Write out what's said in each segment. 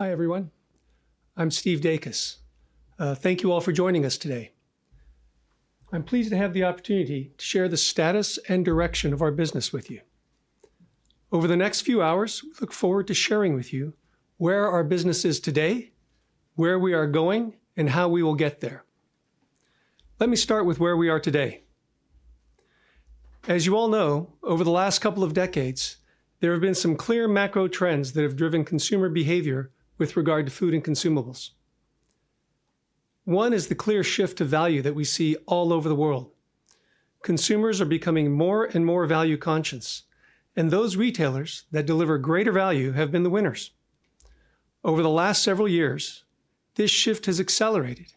Hi everyone, I'm Stephen Dacus. Thank you all for joining us today. I'm pleased to have the opportunity to share the status and direction of our business with you over the next few hours. We look forward to sharing with you where our business is today, where we are going and how we will get there. Let me start with where we are today. As you all know, over the last couple of decades there have been some clear macro trends that have driven consumer behavior with regard to food and consumables. One is the clear shift to value that we see all over the world. Consumers are becoming more and more value conscious and those retailers that deliver greater value have been the winners. Over the last several years, this shift has accelerated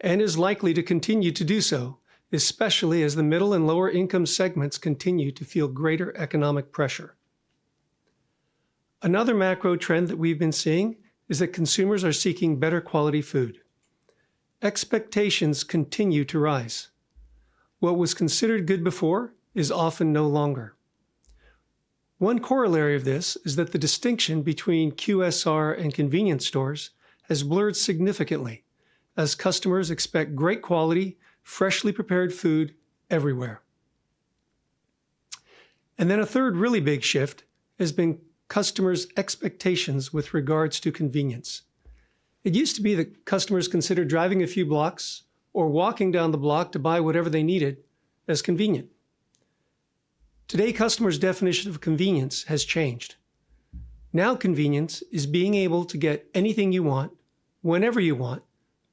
and is likely to continue to do so, especially as the middle and lower income segments continue to feel greater economic pressure. Another macro trend that we've been seeing is that consumers are seeking better quality. Food expectations continue to rise. What was considered good before is often no longer. One corollary of this is that the distinction between QSR and convenience stores has blurred significantly as customers expect great quality freshly prepared food everywhere. And then a third really big shift has been customers' expectations with regards to convenience. It used to be that customers considered driving a few blocks or walking down the block to buy whatever they needed as convenient. Today, customers' definition of convenience has changed. Now convenience is being able to get anything you want, whenever you want,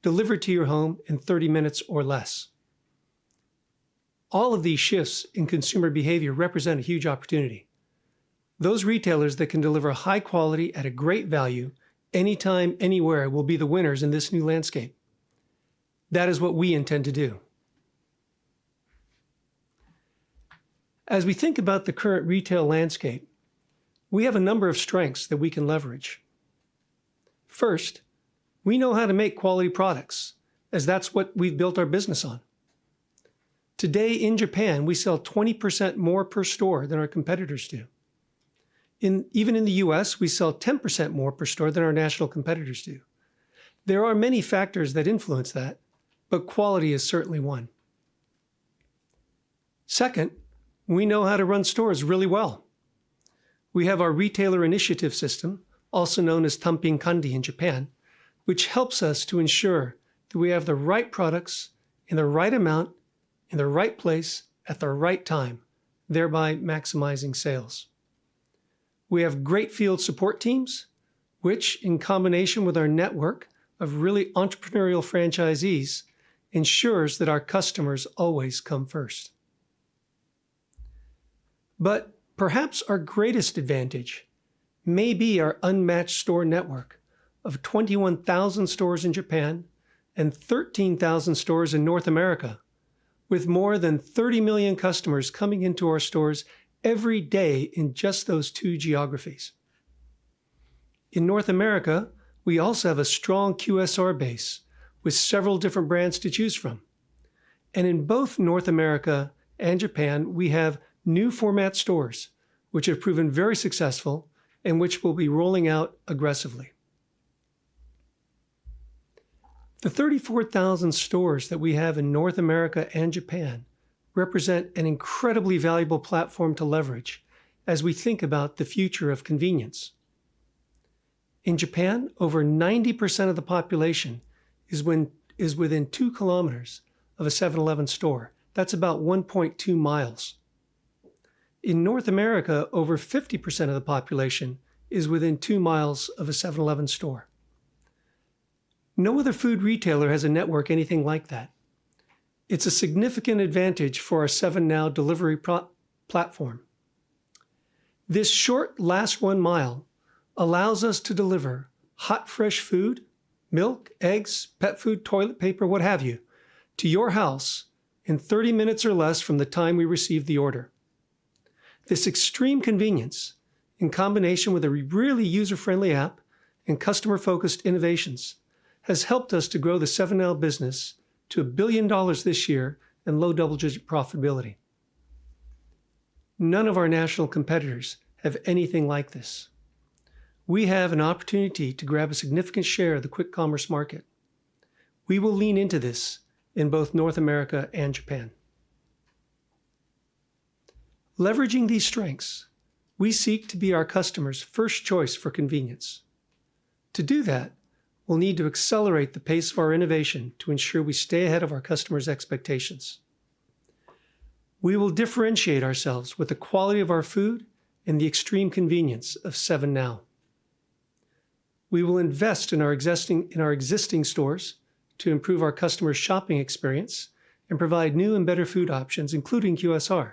delivered to your home in 30 minutes or less. All of these shifts in consumer behavior represent a huge opportunity. Those retailers that can deliver high quality at a great value anytime, anywhere will be the winners in this new landscape. That is what we intend to do. As we think about the current retail landscape, we have a number of strengths that we can leverage. First, we know how to make quality products as that's what we've built our business on. Today in Japan we sell 20% more per store than our competitors do. Even in the U.S. we sell 10% more per store than our national competitors do. There are many factors that influence that, but quality is certainly one. Second, we know how to run stores really well. We have our Retailer Initiative system, also known as Tanpin Kanri in Japan, which helps us to ensure that we have the right products in the right amount in the right place at the right time, thereby maximizing sales. We have great field support teams which in combination with our network of really entrepreneurial franchisees, ensures that our customers always come first. But perhaps our greatest advantage may be our unmatched store network of 21,000 stores in Japan and 13,000 stores in North America with more than 30 million customers coming into our stores every day in just those two geographies. In North America we also have a strong QSR base which is with several different brands to choose from. And in both North America and Japan we have new format stores which have proven very successful and which will be rolling out aggressively. The 34,000 stores that we have in North America and Japan represent an incredibly valuable platform to leverage as we think about the future of convenience. In Japan, over 90% of the population is within 2 kilometers of a 7-Eleven store. That's about 1.2 miles. In North America, over 50% of the population is within 2 miles of a 7-Eleven store. No other food retailer has a network anything like that. It's a significant advantage for our 7NOW delivery products platform. This short last one mile allows us to deliver hot fresh food, milk, eggs, pet food, toilet paper, what have you to your house in 30 minutes or less from the time we receive the order. This extreme convenience in combination with a really user friendly app and customer focused innovations has helped us to grow the 7-Eleven business to $1 billion this year and low double digit profitability. None of our national competitors have anything like this. We have an opportunity to grab a significant share of the quick commerce market. We will lean into this in both North America and Japan.Leveraging these strengths, we seek to be our customers' first choice for convenience. To do that we'll need to accelerate the pace of our innovation to ensure we stay ahead of our customers' expectations. We will differentiate ourselves with the quality of our food and the extreme convenience of 7NOW. We will invest in our existing stores to improve our customer's shopping experience and provide new and better food options including QSR.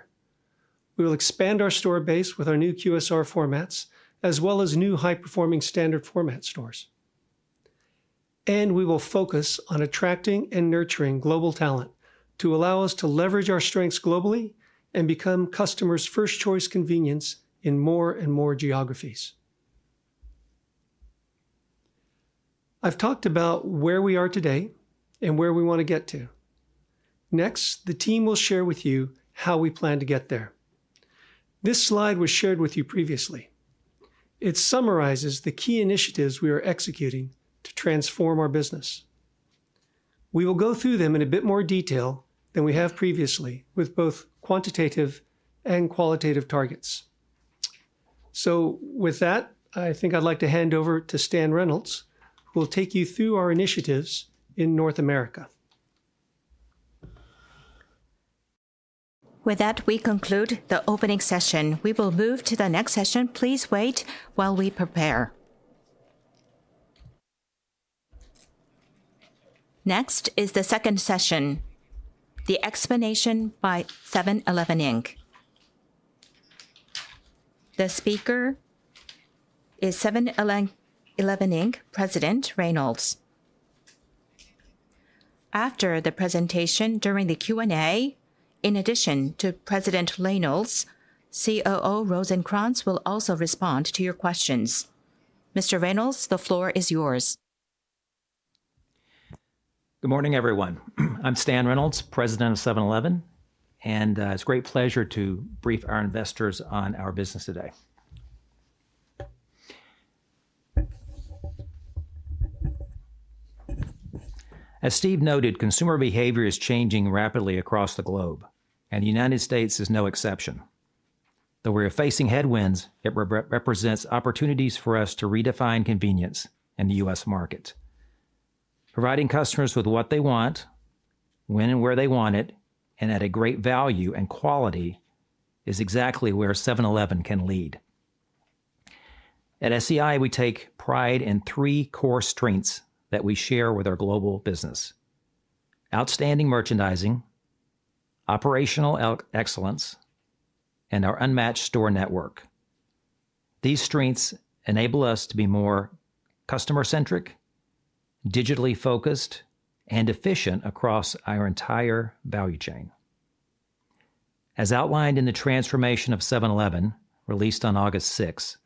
We will expand our store base with our new QSR formats as well as new high performing standard format stores and we will focus on attracting and nurturing global talent to allow us to leverage our strengths globally and become customer's first choice convenience. In more and more geographies. I've talked about where we are today and where we want to get to next. The team will share with you how we plan to get there. This slide was shared with you previously. It summarizes the key initiatives we are executing to transform our business. We will go through them in a bit more detail than we have previously with both quantitative and qualitative targets. So with that I think I'd like to hand over to Stan Reynolds who will take you through our initiatives in North America. With that we conclude the opening session. We will move to the next session. Please wait while we prepare. Next is the second session, the explanation by 7-Eleven, Inc. The speaker is 7-Eleven, Inc. President Reynolds. After the presentation during the Q&A, in addition to President Reynolds, COO Rosencrans will also respond to your questions. Mr. Reynolds, the floor is yours. Good morning, everyone. I'm Stanley Reynolds, President of 7-Eleven, and it's a great pleasure to brief our investors on our business today. As Steve noted, consumer behavior is changing rapidly across the globe and the United States is no exception. Though we are facing headwinds, it represents opportunities for us to redefine convenience in the U.S. market. Providing customers with what they want, when and where they want it, and at a great value and quality is exactly where 7-Eleven can lead. At SEI, we take pride in three core strengths that we share with our global business: outstanding merchandising, operational excellence, and our unmatched store network. These strengths enable us to be more customer centric, digitally focused, and efficient across our entire value chain. As outlined in The Transformation of 7-Eleven, released on August 6,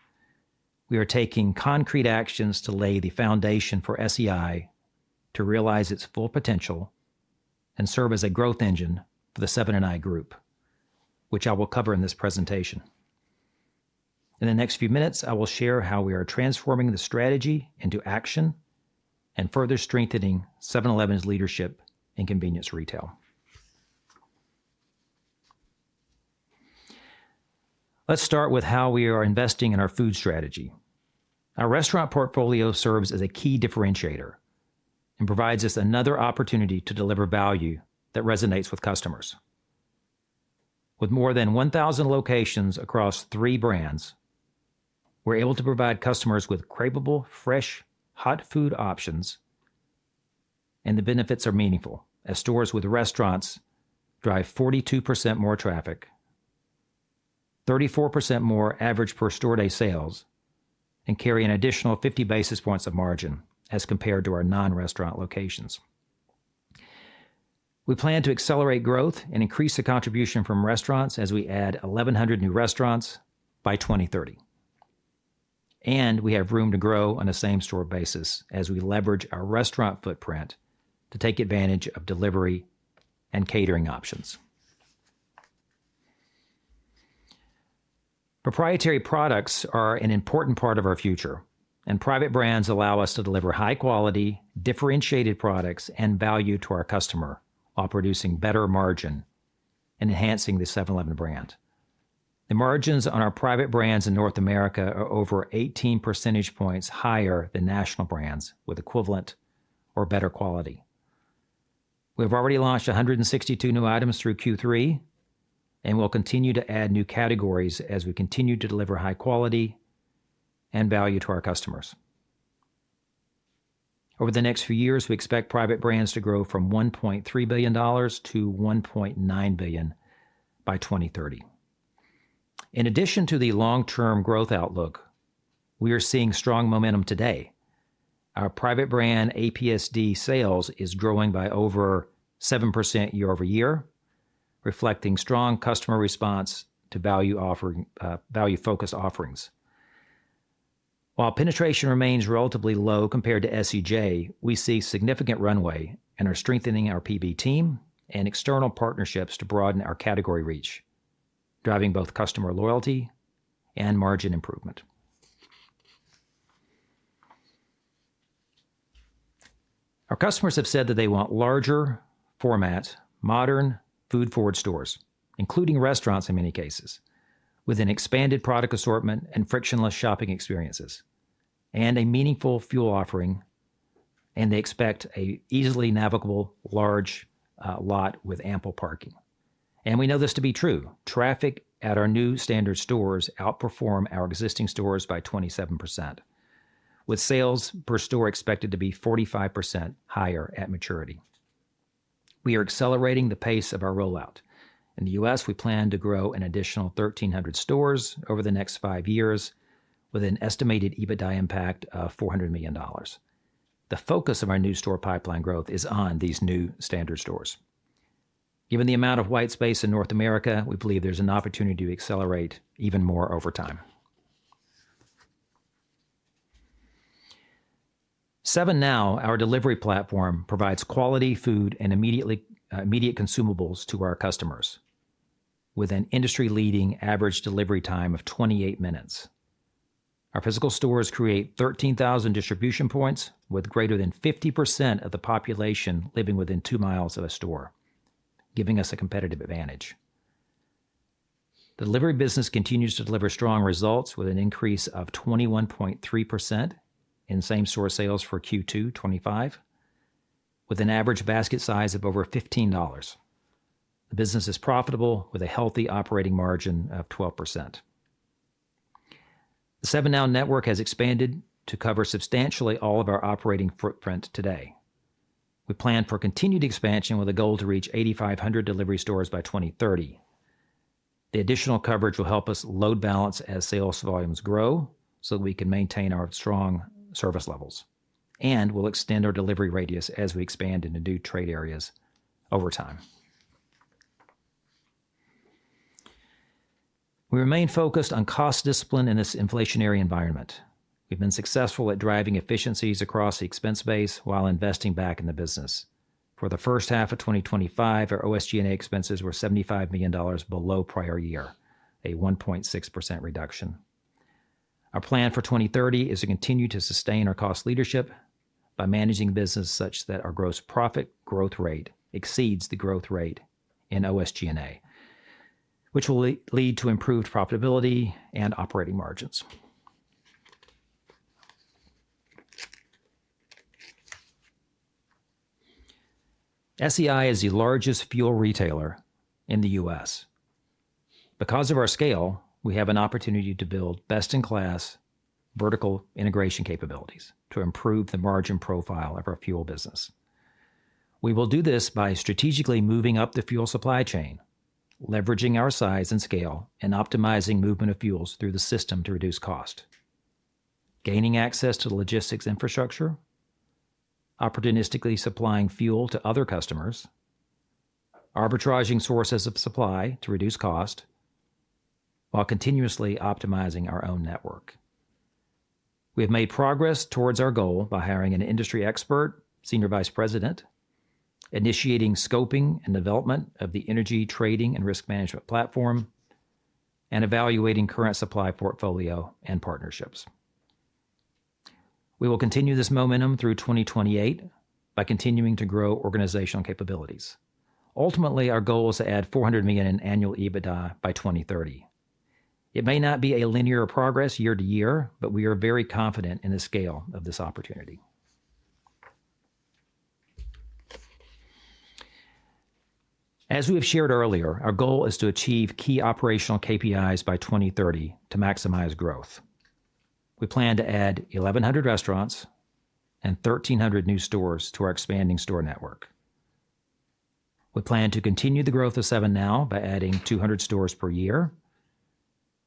we are taking concrete actions to lay the foundation for SEI to realize its full potential and serve as a growth engine for the Seven & i Group, which I will cover in this presentation. In the next few minutes, I will share how we are transforming the strategy into action and further strengthening 7-Eleven's leadership in convenience retail. Let's start with how we are investing in our food strategy. Our restaurant portfolio serves as a key differentiator and provides us another opportunity to deliver value that resonates with customers. With more than 1,000 locations across three brands, we're able to provide customers with craveable fresh hot food options and the benefits are meaningful as stores with restaurants drive 42% more traffic. 34% more average per store day sales and carry an additional 50 basis points of margin as compared to our non-restaurant locations. We plan to accelerate growth and increase the contribution from restaurants as we add 1,100 new restaurants by 2030 and we have room to grow on a same store basis as we leverage our restaurant footprint to take advantage of delivery and catering options. Proprietary products are an important part of our future and private brands allow us to deliver high quality differentiated products and value to our customer while producing better margin and enhancing the 7-Eleven brand. The margins on our private brands in North America are over 18 percentage points higher than national brands which equivalent or better quality. We have already launched 162 new items through Q3 and we'll continue to add new categories as we continue to deliver high quality and value to our customers. Over the next few years, we expect private brands to grow from $1.3 billion to $1.9 billion by 2030. In addition to the long-term growth outlook, we are seeing strong momentum today. Our private brand APSD sales is growing by over 7% year over year, reflecting strong customer response to value-focused offerings. While penetration remains relatively low compared to SEJ, we see significant runway and are strengthening our PB team and external partnerships to broaden our category reach, driving both customer loyalty and margin improvement. Our customers have said that they want larger format modern food forward stores including restaurants in many cases with an expanded product assortment and frictionless shopping experiences and a meaningful fuel offering, and they expect a easily navigable large lot with ample parking and we know this to be true. Traffic at our new standard stores outperform our existing stores by 27%. With sales per store expected to be 45% higher at maturity. We are accelerating the pace of our rollout in the U.S., we plan to grow an additional 1300 stores over the next five years with an estimated EBITDA impact of $400 million. The focus of our new store pipeline growth is on these new standard stores. Given the amount of white space in North America, we believe there's an opportunity to accelerate even more over time. 7NOW our delivery platform provides quality food and immediate consumables to our customers. With an industry leading average delivery time of 28 minutes, our physical stores create 13,000 distribution points. With greater than 50% of the population living within 2 miles of a store giving us a competitive advantage. The delivery business continues to deliver strong results with an increase of 21.3% in same store sales for Q2 '25. With an average basket size of over $15, the business is profitable with a healthy operating margin of 12%. The 7NOW network has expanded to cover substantially all of our operating footprint. Today we plan for continued expansion with a goal to reach 8,500 delivery stores by 2030. The additional coverage will help us load balance as sales volumes grow so that we can maintain our strong service levels and we'll extend our delivery radius as we expand into new trade areas over time. We remain focused on cost discipline in this inflationary environment. We've been successful at driving efficiencies across the expense base while investing back in the business. For the first half of 2025, our SG&A expenses were $75 million below prior year, a 1.6% reduction. Our plan for 2030 is to continue to sustain our cost leadership by managing business such that our gross profit growth rate exceeds the growth rate in SG&A which will lead to improved profitability and operating margins. SEI is the largest fuel retailer in the U.S. because of our scale. We have an opportunity to build best-in-class vertical integration capabilities to improve the margin profile of our fuel business. We will do this by strategically moving up the fuel supply chain, leveraging our size and scale and optimizing movement of fuels through the system to reduce cost, gaining access to logistics infrastructure, opportunistically supplying fuel to other customers, arbitraging sources of supply to reduce cost while continuously optimizing our own network. We have made progress towards our goal by hiring an industry expert Senior Vice President, initiating scoping and development of the Energy Trading and Risk Management Platform, and evaluating current supply portfolio and partnerships. We will continue this momentum through 2028 by continuing to grow organizational capabilities. Ultimately, our goal is to add $400 million in annual EBITDA by 2030. It may not be a linear progress year to year, but we are very confident in the scale of this opportunity. As we have shared earlier, our goal is to achieve key operational KPIs by 2030 to maximize growth. We plan to add 1,100 restaurants and 1,300 new stores to our expanding store network. We plan to continue the growth of 7NOW by adding 200 stores per year,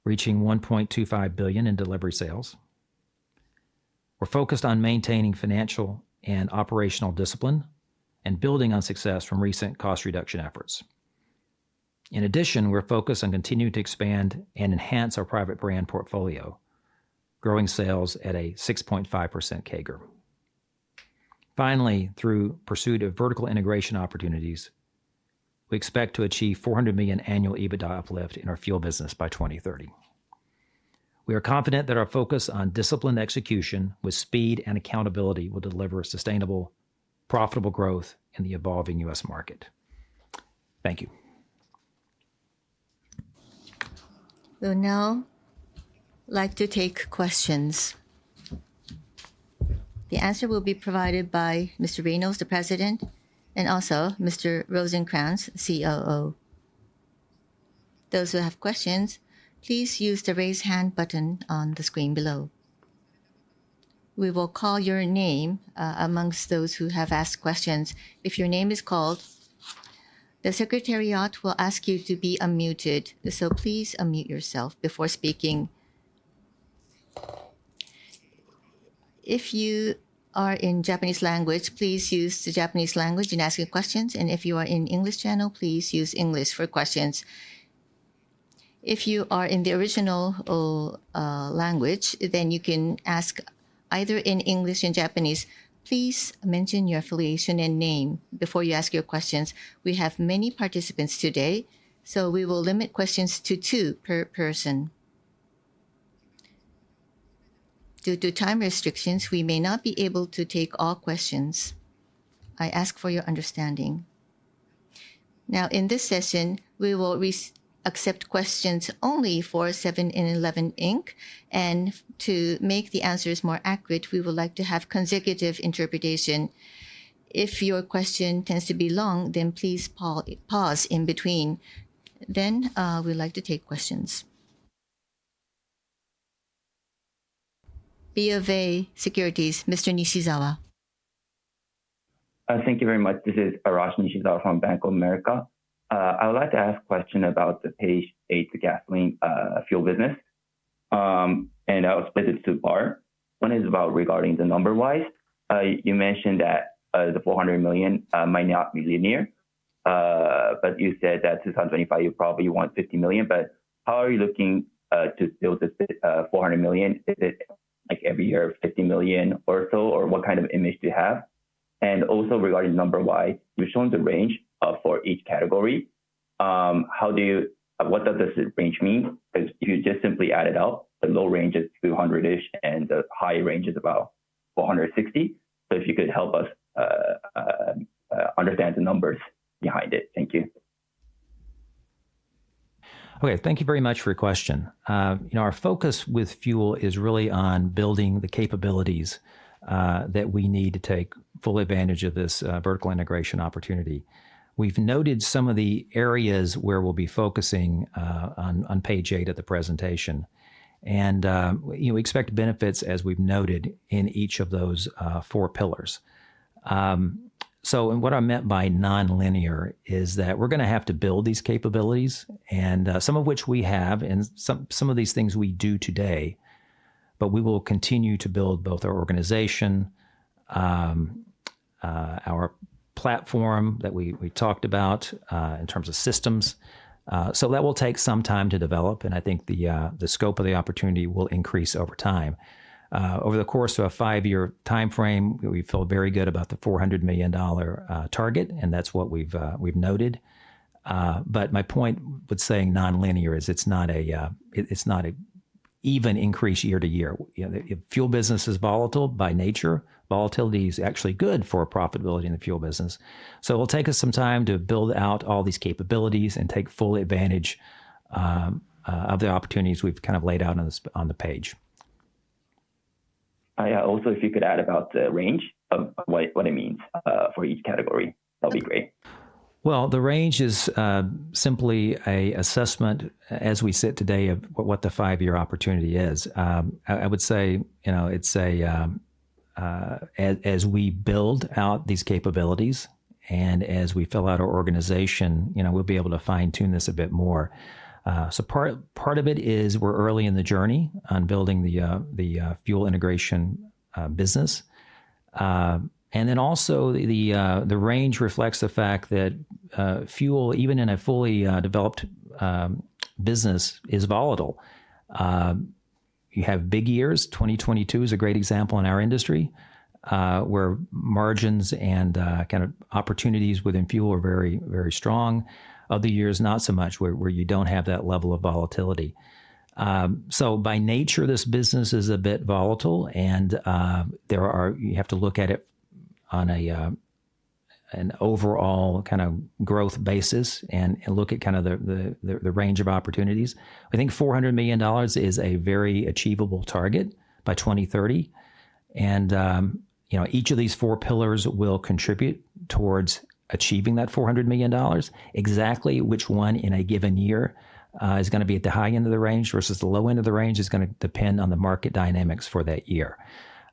reaching $1.25 billion in delivery sales. We're focused on maintaining financial and operational discipline and building on success from recent cost reduction efforts. In addition, we're focused on continuing to expand and enhance our private brand portfolio, growing sales at a 6.5% CAGR. Finally, through pursuit of vertical integration opportunities, we expect to achieve $400 million annual EBITDA uplift in our fuel business by 2030. We are confident that our focus on disciplined execution with speed and accountability will deliver sustainable, profitable growth in the evolving U.S. market. Thank you. Like to take questions? The answer will be provided by Mr. Reynolds, the President, and also Mr. Rosencrans, COO. Those who have questions, please use the raise hand button on the screen below. We will call your name amongst those who have asked questions. If your name is called, the Secretariat will ask you to be unmuted, so please unmute yourself before speaking. If you are in Japanese language, please use the Japanese language in asking questions, and if you are in English channel, please use English for questions. If you are in the original language, then you can ask either in English and Japanese. Please mention your affiliation and name before you ask your questions. We have many participants today, so we will limit questions to two per person. Due to time restrictions, we may not be able to take all questions. I ask for your understanding. Now in this session we will accept questions only for 7-Eleven, Inc. and to make the answers more accurate, we would like to have consecutive interpretation. If your question tends to be long, then please pause in between, then we'd like to take questions. BofA Securities. Mr. Nishizawa. Thank you very much. This is Eiichi Nishizawa from Bank of America Securities. I would like to ask a question about the page 8 gasoline fuel business, and I'll split it into part one, which is about regarding the numbers-wise. You mentioned that the $400 million might not be linear, but you said that 2025, you probably want $50 million. But how are you looking to build this $400 million? Is it like every year, $50 million or so? Or what kind of image do you have? And also regarding the numbers, why you're showing the range for each category. How do you what does this range mean? Because you just simply add it up. The low range is 200ish and the high range is about 460. So if you could help us. Understand the numbers behind it. Thank you. Okay, thank you very much for your question. You know, our focus with fuel is really on building the capabilities that we need to take full advantage of this vertical integration opportunity. We've noted some of the areas where we'll be focusing on page eight at the presentation. And you know, we expect benefits as we've noted in each of those four pillars. So what I meant by nonlinear is that we're going to have to build these capabilities and some of which we have and some of these things we do today. But we will continue to build both our organization. Our platform that we talked about in terms of systems. So that will take some time to develop. And I think the scope of the opportunity will increase over time, over the course of a five-year time frame. We feel very good about the $400 million target and that's what we've, we've noted. But my point with saying nonlinear is it's not a, it's not an even increase year to year. The fuel business is volatile by nature. Volatility is actually good for profitability in the fuel business. So it'll take us some time to build out all these capabilities and take full advantage of the opportunities we've kind of laid out on this page. Also, if you could add about the range of what, what it means for each category, that'll be great. The range is simply an assessment as we sit today of what the five-year opportunity is. I would say, you know, it's a. As we build out these capabilities and as we fill out our organization, you know, we'll be able to fine tune this a bit more. So part of it is we're early in the journey on building the fuel integration business. And then also the range reflects the fact that fuel, even in a fully developed business, is volatile. You have big years. 2022 is a great example in our industry where margins and kind of opportunities within fuel are very, very strong. Other years, not so much where you don't have that level of volatility. So by nature this business is a bit volatile and you have to look at it on an overall kind of growth basis and look at kind of the range of opportunities. I think $400 million is a very achievable target by 2030. And you know, each of these four pillars will contribute towards achieving that $400 million. Exactly. Which one in a given year is going to be at the high end of the range versus the low end of the range is going to depend on market dynamics for that year.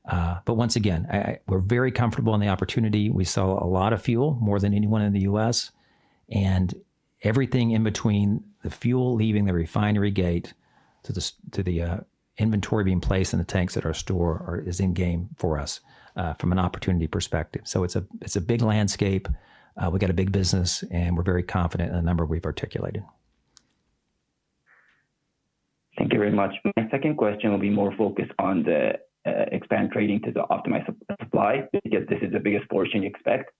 But once again, we're very comfortable with the opportunity. We sell a lot of fuel more than anyone in the U.S. and everything in between the fuel leaving the refinery gate to the inventory being placed in the tanks at our store is in game for us from an opportunity perspective. So it's a big landscape. We got a big business and we're very confident in the number we've articulated. Thank you very much. My second question will be more focused on the expanding trading to the optimized supply because this is the biggest portion you expect.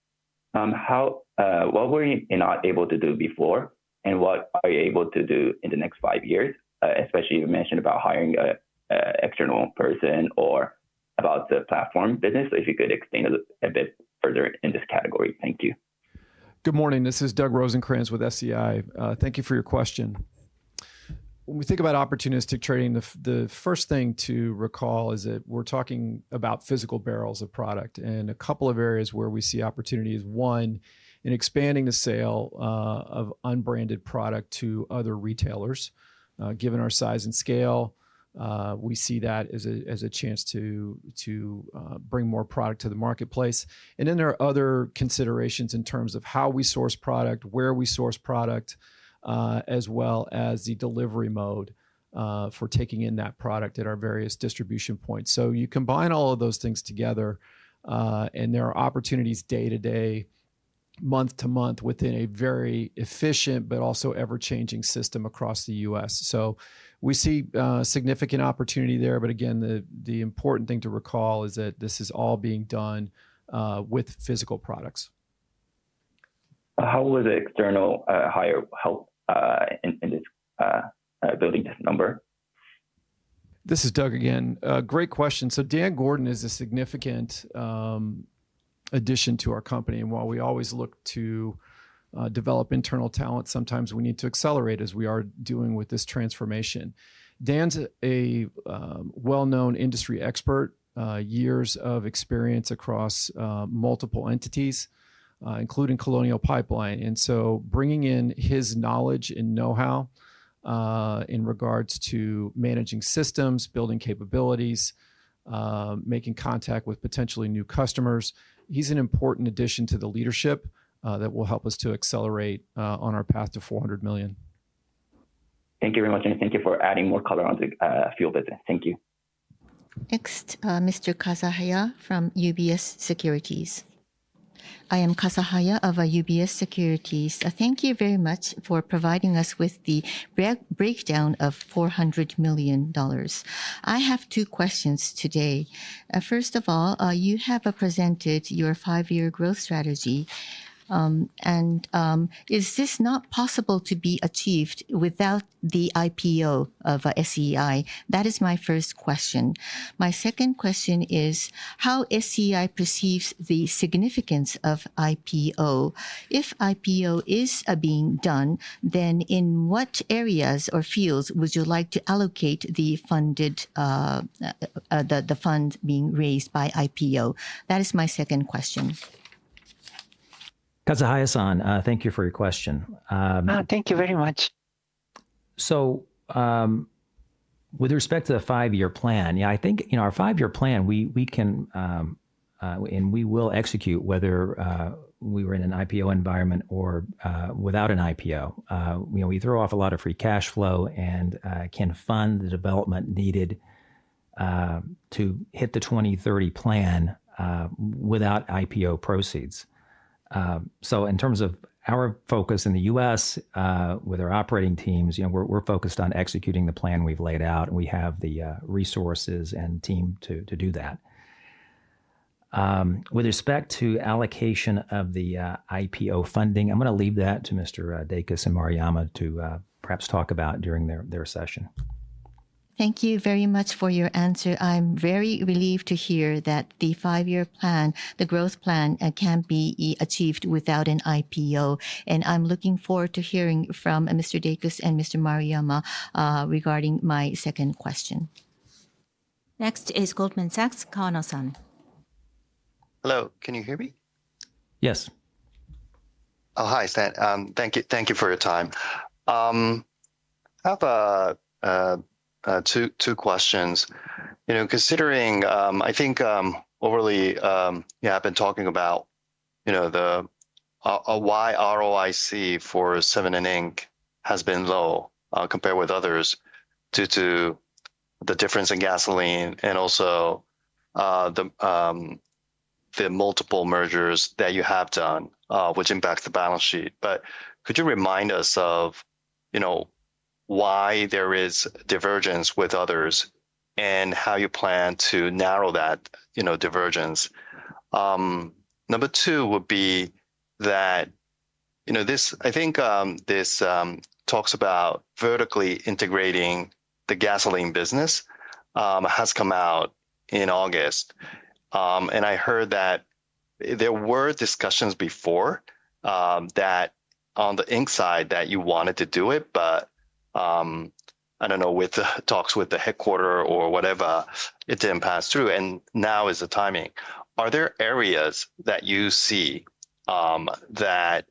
How? What were you not able to do before and what are you able to do in the next five years? Especially, you mentioned about hiring an external person or about the platform business. If you could explain a bit further in this category. Thank you. Good morning, this is Doug Rosencrans with 7-Eleven. Thank you for your question. When we think about opportunistic trading, the first thing to recall is that we're talking about physical barrels of product and a couple of areas where we see opportunities. One, in expanding the sale of unbranded product to other retailers. Given our size and scale, we see that as a chance to bring more product to the marketplace. And then there are other considerations in terms of how we source product, where we source product, as well as the delivery mode for taking in that product at our various distribution points. So you combine all of those things together and there are opportunities day to day, month to month, within a very efficient, but also ever changing system across the U.S., so we see significant opportunity there. But again the important thing to recall is that this is all being done with physical products. How was external hire help in this building number? This is Doug.Again, great question. So Dan Gordon is a significant.addition to our company and while we always look to develop internal talent, sometimes we need to accelerate as we are doing with this transformation. Dan's a well-known industry expert, years of experience across multiple entities including Colonial Pipeline and so bringing in his knowledge and know-how in regards to managing systems building capabilities, making contact with potentially new customers. He's an important addition to the leadership that will help us to accelerate on our path to $400 million. Thank you very much, and thank you for adding more color on the fuel business. Thank you. Next, Mr. Kazahaya from UBS Securities. I am Kazahaya of UBS Securities. Thank you very much for providing us with the breakdown of $400 million. I have two questions today. First of all, you have presented your five-year growth strategy and is this not possible to be achieved without the IPO of SEI? That is my first question. My second question is how SEI perceives the significance of IPO. If IPO is being done then in what areas or fields would you like to allocate the funds, the fund being raised by IPO? That is my second question. Kazahaya-san, thank you for your question. Thank you very much. With respect to the five-year plan, yeah, I think in our five-year plan we can and we will execute whether we were in an IPO environment or without an IPO. We throw off a lot of free cash flow and can fund the development needed to hit the 2030 plan without IPO proceeds. In terms of our focus in the U.S. with our operating teams, we're focused on executing the plan we've laid out and we have the resources and team to do that. With respect to allocation of the IPO funding, I'm going to leave that to Mr. Dacus and Maruyama to perhaps talk about during their session. Thank you very much for your answer. I'm very relieved to hear that the five year plan, the growth plan can be achieved without an IPO and I'm looking forward to hearing from Mr. Dacus and Mr. Maruyama. Regarding my second question. Next is Goldman Sachs' Kawano-san, hello. Can you hear me? Yes. Oh hi Stan. Thank you. Thank you for your time. I have a two questions considering I think overly I've been talking about, you know, the why ROIC for Seven & i Inc. has been low compared with others due to the difference in gasoline and also the multiple mergers that you have done, which impacts the balance sheet. But could you remind us of why there is divergence with others and how you plan to narrow that divergence? Number two would be that, you know, this. I think this talks about vertically integrating the gasoline business has come out in August, and I heard that there were discussions before that on the inside that you wanted to do it. But I don't know with the talks with the headquarters or whatever, it didn't pass through. And now is the timing. Are there areas that you see that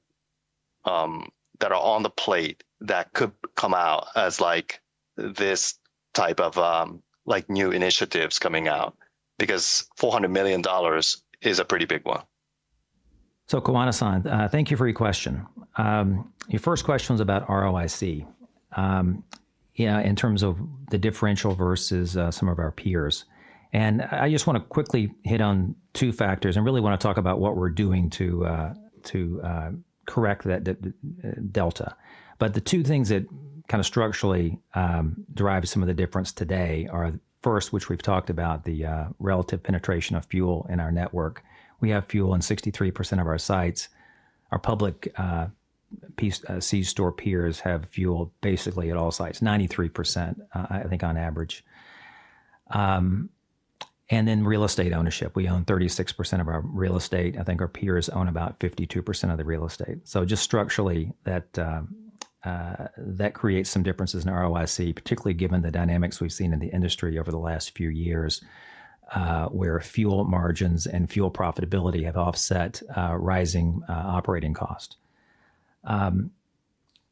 are on the plate that could come out as like this type of new initiatives coming out? Because $400 million is a pretty big one. Kawano-san, thank you for your question. Your first question was about ROIC. In terms of the differential versus some of our peers. I just want to quickly hit on two factors and really want to talk about what we're doing to correct that delta. But the two things that kind of structurally drive some of the difference today are first, which we've talked about the relative penetration of fuel in our network. We have fuel in 63% of our sites. Our public C-store peers have fuel basically at all sites, 93%, I think, on average. Real estate ownership: We own 36% of our real estate. I think our peers own about 52% of the real estate. Structurally, that creates some differences in ROIC, particularly given the dynamics we've seen in the industry over the last few years where fuel margins and fuel profitability have offset rising operating cost.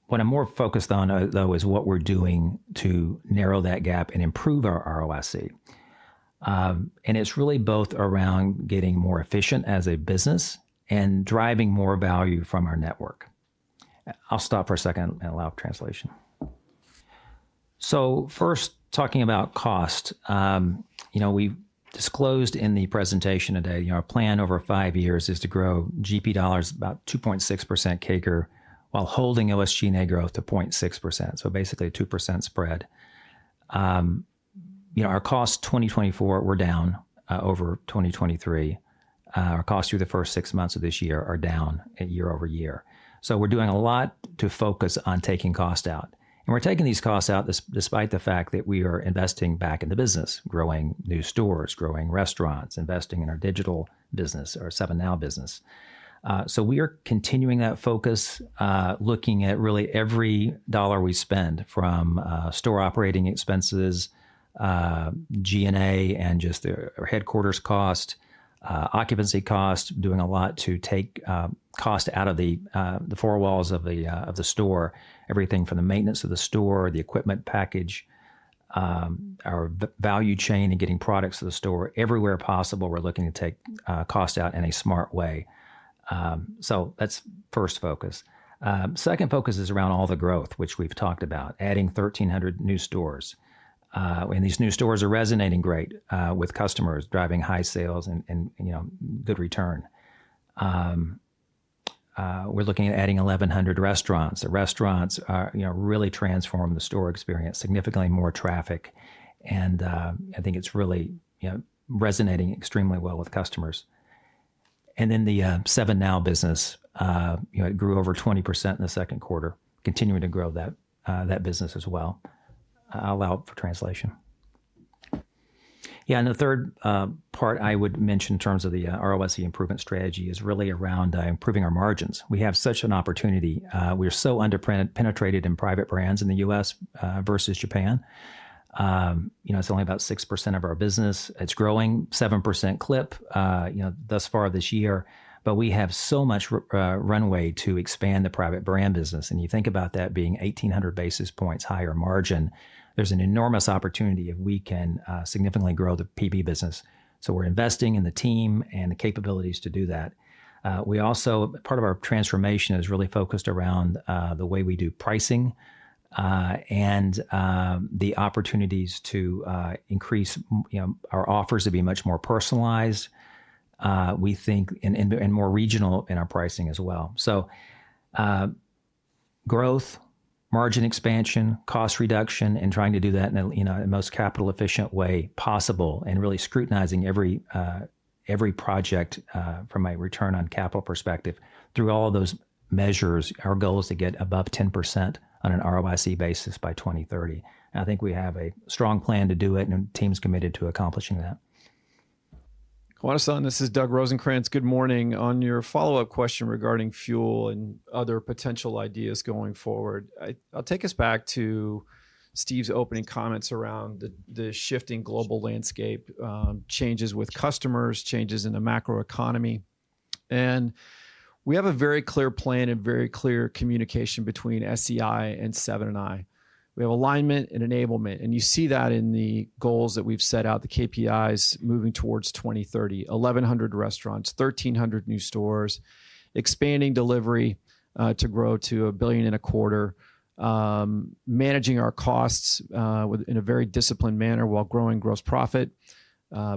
What I'm more focused on though, is what we're doing to narrow that gap and improve our ROIC.It's really both around getting more efficient as a business and driving more value from our network. I'll stop for a second and allow translation. So first talking about cost, you know, we disclosed in the presentation today our plan over five years is to grow GP dollars about 2.6% CAGR while holding SG&A growth to 0.6%. So basically 2% spread. You know, our costs 2024 were down over 2023. Our costs through the first six months of this year are down year over year. So we're doing a lot to focus on taking costs out. And we're taking these costs out despite the fact that we are investing back in the business, growing new stores, growing restaurants, investing in our digital business, our 7NOW business. So we are continuing that focus, looking at really every dollar we spend from store operating expenses. G&A and just their headquarters cost, occupancy cost, doing a lot to take cost out of the four walls of the store. Everything from the maintenance of the store, the equipment package, our value chain and getting products to the store everywhere possible. We're looking to take cost out in a smart way. So that's first focus. Second focus is around all the growth which we've talked about, adding 1,300 new stores. And these new stores are resonating great with customers, driving high sales and good return. We're looking at adding 1,100 restaurants. The restaurants really transform the store experience significantly, more traffic, and I think it's really resonating extremely well with customers. And then the 7NOW business, it grew over 20% in the second quarter. Continuing to grow that business as well. Yeah, the third part I would mention in terms of the ROIC improvement strategy is really around improving our margins. We have such an opportunity. We are so underpenetrated in private brands in the US versus Japan. You know, it's only about 6% of our business. It's growing 7% clip, you know, thus far this year. But we have so much runway to expand the private brand business. You think about that being 1,800 basis points higher margin. There's an enormous opportunity if we can significantly grow the PB business. We're investing in the team and the capabilities to do that. We also part of our transformation is really focused around the way we do pricing and the opportunities to increase, you know, our offers to be much more personalized, we think and more regional in our pricing as well. Growth, margin, expansion, cost reduction, and trying to do that in the most capital efficient way possible and really scrutinizing every project from a return on capital perspective through all of those measures. Our goal is to get above 10% on an ROIC basis by 2030. I think we have a strong plan to do it and team's committed to accomplishing that. Kawano-san, this is Doug Rosencrans, good morning. On your follow up question regarding fuel and other potential ideas going forward, I'll take us back to Steve's opening comments around the shifting global landscape, changes with customers, changes in the macro economy. We have a very clear plan and very clear communication between SEI and Seven & i. We have alignment and enablement and you see that in the goals that we've set out. The KPIs moving towards 2030, 1,100 restaurants, 1,300 new stores, expanding delivery to grow to $1.25 billion. Managing our costs in a very disciplined manner while growing gross profit,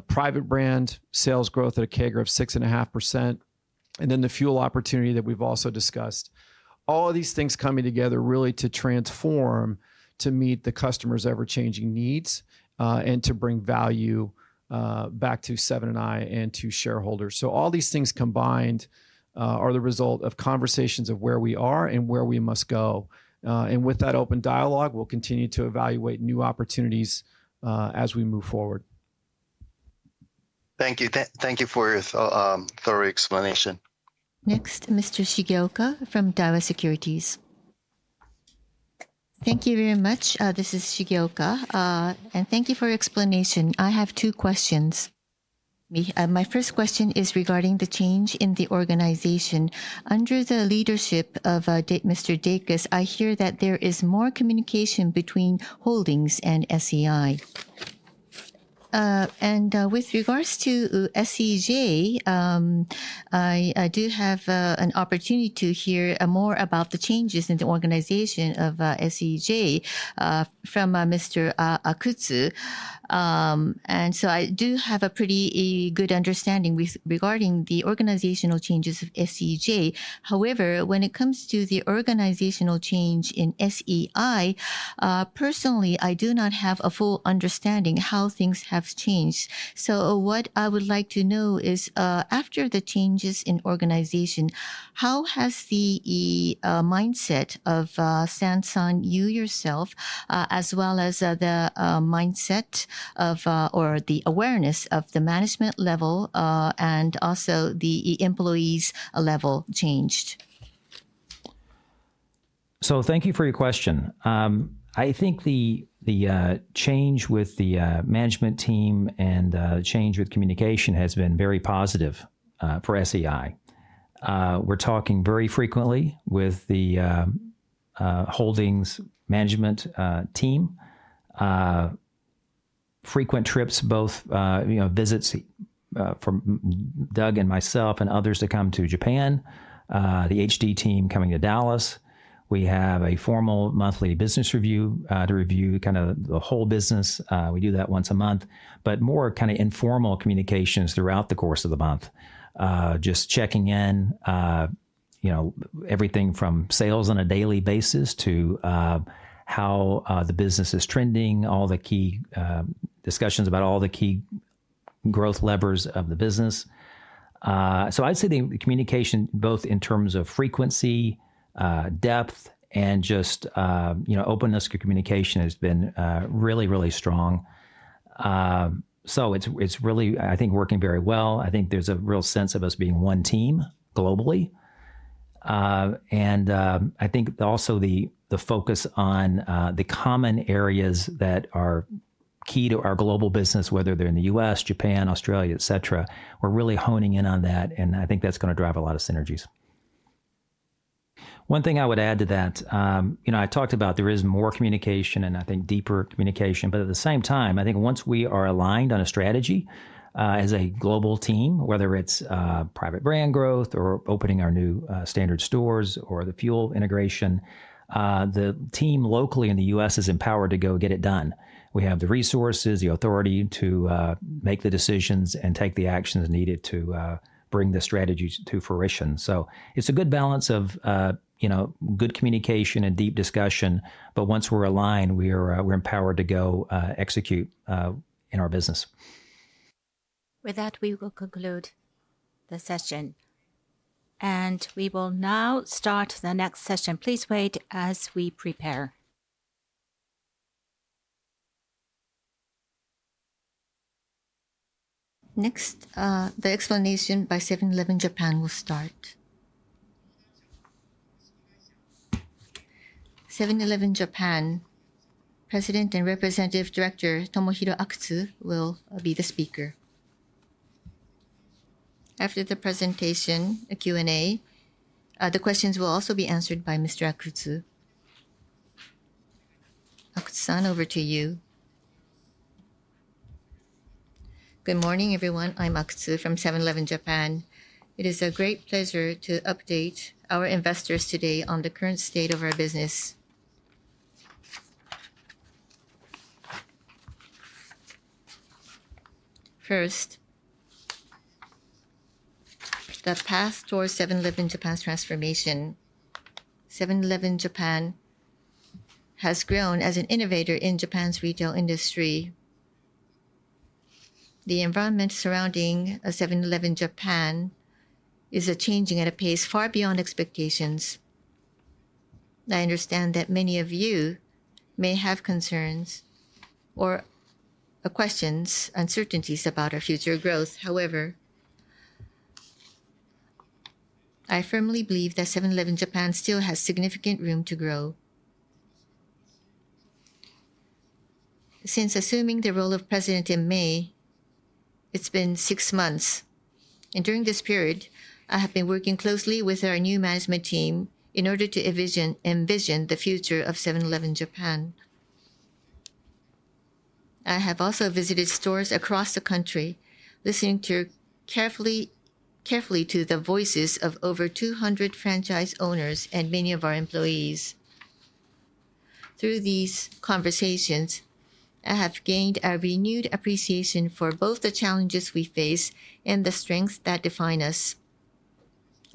private brand sales growth at a CAGR of 6.5% and then the fuel opportunity that we've also discussed. All of these things coming together really to transform, to meet the customer's ever-changing needs and to bring value back to Seven & i and to shareholders. So all these things combined are the result of conversations of where we are and where we must go, and with that open dialogue, we'll continue to evaluate new opportunities as we move forward. Thank you. Thank you for your thorough explanation. Next, Mr. Shigeoka from Daiwa Securities. Thank you very much. This is Shigeoka and thank you for your explanation. I have two questions. My first question is regarding the change in the organization under the leadership of Mr. Dacus. I hear that there is more communication between Holdings and SEI. With regards to SEJ, I do have an opportunity to hear more about the changes in the organization of SEJ from Mr. Akutsu. So I do have a pretty good understanding regarding the organizational changes of SEJ. However, when it comes to the organizational change in SEI, personally I do not have a full understanding how things have changed. What I would like to know is after the changes in organization, how has the mindset of SEI, you yourself, as well as the mindset of or the awareness of the management level and also the employees at all levels changed. Thank you for your question. I think the change with the management team and change with communication has been very positive for SEI. We're talking very frequently with the Holdings management team. Frequent trips, both, you know, visits for Doug and myself and others to come to Japan, the HD team coming to Dallas. We have a formal monthly business review to review kind of the whole business. We do that once a month, but more kind of informal communications throughout the course of the month. Just checking in, you know, everything from sales on a daily basis to how the business is trending, all the key discussions about all the key growth levers of the business. So I'd say the communication, both in terms of frequency, depth, and just, you know, openness to communication has been really, really strong. It's, it's really, I think, working very well. I think there's a real sense of us being one team globally. I think also the focus on the common areas that are key to our global business, whether they're in the U.S., Japan, Australia, etc. We're really honing in on that and I think that's going to drive a lot of synergies. One thing I would add to that, you know. I talked about there is more communication and I think deeper communication. But at the same time, I think once we are aligned on a strategy as a global team, whether it's private brand growth or opening our new standard stores or the fuel integration, the team locally in the U.S. is empowered to go get it done. We have the resources, the authority to make the decisions and take the actions needed to bring the strategies to fruition. So it's a good balance of good communication and deep discussion. But once we're aligned, we're empowered to go execute in our business. With that, we will conclude the session and we will now start the next session. Please wait as we prepare. Next, the explanation by 7-Eleven Japan will start. 7-Eleven Japan President and Representative Director Tomohiro Akutsu will be the speaker. After the presentation, a Q&A. The questions will also be answered by Mr. Akutsu, Akutsu-san, over to you. Good morning everyone. I'm Akutsu from 7-Eleven Japan. It is a great pleasure to update our investors today on the current state of our business. First, the path toward 7-Eleven Japan's transformation. 7-Eleven Japan has grown. As an innovator in Japan's retail industry. The environment surrounding 7-Eleven Japan is changing at a pace far beyond expectations. I understand that many of you may have concerns or questions, uncertainties about our future growth. However I firmly believe that 7-Eleven Japan still has significant room to grow. Since assuming the role of President in May. It's been six months and during this period I have been working closely with our new management team in order to envision the future of 7-Eleven Japan. I have also visited stores across the country, listening. Carefully to the voices of over 200 franchise owners and many of our employees. Through these conversations I have gained a renewed appreciation for both the challenges we face and the strengths that define us.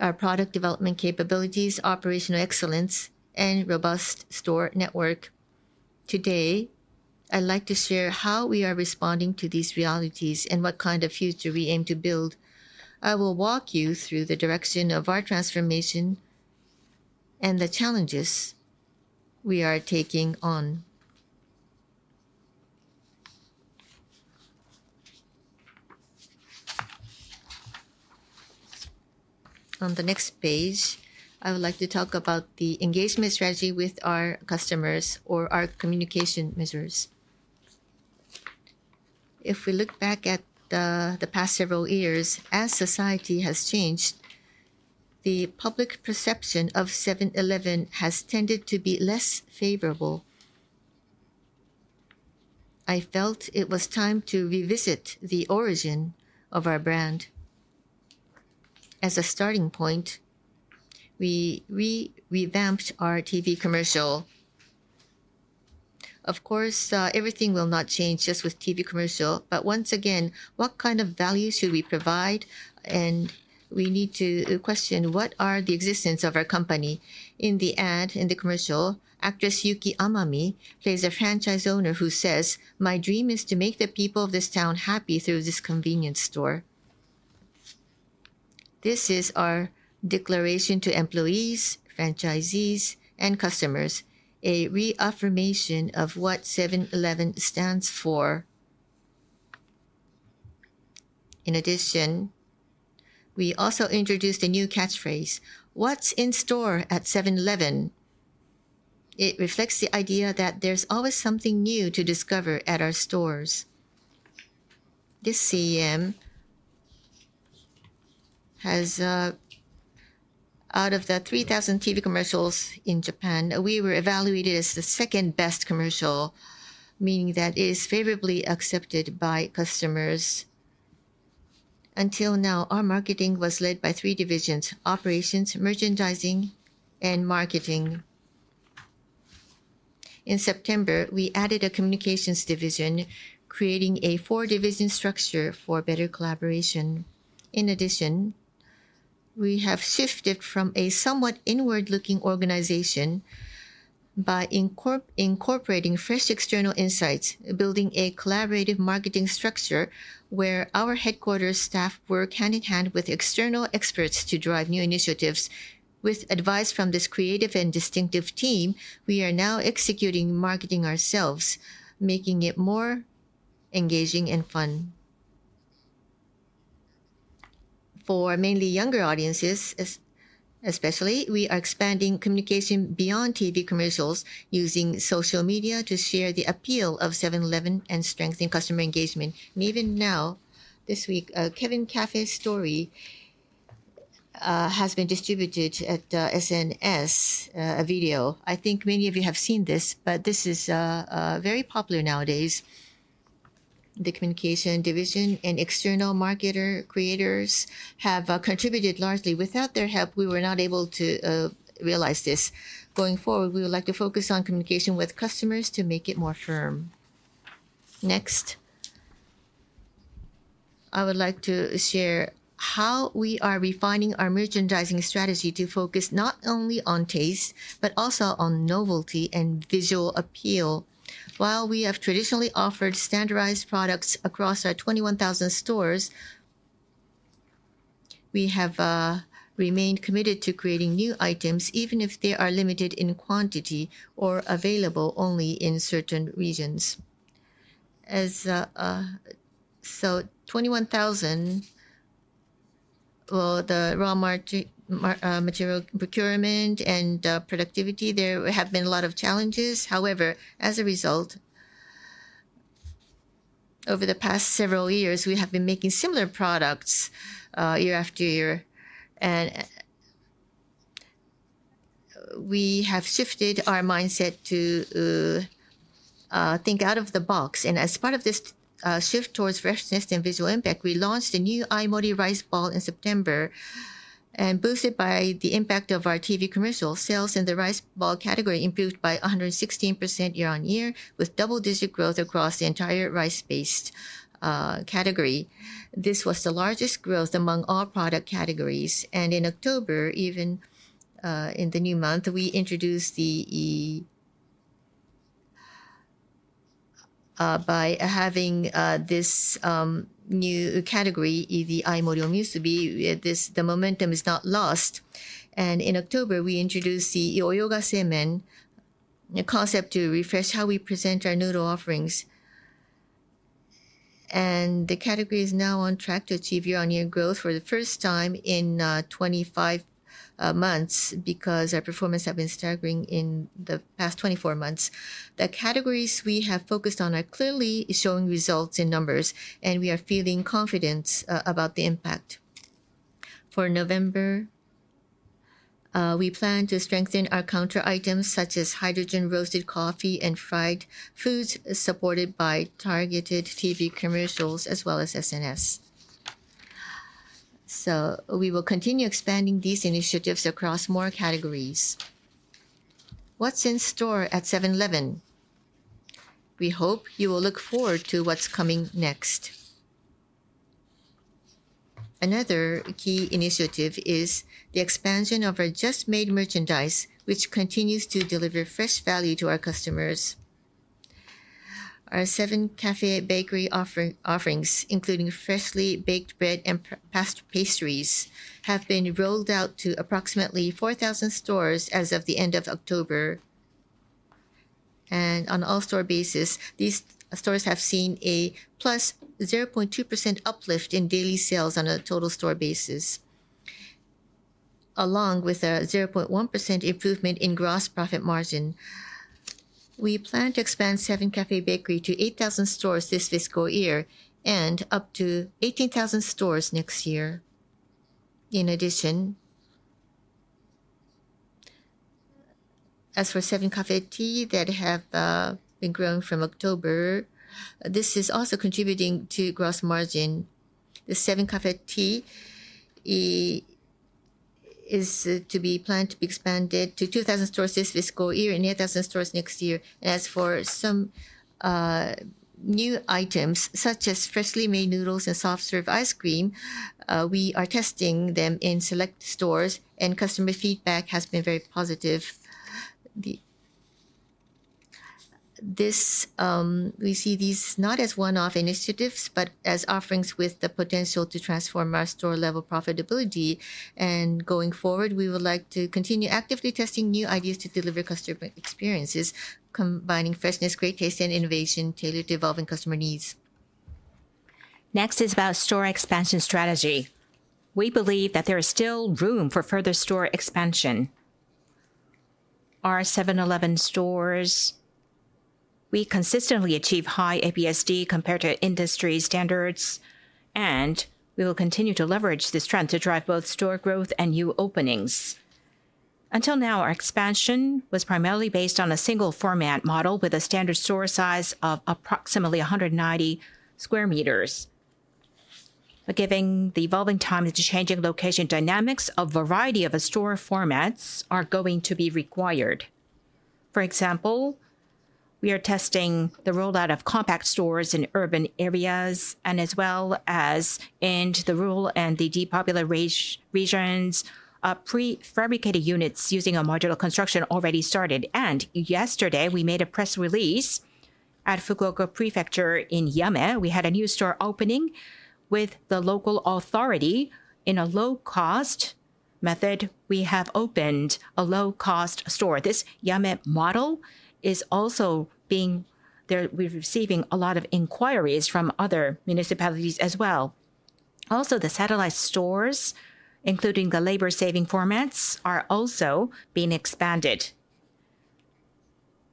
Our product development capabilities, operational excellence, and robust store network. Today, I'd like to share how we are responding to these realities and what kind of future we aim to build. I will walk you through the direction of our transformation and the challenges we are taking on. On the next page, I would like to talk about the engagement strategy with our customers or our communication measures. If we look back at the past several years as society has changed, the public perception of 7-Eleven has tended to be less favorable. I felt it was time to revisit the origin of our brand. As a starting point, we revamped our TV commercial. Of course everything will not change just with TV commercial. But once again, what kind of value should we provide and we need to question what is the existence of our company? And in the ad in the commercial, actress Yuki Amami plays a franchise owner who says, "My dream is to make the people of this town happy through this convenience store. This is our declaration to employees, franchisees and customers, a reaffirmation of what 7-Eleven stands for. In addition, we also introduced a new catchphrase, "What's in store at 7-Eleven?" It reflects the idea that there's always something new to discover at our stores. This CM has out of the 3,000 TV commercials in Japan, we were evaluated as the second best commercial, meaning that is favorably accepted by customers. Until now, our marketing was led by three divisions, Operations, Merchandising, and Marketing. In September, we added a Communications division, creating a four division structure for better collaboration. In addition, we have shifted from a somewhat inward looking organization by incorporating fresh external insights, building a collaborative marketing structure where our headquarters staff work hand in hand with external experts to drive new initiatives. With advice from this creative and distinctive team, we are now executing marketing ourselves, making it more engaging and fun. For mainly younger audiences. Especially, we are expanding communication beyond TV commercials, using social media to share the appeal of 7-Eleven and strengthen customer engagement. Even now, this week, Seven Café's story has been distributed at SNS Video. I think many of you have seen this, but this is very popular nowadays. The Communication division and external marketer creators have contributed largely. Without their help, we were not able to realize this. Going forward, we would like to focus on communication with customers to make it more firm. Next, I would like to share how we are refining our merchandising strategy to focus not only on taste, but also on novelty and visual appeal. While we have traditionally offered standardized products across our 21,000 stores. We have remained committed to creating new items even if they are limited in quantity or available only in certain regions. 21,000, so the raw material, procurement and productivity there have been a lot of challenges. However, as a result. Over the past several years, we have been making similar products year after year and. We have shifted our mindset to think out of the box. As part of this shift towards freshness and visual impact, we launched a new Aimori Rice Ball in September. Boosted by the impact of our TV commercial, sales in the rice ball category improved by 116% year on year with double-digit growth across the entire rice-based category. This was the largest growth among all product categories. In October, even in the new month, we introduced the. By having this new category the momentum is not lost, and in October we introduced the Yosooi-Gae Men, a concept to refresh how we present our noodle offerings. The category is now on track to achieve year on year growth for the first time in 25 months. Because our performance have been staggering in the past 24 months, the categories we have focused on are clearly showing results in numbers and we are feeling confident about the impact. For November. We plan to strengthen our counter items such as hand-roasted coffee and fried foods supported by targeted TV commercials as well as SNS.So we will continue expanding these initiatives across more categories. What's in store at 7-Eleven? We hope you will look forward to what's coming next. Another key initiative is the expansion of our Just Made merchandise which continues to deliver fresh value to our customers. Our Seven Café Bakery offerings including freshly baked bread and pastries have been rolled out to approximately 4,000 stores as of the end of October. On all store basis these stores have seen a plus 0.2% uplift in daily sales on a total store basis. Along with a 0.1% improvement in gross profit margin. We plan to expand 7 Café Bakery to 8,000 stores this fiscal year and up to 18,000 stores next year. In addition. As for Seven Café Tea that have been growing from October, this is also contributing to gross margin. The Seven Café Tea. Is to be planned to be expanded to 2,000 stores this fiscal year and 8,000 stores next year. As for some new items such as freshly made noodles and soft serve ice cream. We are testing them in select stores and customer feedback has been very positive. We see these not as one-off initiatives but as offerings with the potential to transform our store-level profitability, and going forward we would like to continue actively testing new ideas to deliver customer experiences combining freshness, great taste, and innovation tailored to evolving customer needs. Next is about store expansion strategy. We believe that there is still room for further store expansion. Our 7-Eleven stores we consistently achieve high APSD compared to industry standards and we will continue to leverage this trend to drive both store growth and new openings. Until now our expansion was primarily based on a single format model with a standard store size of approximately 190 square meters. Given the evolving time to changing location dynamics, a variety of store formats are going to be required. For example, we are testing the rollout of compact stores in urban areas and as well as end the rural and the depopulation regions. Prefabricated units using a modular construction already started and yesterday we made a press release at Fukuoka Prefecture in Yame we had a new store opening with the local authority in a low cost method we have opened a low cost store. This Yame model is also being there. We're receiving a lot of inquiries from other municipalities as well. Also the satellite stores including the labor saving formats are also being expanded.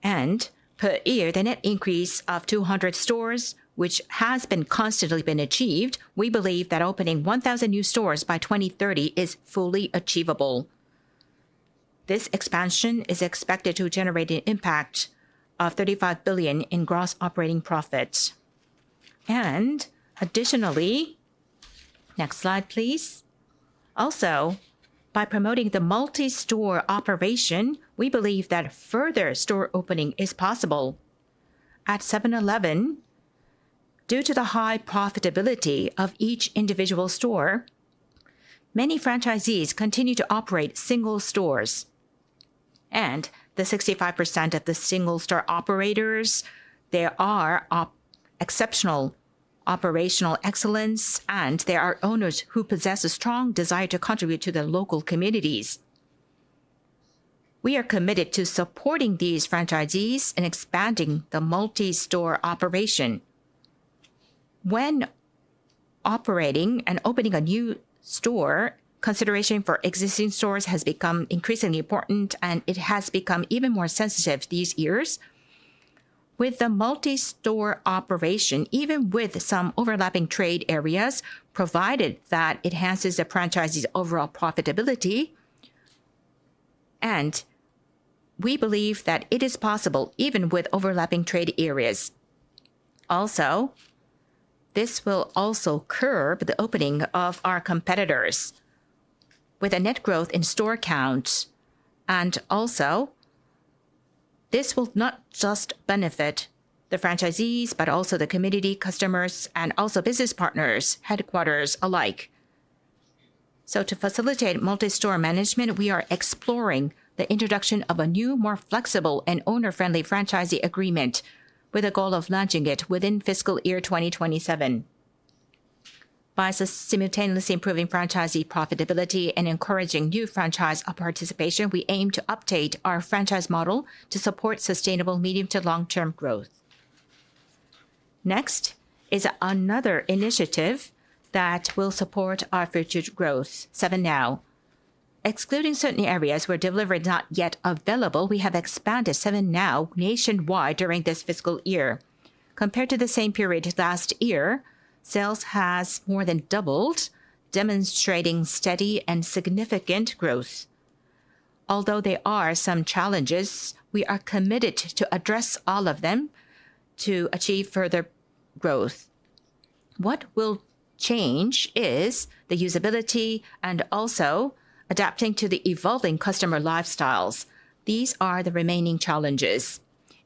And, per year, the net increase of 200 stores, which has constantly been achieved. We believe that opening 1,000 new stores by 2030 is fully achievable. This expansion is expected to generate an impact of $35 billion in gross operating profits and additionally. Next slide please. Also, by promoting the multi-store operation, we believe that further store opening is possible at 7-Eleven. Due to the high profitability of each individual store, many franchisees continue to operate single stores, and 65% of the single-store operators are exceptional in operational excellence, and there are owners who possess a strong desire to contribute to the local communities. We are committed to supporting these franchisees and expanding the multi-store operation. When operating and opening a new store, consideration for existing stores has become increasingly. Important and it has become even more since these years with the multi-store. Operation even with some overlapping trade areas provided that enhances the franchise's overall profitability. We believe that it is possible even with overlapping trade areas. Also this will also curb the opening of our competitors with a net growth in store count. Also. This will not just benefit the franchisees, but also the community, customers and also business partners headquarters alike. To facilitate multi-store management, we are exploring the introduction of a new. More flexible and owner friendly franchisee agreement. With a goal of launching it within fiscal year 2027. By simultaneously improving franchisee profitability and encouraging new franchise participation, we aim to update our franchise model to support sustainable medium to long term growth. Next is another initiative that will support our future growth. 7NOW excluding certain areas where delivery. Is not yet available. We have expanded 7NOW nationwide during this fiscal year. Compared to the same period last year, sales has more than doubled demonstrating steady and significant growth. Although there are some challenges, we are committed to address all of them to achieve further growth. What will change is the usability and also adapting to the evolving customer lifestyles. These are the remaining challenges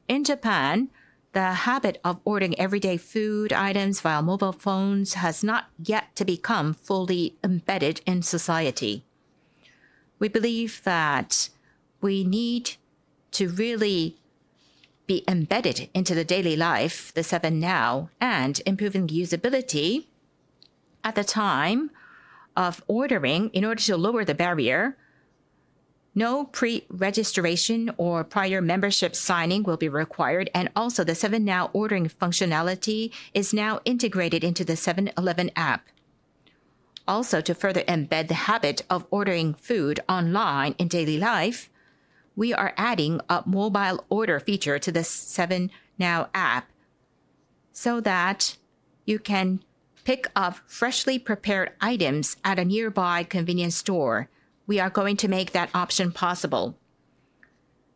in Japan, the habit of ordering everyday food items via mobile phones has not yet to become fully embedded in society. We believe that we need to really be embedded into the daily life. The 7NOW and improving usability at the time of ordering. In order to lower the barrier. No pre-registration or prior membership signing will be required. And also the 7NOW ordering functionality is now integrated into the 7-Eleven app. Also, to further embed the habit of ordering food online in daily life, we are adding a mobile order feature to. The 7NOW app so that you can pick up freshly prepared items at a nearby convenience store. We are going to make that option possible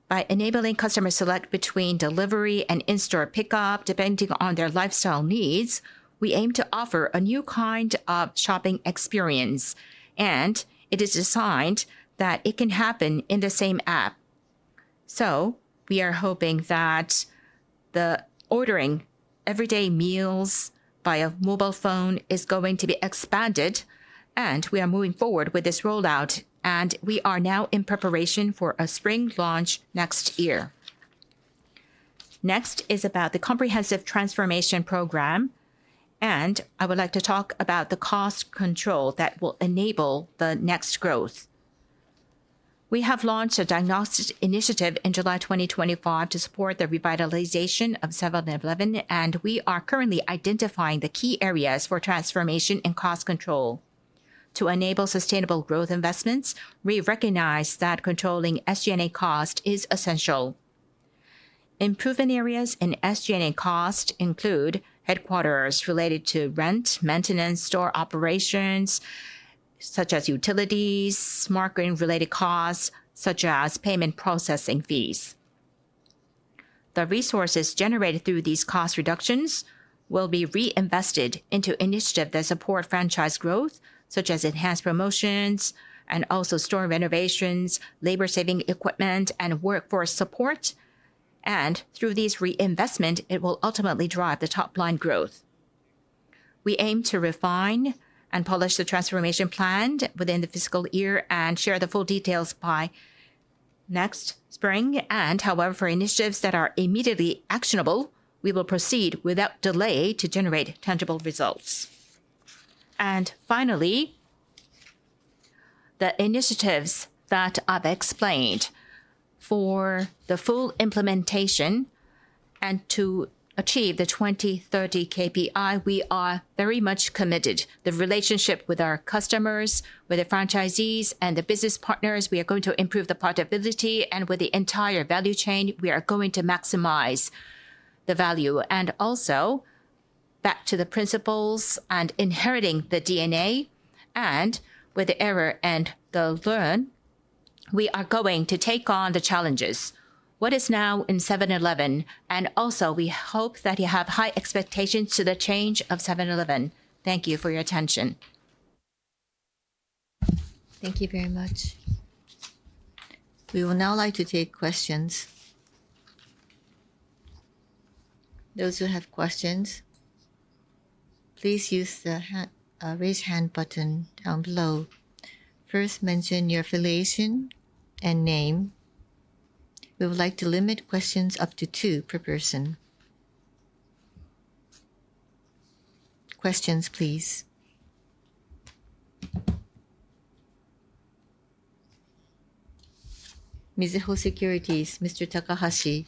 by enabling customer select between delivery and in-store pickup depending on their lifestyle needs. We aim to offer a new kind of shopping experience and it is designed that it can happen in the same app. So we are hoping that the ordering everyday meals via mobile phone is going to be expanded and we are moving forward with this rollout and we are. Now in preparation for a spring launch next year. Next is about the comprehensive transformation program and I would like to talk about the cost control that will enable the next growth. We have launched a diagnostic initiative in July 2025 to support the revitalization of 7-Eleven and we are currently identifying the key areas for transformation and cost control. To enable sustainable growth investments we recognize that controlling SG&A cost is essential. Improvement areas in SG&A costs include headquarters-related rent, maintenance, store operations such as utilities, marketing-related costs such as payment processing fees. The resources generated through these cost reductions. Will be reinvested into initiatives that support franchise growth such as enhanced promotions and also, store renovations, labor-saving equipment, and workforce support. And through these reinvestments it will ultimately drive the top-line growth. We aim to refine and polish the transformation plan within the fiscal year and share the full details by next spring. However, for initiatives that are immediately actionable, we will proceed without delay to generate tangible results. And finally, the initiatives that I've explained for the full implementation and to achieve the 2030 KPI. We are very much committed to the relationship with our customers, with the franchisees and the business partners. We are going to improve the profitability and with the entire value chain we are going to maximize the value. And also back to the principles and inheriting the DNA and with the trial and error and the learnings we are going to take on the challenges what is now in 7-Eleven. And also we hope that you have high expectations to the change of 7-Eleven. Thank you for your attention. Thank you very much, we will now like to take questions. Those who have questions, please use the raise hand button down below. First mention your affiliation and name. We would like to limit questions up to two per person. Questions please, Mizuho Securities, Mr. Takahashi.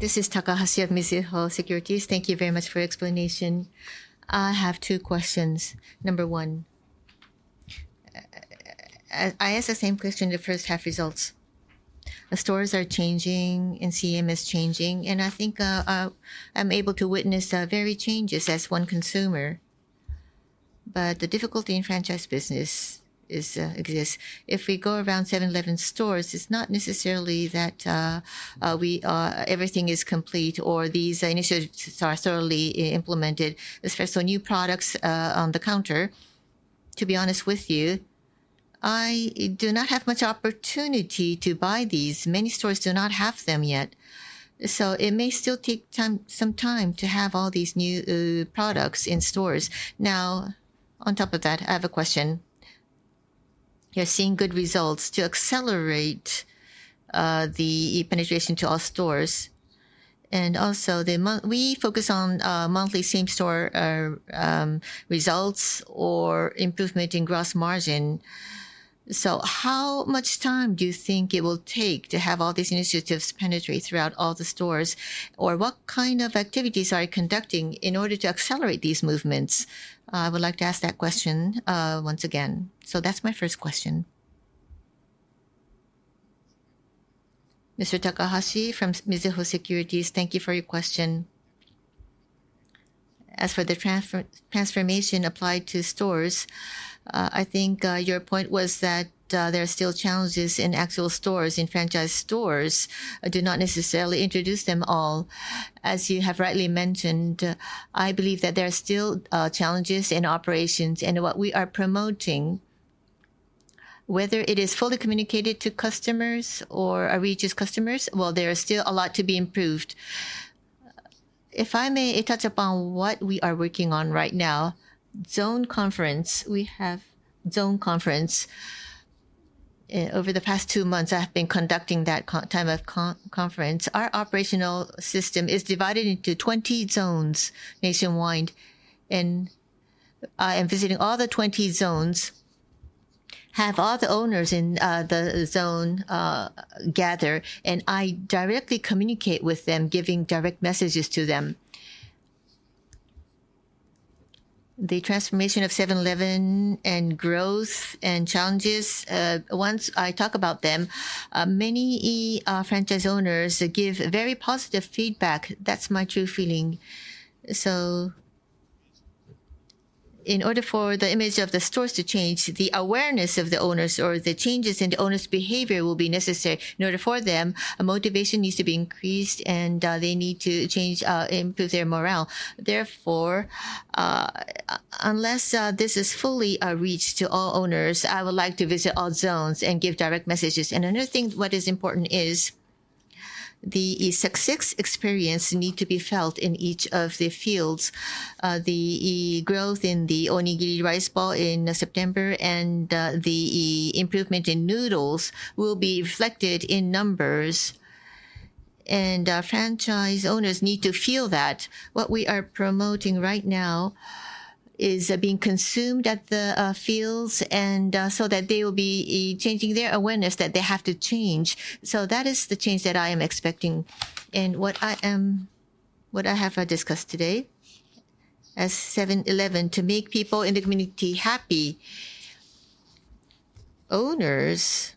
This is Takahashi of Mizuho Securities. Thank you very much for your explanation. I have two questions. Number one. I asked the same question the first half results. Stores are changing and CM is changing, and I think I'm able to witness varied changes as one consumer, but the difficulty in franchise business exists if we go around 7-Eleven stores. It's not necessarily that everything is complete or these initiatives are thoroughly implemented, especially new products on the counter. To be honest with you, I do not have much opportunity to buy these. Many stores do not have them yet. So it may still take some time to have all these new products in stores. Now, on top of that, I have a question. You're seeing good results to accelerate the penetration to all stores. And also we focus on monthly same store results or improvement in gross margin. So how much time do you think it will take to have all these initiatives penetrate throughout all the stores? Or what kind of activities are you conducting in order to accelerate these movements? I would like to ask that question once again. So that's my first question. Mr. Takahashi from Mizuho Securities, thank you for your question. As for the transformation applied to stores, I think your point was that there are still challenges in actual stores. In franchise stores, I do not necessarily introduce them all, as you have rightly mentioned. I believe that there are still challenges in operations and what we are promoting, whether it is fully communicated to customers or regional customers. There is still a lot to be improved. If I may touch upon what we are working on right now. We have zone conference. Over the past two months, I have been conducting that type of conference. Our operational system is divided into 20 zones nationwide. And I am visiting all the 20 zones. I have all the owners in the zone gather, and I directly communicate with them, giving direct messages to them. The transformation of 7-Eleven and growth and challenges. Once I talk about them, many franchise owners give very positive feedback. That's my true feeling. So. In order for the image of the stores to change, the awareness of the owners or the changes in the owner's behavior will be necessary. In order for their motivation to be increased and they need to change and improve their morale. Therefore, unless this is fully reached to all owners, I would like to visit all zones and give direct messages. Another thing, what is important is the success experience need to be felt in each of the fields. The growth in the Onigiri rice ball in September and the improvement in noodles will be reflected in numbers. Franchise owners need to feel that what we are promoting right now is being consumed at the fields and so that they will be changing their awareness that they have to change. That is the change that I am expecting and what I have discussed today as 7-Eleven to make people in the community happy. Owners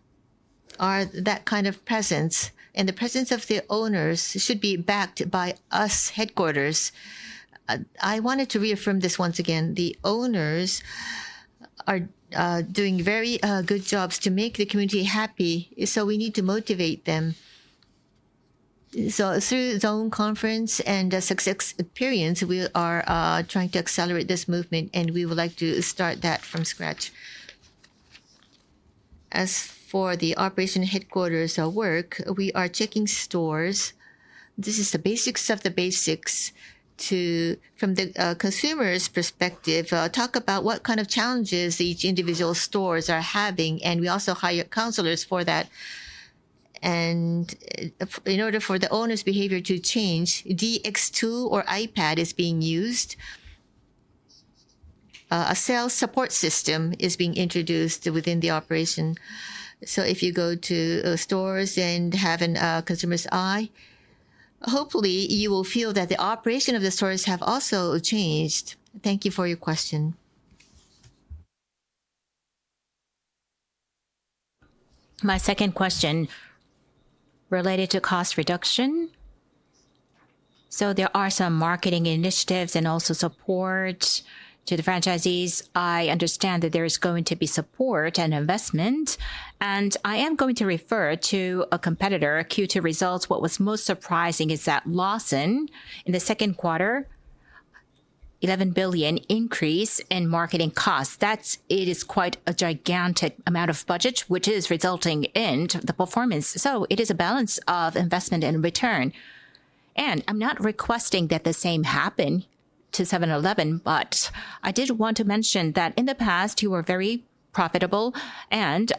are that kind of presence, and the presence of the owners should be backed by U.S. Headquarters. I wanted to reaffirm this once again. The owners are doing very good jobs to make the community happy, so we need to motivate them. So through zone conference and success periods, we are trying to accelerate this movement and we would like to start that from scratch. As for the operation headquarters work, we are checking stores. This is the basics of the basics to, from the consumer's perspective, talk about what kind of challenges each individual stores are having. And we also hire counselors for that. And in order for the owner's behavior to change, DX tools iPad is being used.A sales support system is being introduced within the operation. So if you go to stores and have a customer's eye, hopefully you will feel that the operation of the stores have also changed. Thank you for your question. My second question related to cost reduction. There are some marketing initiatives and also, support to the franchisees. I understand that there is going to be support and investment, and I am going to refer to a competitor Q2 results. What was most surprising is that Lawson in the second quarter 11 billion increase in marketing costs. That's. It is quite a gigantic amount of budget which is resulting in the performance. So it is a balance of investment and return. I am not requesting that the same happen to 7-Eleven, but I did want to mention that in the past you were very profitable.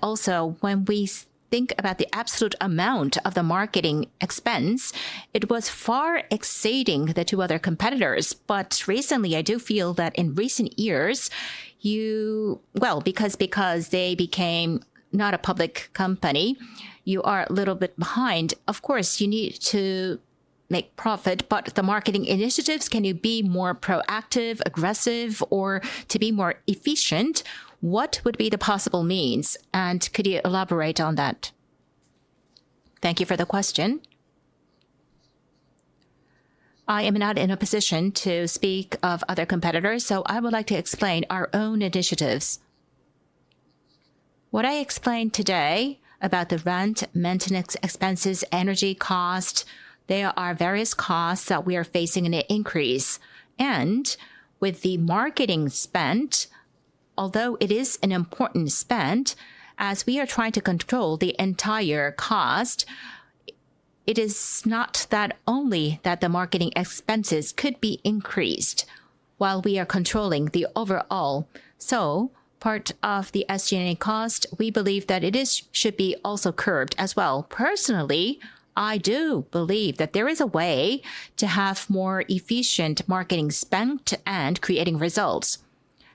Also, when we think about the absolute amount of the marketing expense, it was far exceeding the two other competitors. But recently I do feel that in recent years you. Well, because they became not a public company, you are a little bit behind. Of course you need to make profit, but the marketing initiatives can you be more proactive, aggressive or to be more efficient? What would be the possible means, and could you elaborate on that? Thank you for the question. I am not in a position to speak of other competitors, so I would like to explain our own initiatives. What I explained today about the rent, maintenance expenses, energy cost. There are various costs that we are facing in an increase. With the marketing spend, although it is an important spend, as we are trying to control the entire cost, it is not that only that the marketing expenses could be increased. While we are controlling the overall so part of the SG&A cost, we believe that it is should be also curbed as well. Personally, I do believe that there is a way to have more efficient marketing spend and creating results.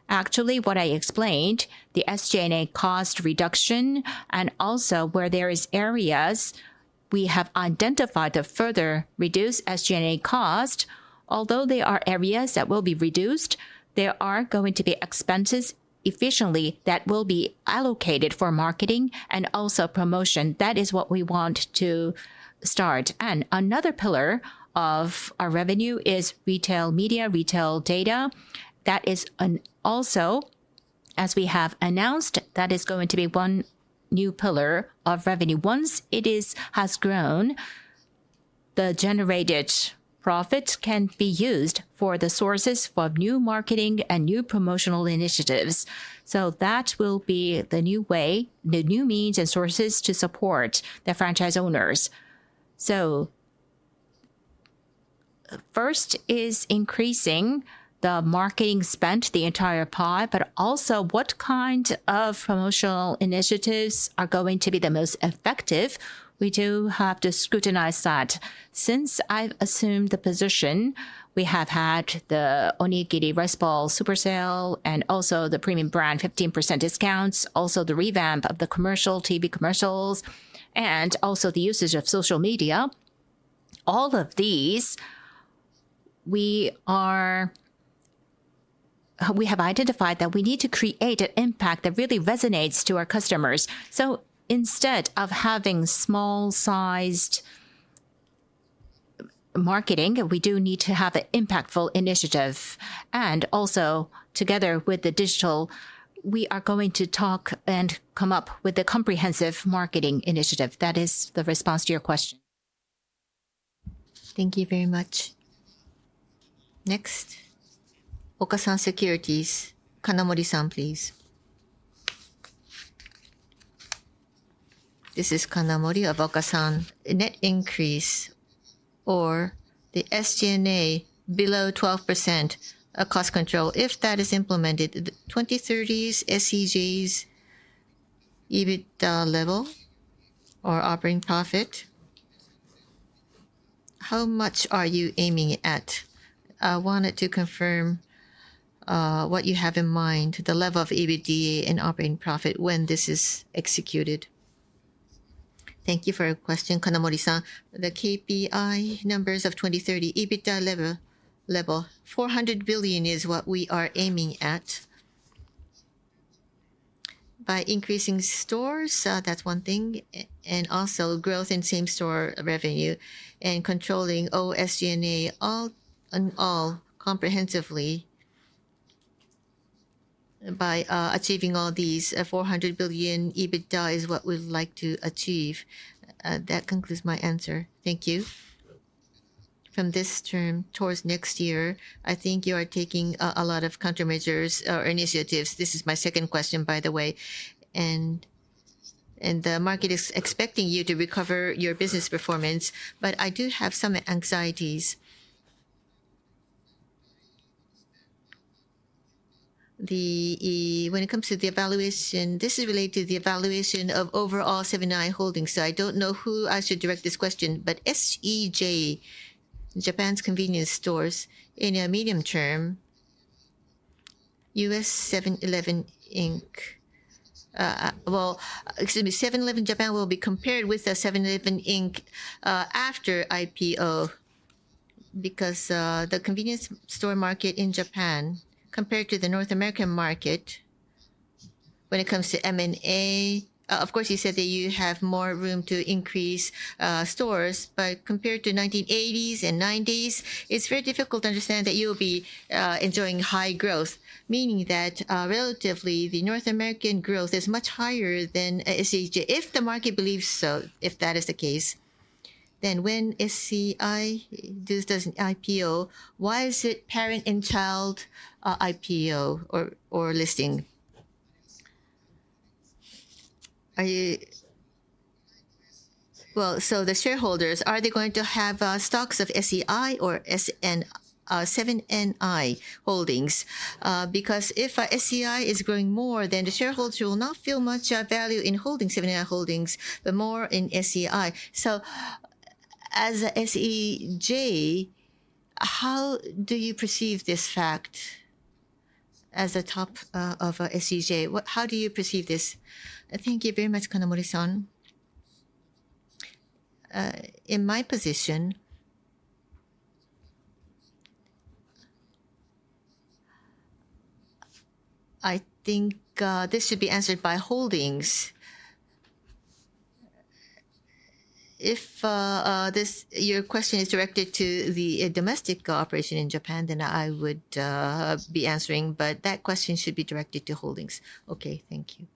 Actually what I explained the SG&A cost reduction and also where there is areas we have identified to further reduce SG&A cost, although there are areas that will be reduced, there are going to be expenses efficiently that will be allocated for marketing and also promotion. That is what we want to start. Another pillar of our revenue is retail media, retail data. That is also, as we have announced, that is going to be one new pillar of revenue. Once it has grown, the generated profits can be used as sources for new marketing and new promotional initiatives. That will be the new way, the new means and sources to support the franchise owners. First is increasing the marketing spend, the entire pie. But also what kind of promotional initiatives are going to be the most effective? We do have to scrutinize that. Since I've assumed the position, we have had the Onigiri rice ball super sale and also the premium brand 15% discounts. Also the revamp of the commercial TV commercials and also the usage of social media. All of these, we are, we have identified that we need to create an impact that really resonates to our customers. So instead of having small sized marketing we do need to have an impactful initiative, and also together with the digital we are going to talk and come up with a comprehensive marketing initiative. That is the response to your question. Thank you very much. Next, Okasan Securities Kanamori-san, please. This is Kanamori, Okasan. Net increase of the SG&A below 12% as a cost control. If that is implemented, 20-30 SEJ's EBITDA level or operating profit. How much are you aiming at? I wanted to confirm what you have in mind. The level of EBITDA and operating profit when this is executed. Thank you for your question. The KPI numbers of 2030 EBITDA level 400 billion is what we are aiming at by increasing stores. That's one thing. And also growth in same store revenue and controlling SG&A, all in all, comprehensively. By achieving all these, 400 billion EBITDA is what we'd like to achieve. That concludes my answer. Thank you. From this term towards next year, I think you are taking a lot of countermeasures or initiatives. This is my second question, by the way, and the market is expecting you to recover your business performance. But I do have some anxieties. When it comes to the evaluation. This is related to the evaluation Seven & i Holdings. So I don't know who I should direct this question but SEJ Japan's convenience stores in a medium term. 7-Eleven, Inc. Well, excuse me, 7-Eleven Japan will be compared with the 7-Eleven, Inc. after IPO because the convenience store market in Japan compared to the North American market. When it comes to M&A, of course you said that you have more room to increase stores. But compared to 1980s and 90s, it's very difficult to understand that you'll be enjoying high growth. Meaning that relatively the North American growth is much higher than if the market believes so. If that is the case, then when Seven & i does an IPO, why is it parent-child IPO or listing. Are you? Well, so the shareholders, are they going to have stocks of SEI Seven & i Holdings? Because if SEI is growing more, then the shareholders will not feel much value Seven & i Holdings but more in SEI. So as SEJ, how do you perceive this fact as the top of SEJ, how do you perceive this? Thank you very much. Kanamori-san. In my position, I think this should be answered by Holdings. If this is your question is directed to the domestic operation in Japan, then I would be answering, but that question should be directed to holdings. Okay, thank you.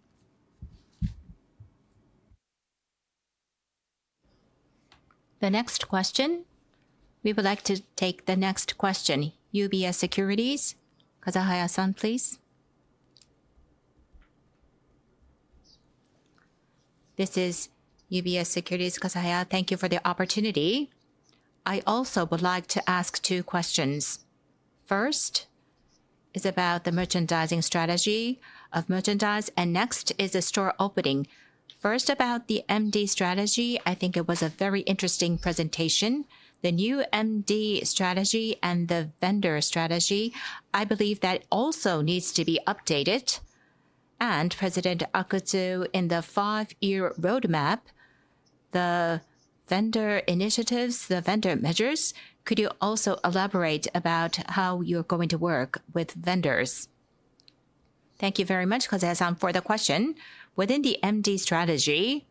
The next question. We would like to take the next question. UBS Securities Kazahaya-san, please. This is UBS Securities. Kazahaya, thank you for the opportunity. I also would like to ask two questions. First is about the merchandising strategy of merchandise, and next is a store opening. First, about the MD strategy. I think it was a very interesting presentation. The new MD strategy and the vendor strategy. I believe that also needs to be updated. And President Nagamatsu, in the five-year roadmap, the vendor initiatives, the vendor measures. Could you also elaborate about how you're going to work with vendors? Thank you very much, Kazahaya-san, for the question within the MD strategy.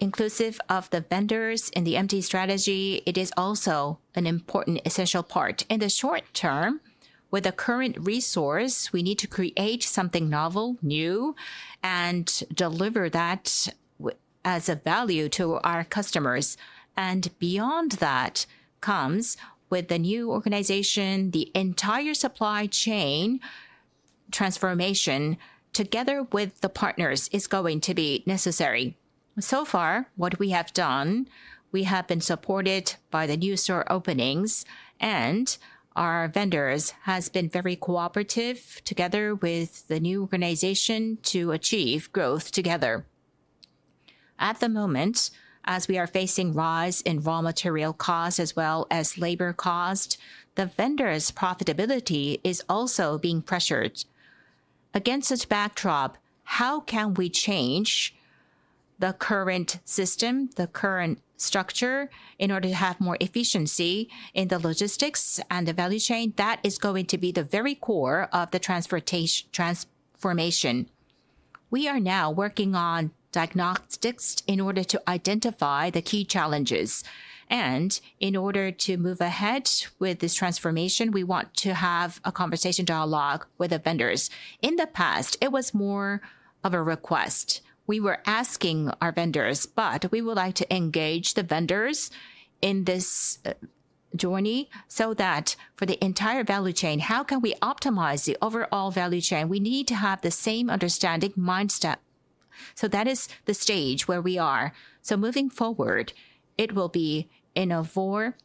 Inclusive of the vendors in the MD strategy, it is also an important essential part in the short term with the current resource. We need to create something novel and deliver that as a value to our customers and beyond that comes with the new organization. The entire supply chain transformation together with the partners is going to be necessary. So far what we have done, we have been supported by the new store openings and our vendors has been very cooperative together with the new organization to achieve growth together. At the moment, as we are facing rise in raw material costs as well as labor cost, the vendors profitability is also being pressured. Against such backdrop, how can we change? The current system, the current structure, in order to have more efficiency in the logistics and the value chain that is going to be the very core of the transformation. We are now working on diagnostics in order to identify the key challenges and in order to move ahead with this transformation, we want to have a conversation dialogue with the vendors. In the past it was more of a request we were asking our vendors but we would like to engage the vendors in this journey so that for the entire value chain, how can we optimize the overall value chain? We need to have the same understanding mindset. So that is the stage where we are so moving forward it will be in a more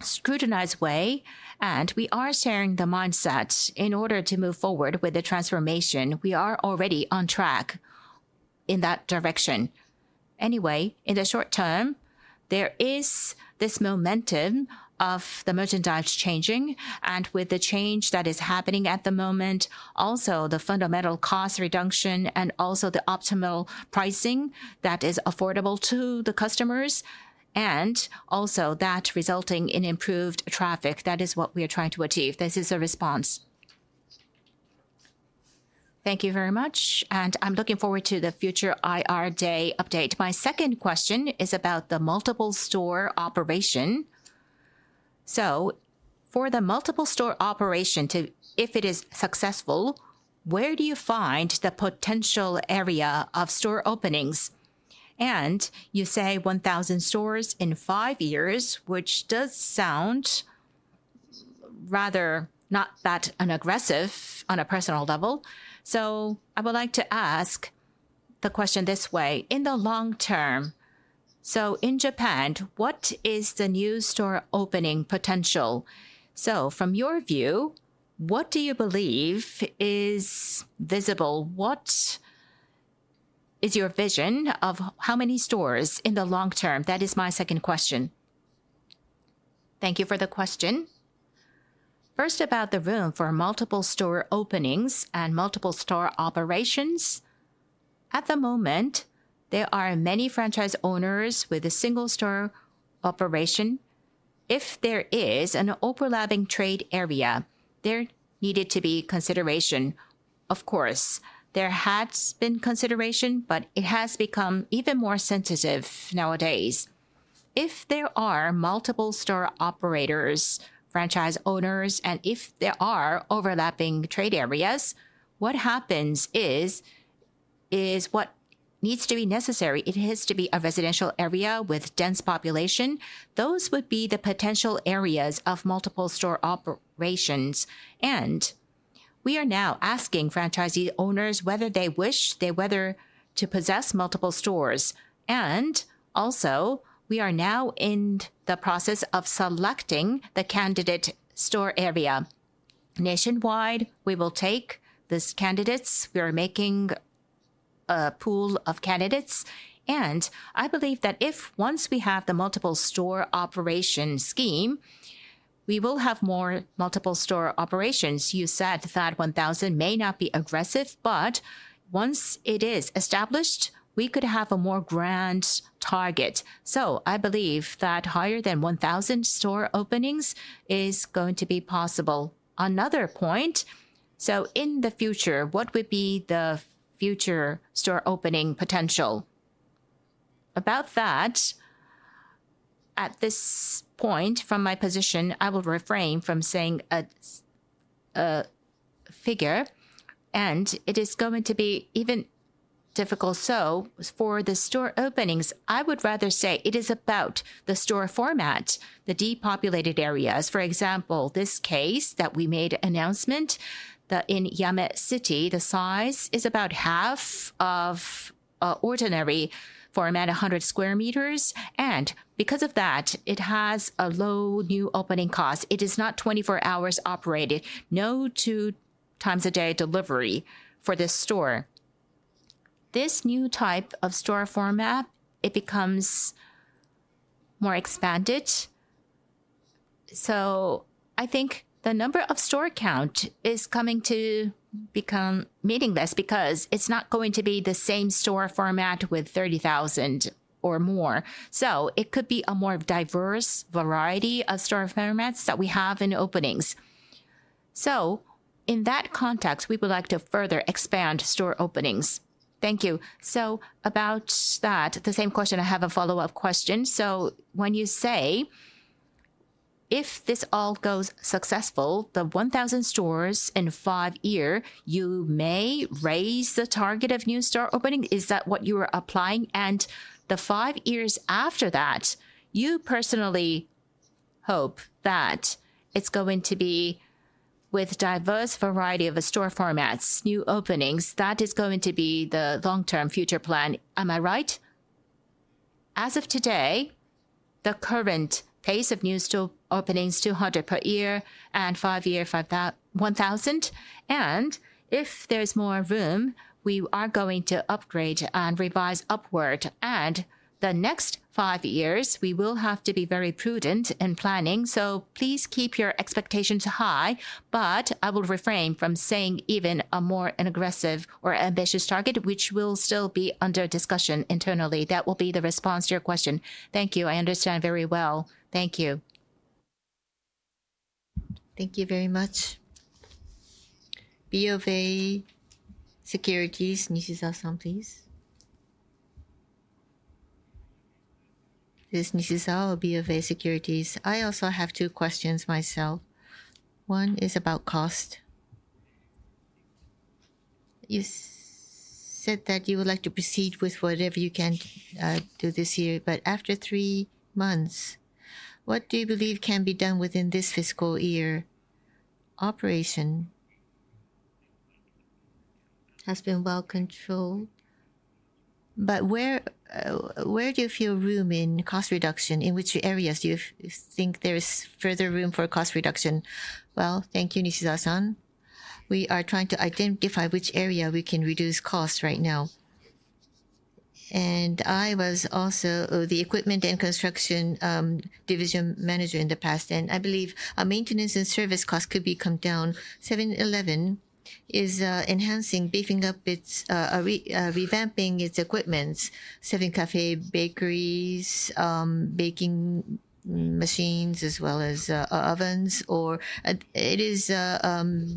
scrutinized way and we are sharing the mindset in order to move forward with the transformation. We are already on track in that direction anyway. In the short term, there is this momentum of the merchandise changing and with the change that is happening at the moment, also the fundamental cost reduction and also the optimal pricing that is affordable to the customers and also that resulting in improved traffic. That is what we are trying to achieve. This is a response. Thank you very much and I'm looking forward to the future IR Day update. My second question is about the multiple store operation. So, for the multiple store operation, too, if it is successful, where do you find the potential area of store openings? And you say 1,000 stores in five years, which does sound ,rather not that and aggressive on a personal level. So I would like to ask the question this way in the long term. So in Japan, what is the new store opening potential? So from your view, what do you believe is visible? What is your vision of how many stores in the long term? That is my second question. Thank you for the question. First, about the room for multiple store openings and multiple store operations. At the moment there are many franchise owners with a single store operation. If there is an overlapping trade area, there needed to be consideration. Of course there has been consideration, but it has become even more sensitive nowadays. If there are multiple store operators, franchise owners and if there are overlapping trade areas, what happens is what needs to be necessary. It has to be a residential area with dense population. Those would be the potential areas of multiple store operations. We are now asking franchisee owners whether they wish to possess multiple stores. Also we are now in the process of selecting the candidate store area nationwide. We will take these candidates we are making a pool of candidates, and I believe that if once we have the multiple store operation scheme, we will have more multiple store operations. You said that 1,000 may not be aggressive, but once it is established, we could have a more grand target. So I believe that higher than 1,000 store openings is going to be possible, another point. So in the future, what would be the future store opening potential? About that at this point from my position I will refrain from saying figure it is going to be even more difficult. For the store openings, I would rather say it is about the store format, the depopulated areas. For example, in this case that we made an announcement in Yame City, the size is about half of ordinary format, 100 sq m. Because of that, it has a low new opening cost. It is not 24 hours operated, no, two times a day delivery for this store. This new type of store format, it becomes more expanded. I think the number of store count is coming to become meaningless because it's not going to be the same store format with 30,000 or more. It could be a more diverse variety of store formats that we have in openings. In that context we would like to further expand store openings. Thank you. About that, the same question. I have a follow-up question. When you say if this all goes successful the 1,000 stores in five year, you may raise the target of new store opening. Is that what you are applying? And the five years after that you personally hope that it's going to be with diverse variety of store formats, new openings. That is going to be the long-term future plan. Am I right? As of today, the current pace of new store openings 200 per year and 5-year 5,000. And if there's more room, we are going to upgrade and revise upward. And the next five years we will have to be very prudent in planning. So please keep your expectations high. But I will refrain from saying even a more aggressive or ambitious target which will still be under discussion internally. That will be the response to your question, thank you. I understand very well, thank you. Thank you very much. BofA Securities, please. this is Eiichi Nishizawa of BofA Securities. I also have two questions myself. One is about cost, you said that you would like to proceed with whatever you can do this year. But after three months, what do you believe can be done within this fiscal year? Operation has been well controlled. But where? Where do you feel room in cost reduction? In which areas do you think there's further room for cost reduction? Well, thank you, Nishizawa-san. We are trying to identify which area we can reduce cost right now. I was also the equipment and construction division manager in the past, and I believe a maintenance and service cost could come down. 7-Eleven is enhancing, beefing up, revamping its equipment serving café bakeries, baking machines as well as ovens or it is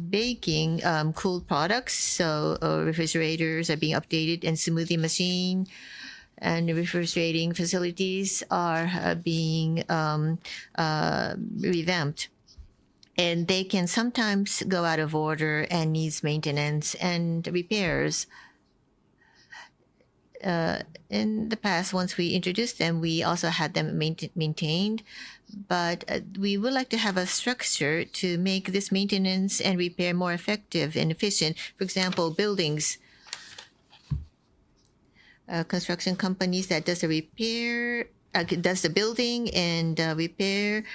baking cooled products. So refrigerators are being updated, and smoothie machine and refrigerating facilities are being. Revamped and they can sometimes go out of order and needs maintenance and repairs. In the past, once we introduced them, we also had them maintained. But we would like to have a structure to make this maintenance and repair more effective and efficient. For example, buildings. Construction companies that does the repair does the building and repair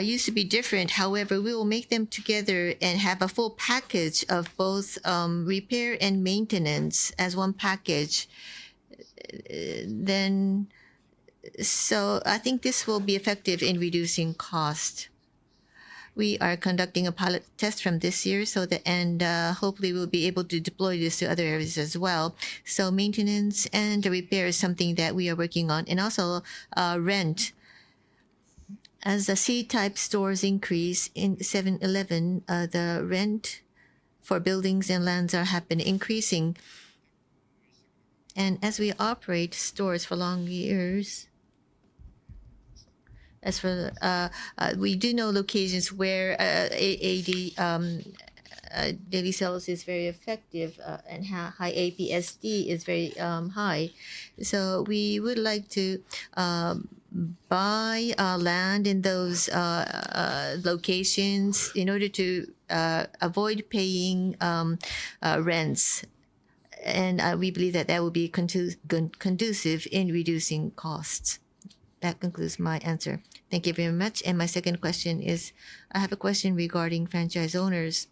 used to be different. However, we will make them together and have a full package of both repair and maintenance as one package. Then, I think this will be effective in reducing cost. We are conducting a pilot test from this year, so the end hopefully we'll be able to deploy this to other areas as well. Maintenance and repair is something that we are working on, and also rent. As the C-type stores increase in 7-Eleven, the rent for buildings and lands are happening increasing. As we operate stores for long years, we do know locations where APSD. Daily sales is very effective and high. APSD is very high. So we would like to buy land in those locations in order to avoid paying rents. And we believe that that will be conducive in reducing costs. That concludes my answer. Thank you very much. And my second question is, I have a question regarding franchise owners.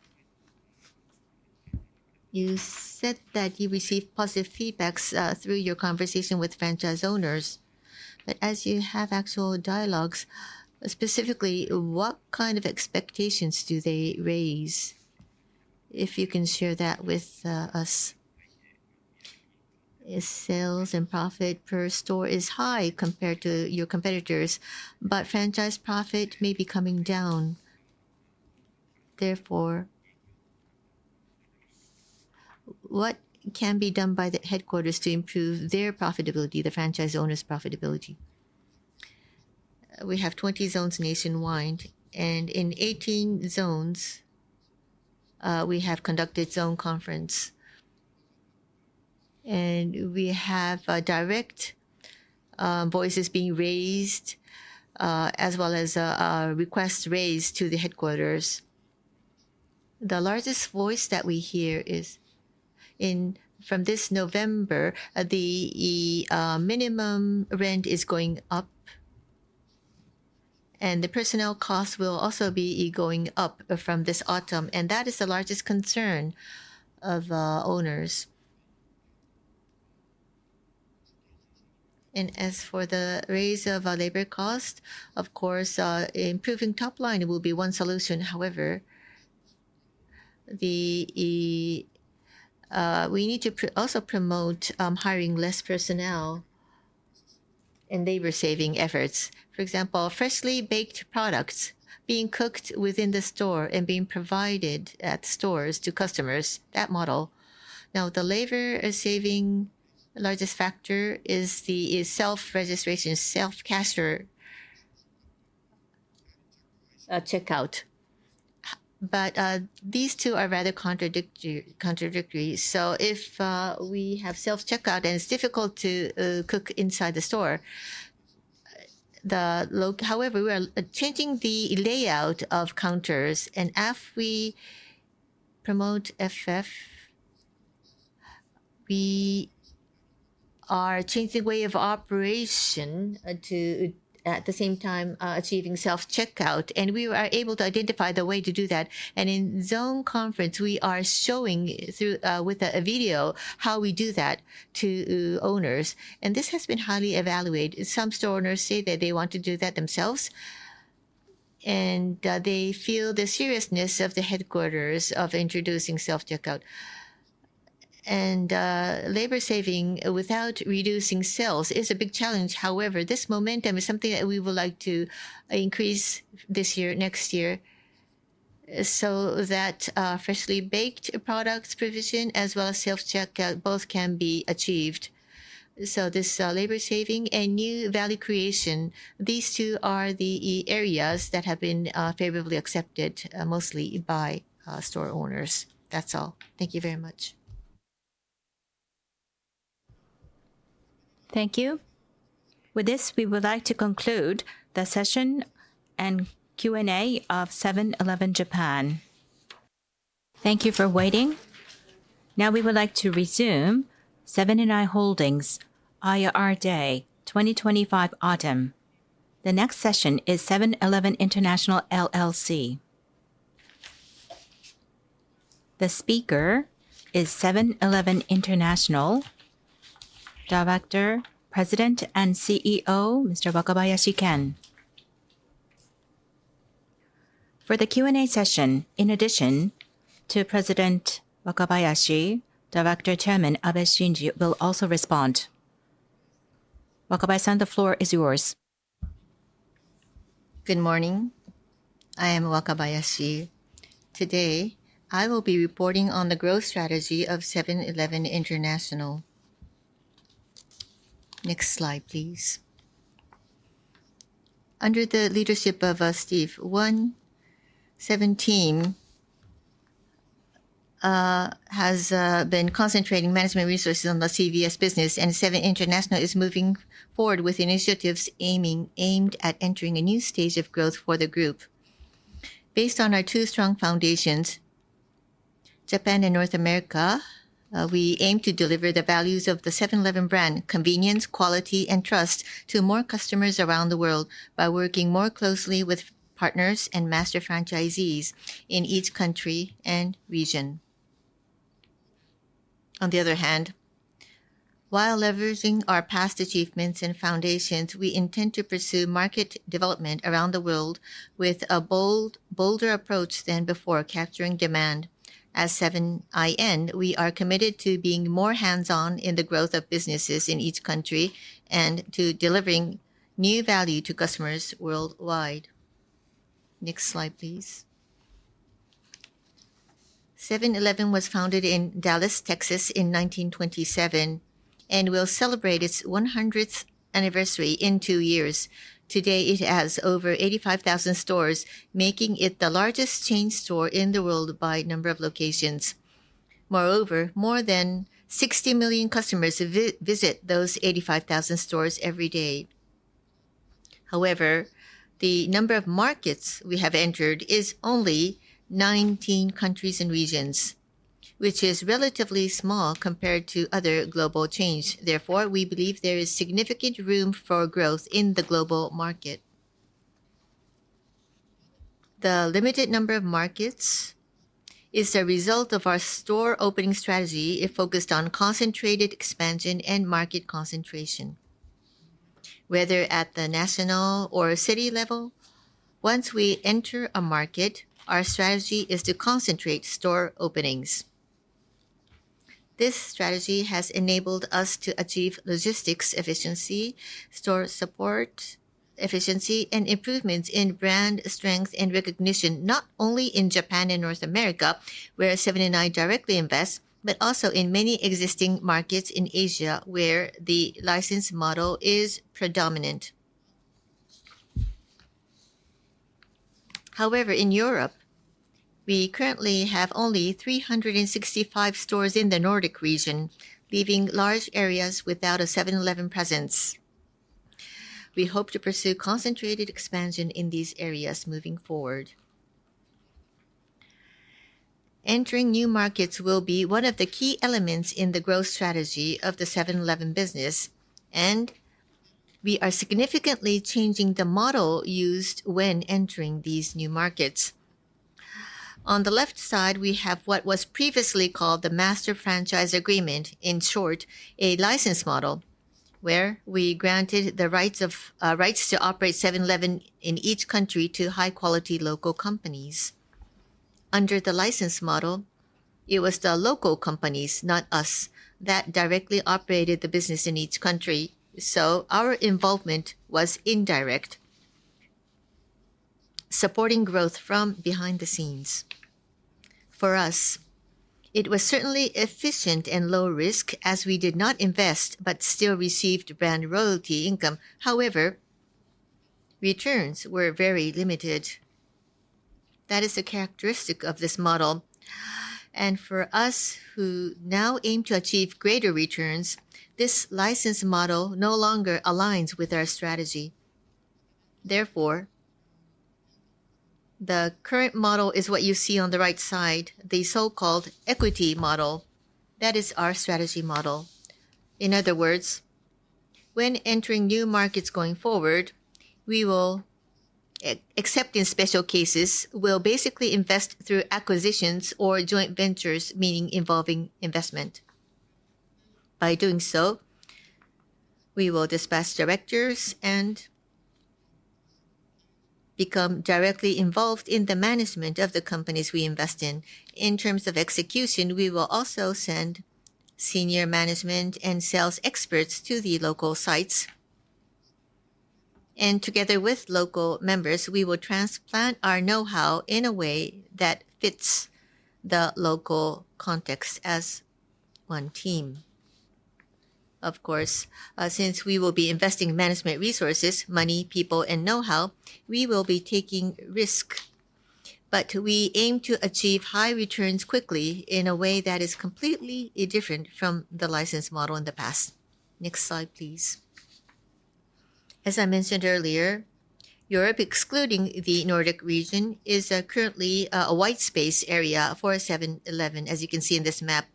You said that you received positive feedback through your conversation with franchise owners. But as you have actual dialogues, specifically what kind of expectations do they raise? If you can share that with us? Sales and profit per store is high compared to your competitors, but franchise profit may be coming down. Therefore. What can be done by the headquarters to improve their profitability? The franchise owner's profitability. We have 20 zones nationwide and in 18 zones we have conducted zone conference. We have direct voices being raised as well as requests raised to the headquarters. The largest voice that we hear is from this November, the minimum rent is going up. The personnel cost will also be going up from this autumn. That is the largest concern of owners. As for the raise of labor cost, of course improving top line will be one solution. However we need to also promote hiring less personnel, labor-saving efforts. For example, freshly baked products being cooked within the store and being provided at stores to customers. That model. Now the labor-saving largest factor is the self-registration, self-cashier ,checkout, but these two are rather contradictory, so if we have self checkout and it's difficult to cook inside the store. However, we are changing the layout of counters and if we promote fresh foods. We are changing the way of operation. At the same time, achieving self checkout. And we are able to identify the way to do that. And in zone conference we are showing through with a video how we do that to owners. And this has been highly evaluated. Some store owners say that they want to do that themselves and they feel the seriousness of the headquarters of introducing self checkout and labor saving without reducing sales is a big challenge. However, this momentum is something that we would like to increase this year, next year so that freshly baked products provision as well as self checkout both can be achieved. So this labor saving and new value creation, these two are the areas that have been favorably accepted mostly by store owners. That's all. Thank you very much. Thank you, with this, we would like to conclude the session and Q&A of 7-Eleven Japan. Thank you for waiting. Now we would like Seven & i Holdings IR Day 2025 Autumn. The next session is 7-Eleven International LLC. The speaker is 7-Eleven International, Director, President and CEO, Mr. Ken Wakabayashi. For the Q&A session, in addition to President Wakabayashi, Director and Chairman Shinji Abe will also respond. Wakabayashi-san, the floor is yours. Good morning, I am Wakabayashi. Today I will be reporting on the growth strategy of 7-Eleven International. Next slide, please. Under the leadership of Steve, 7-Eleven team has been concentrating management resources on the CVS business and 7-Eleven International is moving forward with initiatives aimed at entering a new stage of growth for the group. Based on our two strong foundations, Japan and North America, we aim to deliver the values of the 7-Eleven brand, convenience, quality and trust to more customers around the world by working more closely with partners and master franchisees in each country and region. On the other hand, while leveraging our past achievements and foundations, we intend to pursue market development around the world with a bold, bolder approach than before. Capturing demand as 7-Eleven, we are committed to being more hands on in the growth of businesses in each country and to delivering new value to customers worldwide. Next slide, please. 7-Eleven was founded in Dallas, Texas in 1927 and will celebrate its 100th anniversary in two years. Today it has over 85,000 stores, making it the largest chain store in the world by number of locations. Moreover, more than 60 million customers visit those 85,000 stores every day. However, the number of markets we have entered is only 19 countries and regions, which is relatively small compared to other global chains. Therefore, we believe there is significant room for growth in the global market. The limited number of markets is the result of our store opening strategy. If focused on concentrated expansion and market concentration, whether at the national or city level, once we enter a market, our strategy is to concentrate store openings. This strategy has enabled us to achieve logistics efficiency, store support efficiency and improvements in brand strength and recognition, not only in Japan and North America, where we directly invest, but also in many existing markets in Asia where the license model is predominant. However, in Europe, we currently have only 365 stores in the Nordic region, leaving large areas without a 7-Eleven presence. We hope to pursue concentrated expansion in these areas moving forward entering new markets will be one of the key elements in the growth strategy of the 7-Eleven business. And we are significantly changing the model used when entering these new markets. On the left side, we have what was previously called the Master Franchise Agreement, in short, a license model where we granted the rights to operate 7-Eleven in each country to high-quality local companies. Under the license model, it was the local companies, not us, that directly operated the business in each country. So our involvement was indirect. Supporting growth from behind the scenes. For us, it was certainly efficient and low risk as we did not invest but still received brand royalty income. However, returns were very limited. That is a characteristic of this model and for us who now aim to achieve greater returns, this license model no longer aligns with our strategy. Therefore, the current model is what you see on the right side, the so-called equity model. That is our strategy model. In other words, when entering new markets going forward, we will, except in special cases, basically invest through acquisitions or joint ventures, meaning involving investment. By doing so, we will dispatch directors and become directly involved in the management of the companies we invest in. In terms of execution, we will also send senior management and sales experts to the local sites. Together with local members, we will transplant our know-how in a way that fits the local context as one team. Of course, since we will be investing management, resources, money, people and know-how we will be taking risk. We aim to achieve high returns quickly in a way that is completely different from the license model in the past. Next slide, please. As I mentioned earlier, Europe, excluding the Nordic region, is currently a white space area for 7-Eleven. As you can see in this map.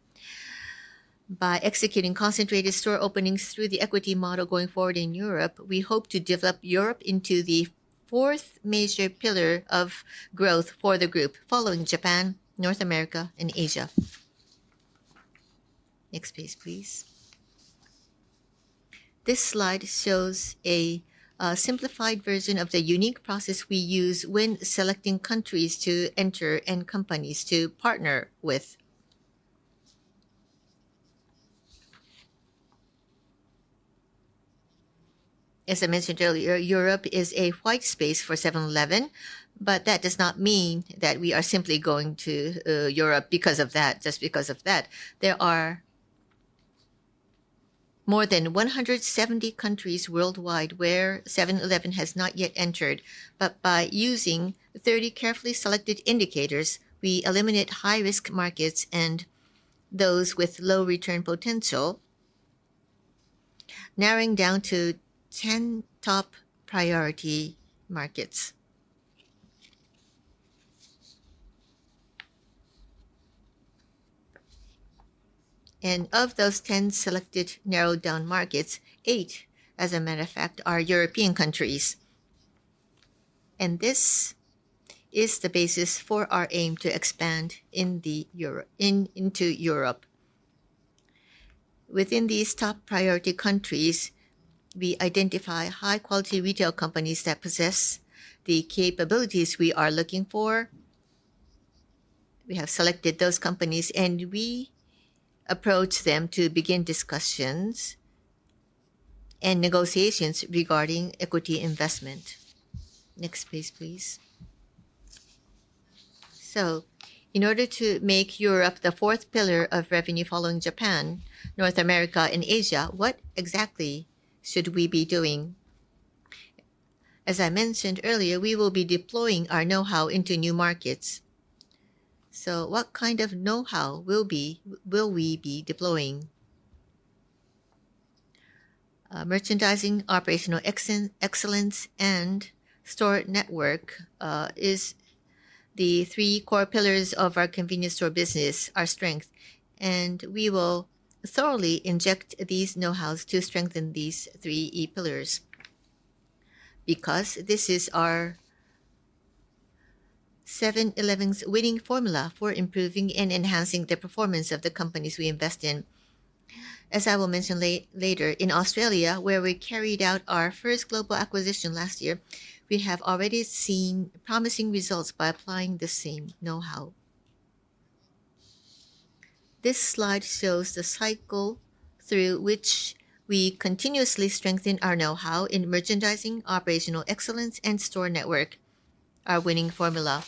By executing concentrated store openings through the equity model going forward in Europe, we hope to develop Europe into the fourth major pillar of growth for the group, following Japan, North America and Asia. Next page please. This slide shows a simplified version of the unique process we use when selecting countries to enter and companies to partner with. As I mentioned earlier, Europe is a whitespace for 7-Eleven, but that does not mean that we are simply going to Europe because of that, just because of that. There are more than 170 countries worldwide where 7-Eleven has not yet entered. But by using 30 carefully selected indicators, we eliminate high risk markets and those with low return potential. Narrowing down to 10 top priority markets of those 10 selected, narrowed down markets, eight, as a matter of fact, are European countries. This is the basis for our aim to expand into Europe. Within these top priority countries, we identify high quality retail companies that possess the capabilities we are looking for. We have selected those companies and we approach them to begin discussions. Negotiations regarding equity investment. Next page please. So, in order to make Europe the fourth pillar of revenue following Japan, North America and Asia, what exactly should we be doing? As I mentioned earlier, we will be deploying our know-how into new markets. So what kind of know-how will we be deploying? Merchandising, operational excellence, and store network is the three core pillars of our convenience store business. Our strength, and we will thoroughly inject these know-how to strengthen these three key pillars because this is our 7-Eleven's winning formula for improving and enhancing the performance of the companies we invest in. As I will mention later, in Australia, where we carried out our first global acquisition last year, we have already seen promising results by applying the same know-how. This slide shows the cycle through which we continuously strengthen our know-how in merchandising, operational excellence, and store network. Our winning formula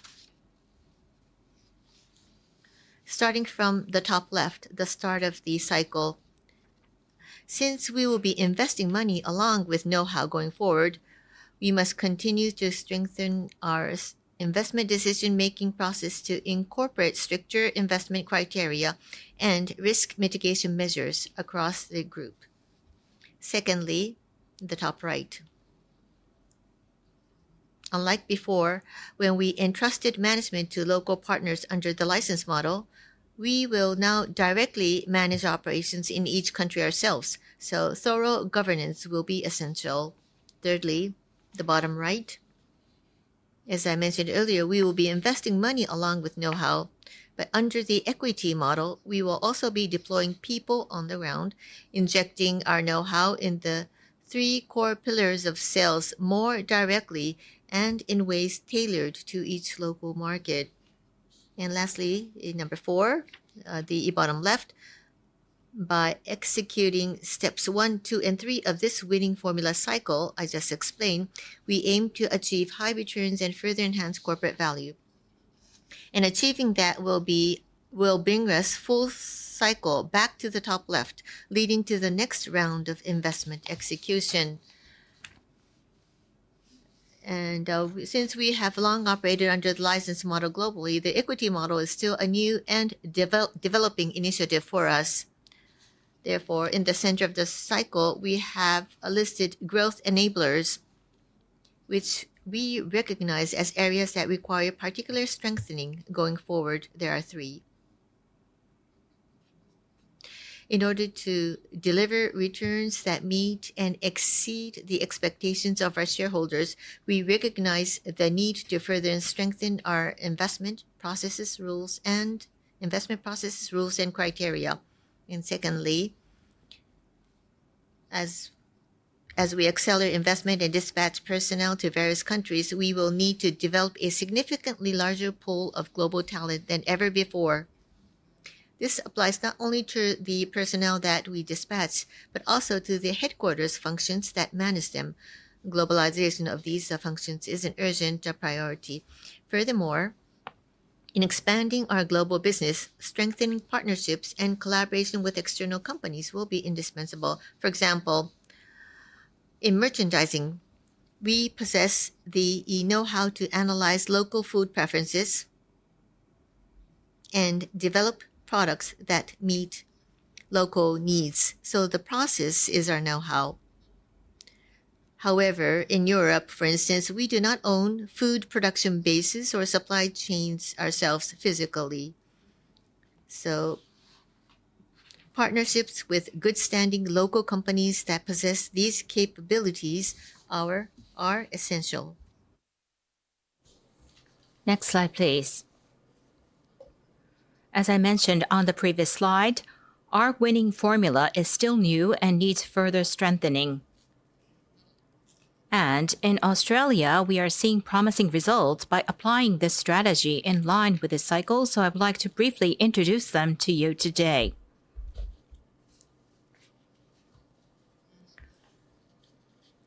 starting from the top left, the start of the cycle. Since we will be investing money along with know how going forward, we must continue to strengthen our investment decision making process to incorporate stricter investment criteria and risk mitigation measures across the group. Secondly, the top right unlike before when we entrusted management to local partners, under the license model, we will now directly manage operations in each country ourselves, so thorough governance will be essential. Thirdly, the bottom right, as I mentioned earlier, we will be investing money along with know how. But under the equity model, we will also be deploying people on the ground, injecting our know how in the three core pillars of sales more directly and in ways tailored to each local market. And lastly, number four, the bottom left. By executing steps one, two and three of this winning formula cycle I just explained, we aim to achieve high returns and further enhance corporate value. And achieving that will bring full cycle back to the top left leading to the next round of investment execution. Since we have long operated under the license model globally, the equity model is still a new and developing initiative for us. Therefore, in the center of the cycle we have a listed growth enablers which we recognize as areas that require particular strengthening. Going forward, there are three in order to deliver returns that meet and exceed the expectations of our shareholders, we recognize the need to further strengthen our investment processes, rules, and criteria. And secondly as we accelerate investment and dispatch personnel to various countries, we will need to develop a significantly larger pool of global talent than ever before. This applies not only to the personnel that we dispatch, but also to the headquarters functions that manage them. Globalization of these functions is an urgent priority. Furthermore, in expanding our global business, strengthening partnerships and collaboration with external companies will be indispensable. For example, in merchandising we possess the know-how to analyze local food preferences. Develop products that meet local needs. The process is our know-how, however, in Europe for instance, we do not own food production bases or supply chains ourselves physically. Partnerships with good standing local companies that possess these capabilities are essential. Next slide please. As I mentioned on the previous slide, our winning formula is still new and needs further strengthening. In Australia we are seeing promising results by applying this strategy in line with this cycle. I would like to briefly introduce them to you today.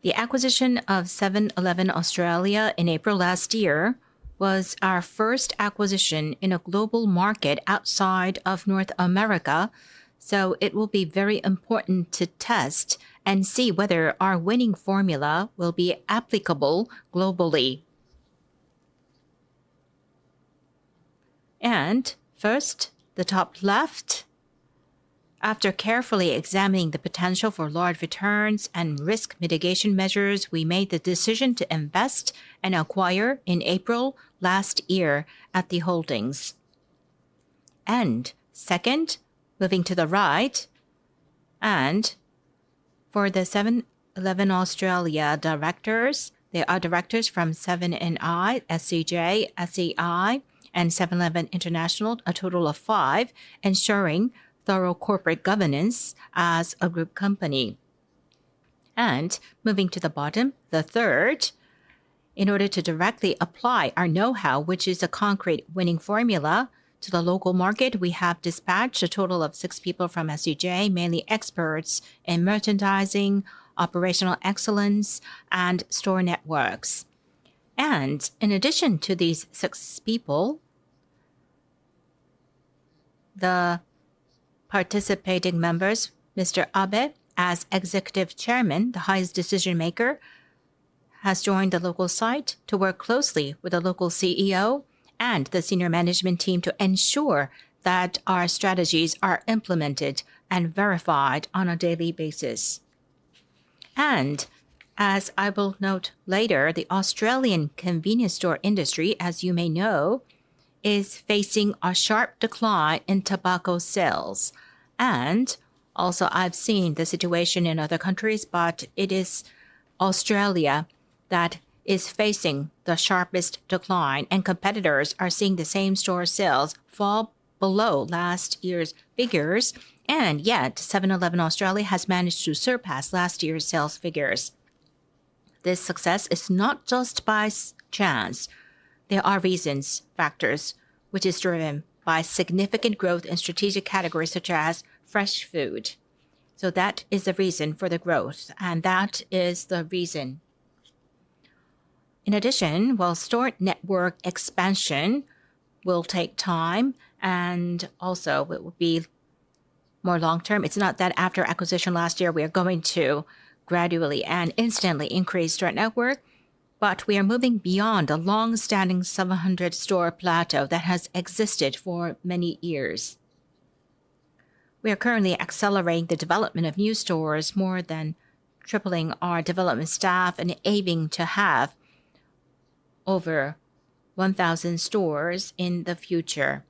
The acquisition of 7-Eleven Australia in April last year was our first acquisition in a global market outside of North America. So it will be very important to test and see whether our winning formula will be applicable globally. First, the top left. After carefully examining the potential for large returns and risk mitigation measures, we made the decision to invest and acquire in April last year at the holdings. Second, moving to the right. For the 7-Eleven Australia directors, there are Seven & i, SEJ, SEI and 7-Eleven International, a total of five, ensuring thorough corporate governance as a group company. Moving to the bottom, the third. In order to directly apply our know-how, which is a concrete winning formula, to the local market, we have dispatched a total of six people from SEJ, mainly experts in merchandising, operational excellence and store network. In addition to these six people. The participating members, Mr. Abe as executive chairman, the highest decision maker, has joined the local site to work closely with the local CEO and the senior management team to ensure that our strategies are implemented and verified on a daily basis. As I will note later, the Australian convenience store industry, as you may know, is facing a sharp decline in tobacco sales. Also I've seen the situation in other countries, but it is Australia that is facing the sharpest decline and competitors are seeing the same store sales fall below last year's figures. Yet 7-Eleven Australia has managed to surpass last year's sales figures. This success is not just by chance. There are reasons factors which is driven by significant growth in strategic categories such as fresh food. That is the reason for the growth and that is the reason. In addition, while store network expansion will take time and also it will be more long-term. It's not that after acquisition last year we are going to gradually and instantly increase direct network, but we are moving beyond a long-standing 700-store plateau that has existed for many years. We are currently accelerating the development of new stores, more than tripling our development staff, and aiming to have over 1,000 stores in the future.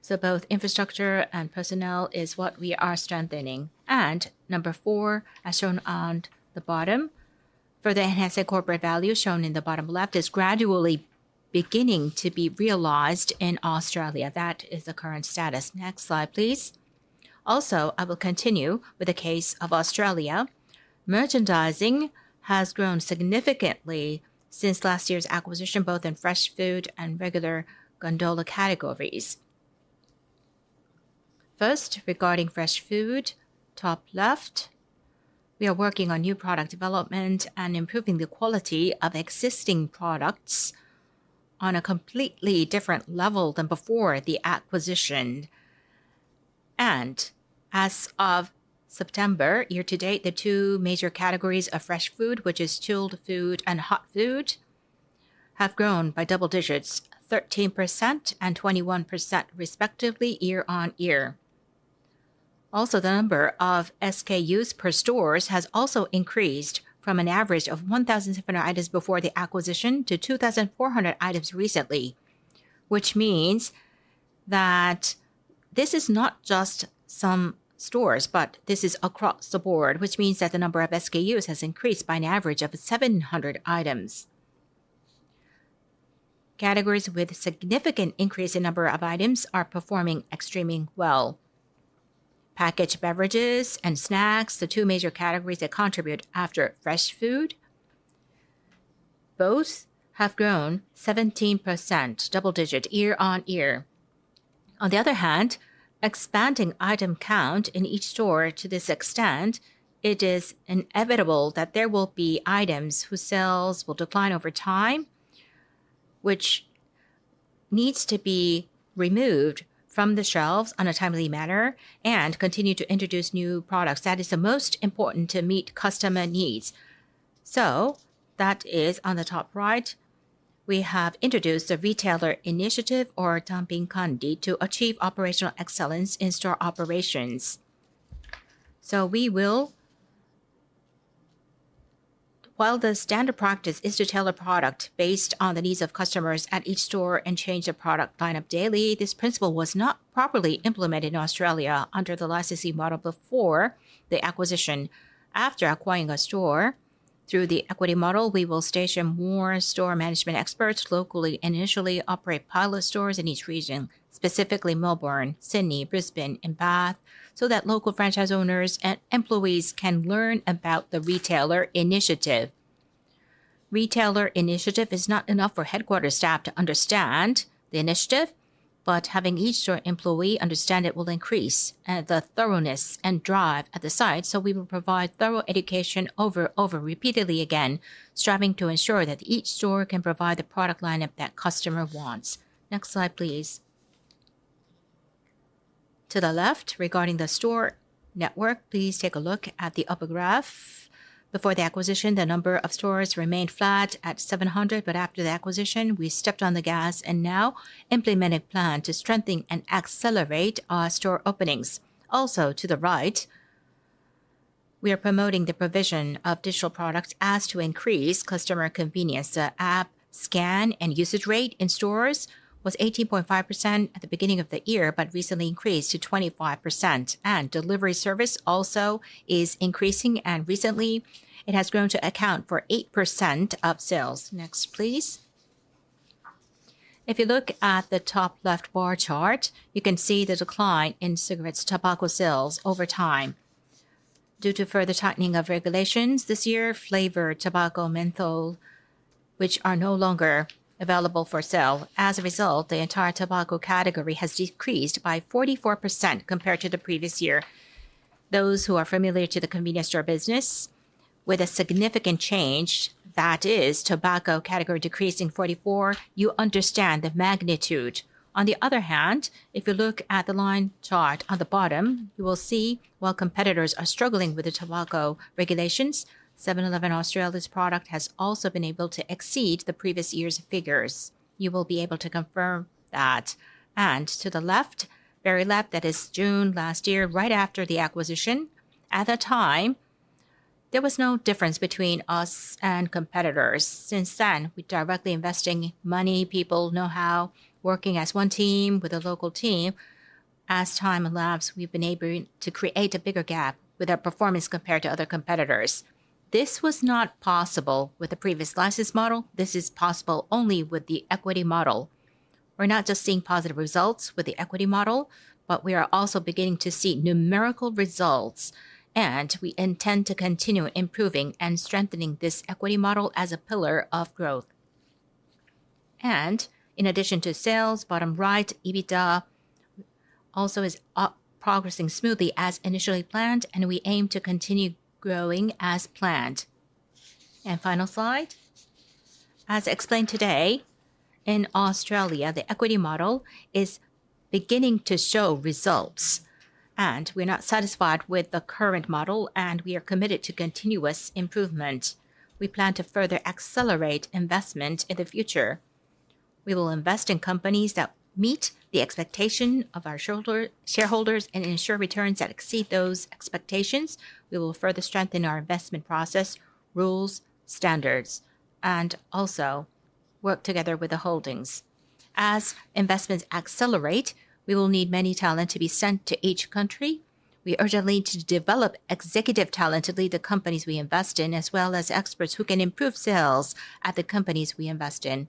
So both infrastructure and personnel is what we are strengthening. And number four, as shown on the bottom, for the enhanced corporate value shown in the bottom left, is gradually beginning to be realized in Australia. That is the current status. Next slide, please. Also, I will continue with the case of Australia. Merchandising has grown significantly since last year's acquisition, both in fresh food and regular gondola categories. First, regarding fresh food, top left, we are working on new product development and improving the quality of existing products on a completely different level than before the acquisition. As of September year to date, the two major categories of fresh food which is chilled food and hot food have grown by double digits, 13% and 21% respectively year on year. Also, the number of SKUs per store has also increased from an average of 1,700 items before the acquisition to 2,400 items recently, which means that this is not just some stores, but this is across the board which means that the number of SKUs has increased by an average of 700 items. Categories with significant increase in number of items are performing extremely well. Packaged beverages and snacks, the two major categories that contribute after fresh food. Both have grown 17% double-digit year on year. On the other hand, expanding item count in each store to this extent, it is inevitable that there will be items whose sales will decline over time which needs to be removed from the shelves on a timely manner and continue to introduce new products that is the most important to meet customer needs. That is on the top right. We have introduced the Retailer Initiative or Tanpin Kanri to achieve operational excellence in store operations. We will, while the standard practice is to tailor product based on the needs of customers at each store and change the product lineup daily, this principle was not properly implemented in Australia under the licensing model before the acquisition. After acquiring a store through the equity model, we will station more store management experts locally and initially operate pilot stores in each region, specifically Melbourne, Sydney, Brisbane and Perth so that local franchise owners and employees can learn about the Retailer Initiative. Retailer Initiative is not enough for headquarters staff to understand the initiative, but having each store employee understand it will increase the thoroughness and drive at the site. We will provide thorough education over repeatedly again striving to ensure that each store can provide the product lineup that customer wants. Next slide please. To the left. Regarding the store network, please take a look at the upper graph. Before the acquisition, the number of stores remained flat at 700. But after the acquisition we stepped on the gas and now implemented plan to strengthen and accelerate store openings. Also to the right, we are promoting the provision of digital products as to increase customer convenience. App scan and usage rate in stores was 18.5% at the beginning of the year, but recently increased to 25%. And delivery service also is increasing and recently it has grown to account for 8% of sales. Next please. If you look at the top left bar chart, you can see the decline in cigarettes and tobacco sales over time due to further tightening of regulations. This year, flavored tobacco, menthol, which are no longer available for sale. As a result, the entire tobacco category has decreased by 44% compared to the previous year. Those who are familiar with the convenience store business with a significant change that is tobacco category decrease in 44%. You understand the magnitude. On the other hand, if you look at the line chart on the bottom, you will see while competitors are struggling with the tobacco regulations, 7-Eleven Australia's product has also been able to exceed the previous year's figures. You will be able to confirm that, and to the left, very left, that is June last year, right after the acquisition. At that time, there was no difference between us and competitors. Since then, we've been directly investing money. People now know how it's working as one team with a local team. As time elapsed, we've been able to create a bigger gap with our performance compared to other competitors. This was not possible with the previous license model. This is possible only with the equity model. We're not just seeing positive results with the equity model, but we are also beginning to see numerical results, and we intend to continue improving and strengthening this equity model as a pillar of growth. And in addition to sales, bottom right EBITDA also is progressing smoothly as initially planned and we aim to continue growing as planned and final slide. As explained today in Australia, the equity model is beginning to show results and we're not satisfied with the current model and we are committed to continuous improvement. We plan to further accelerate investment in the future. We will invest in companies that meet the expectations of our shareholders and ensure returns that exceed those expectations. We will further strengthen our investment process, rules, standards and also work together with the Holdings. As investments accelerate, we will need many talent to be sent to each country. We urgently to develop executive talent to lead the companies we invest in as well as experts who can improve sales. At the companies we invest in?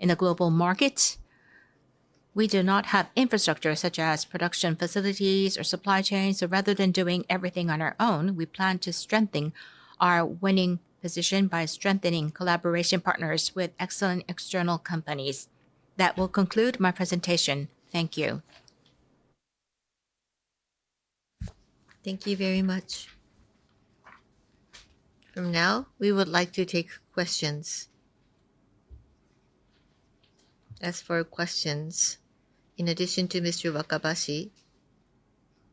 In the global market, we do not have infrastructure such as production facilities or supply chains. So rather than doing everything on our own, we plan to strengthen our winning position by strengthening collaboration partners with excellent external companies. That will conclude my presentation. Thank you. Thank you very much, from now, we would like to take questions. As for questions, in addition to Mr. Wakabayashi,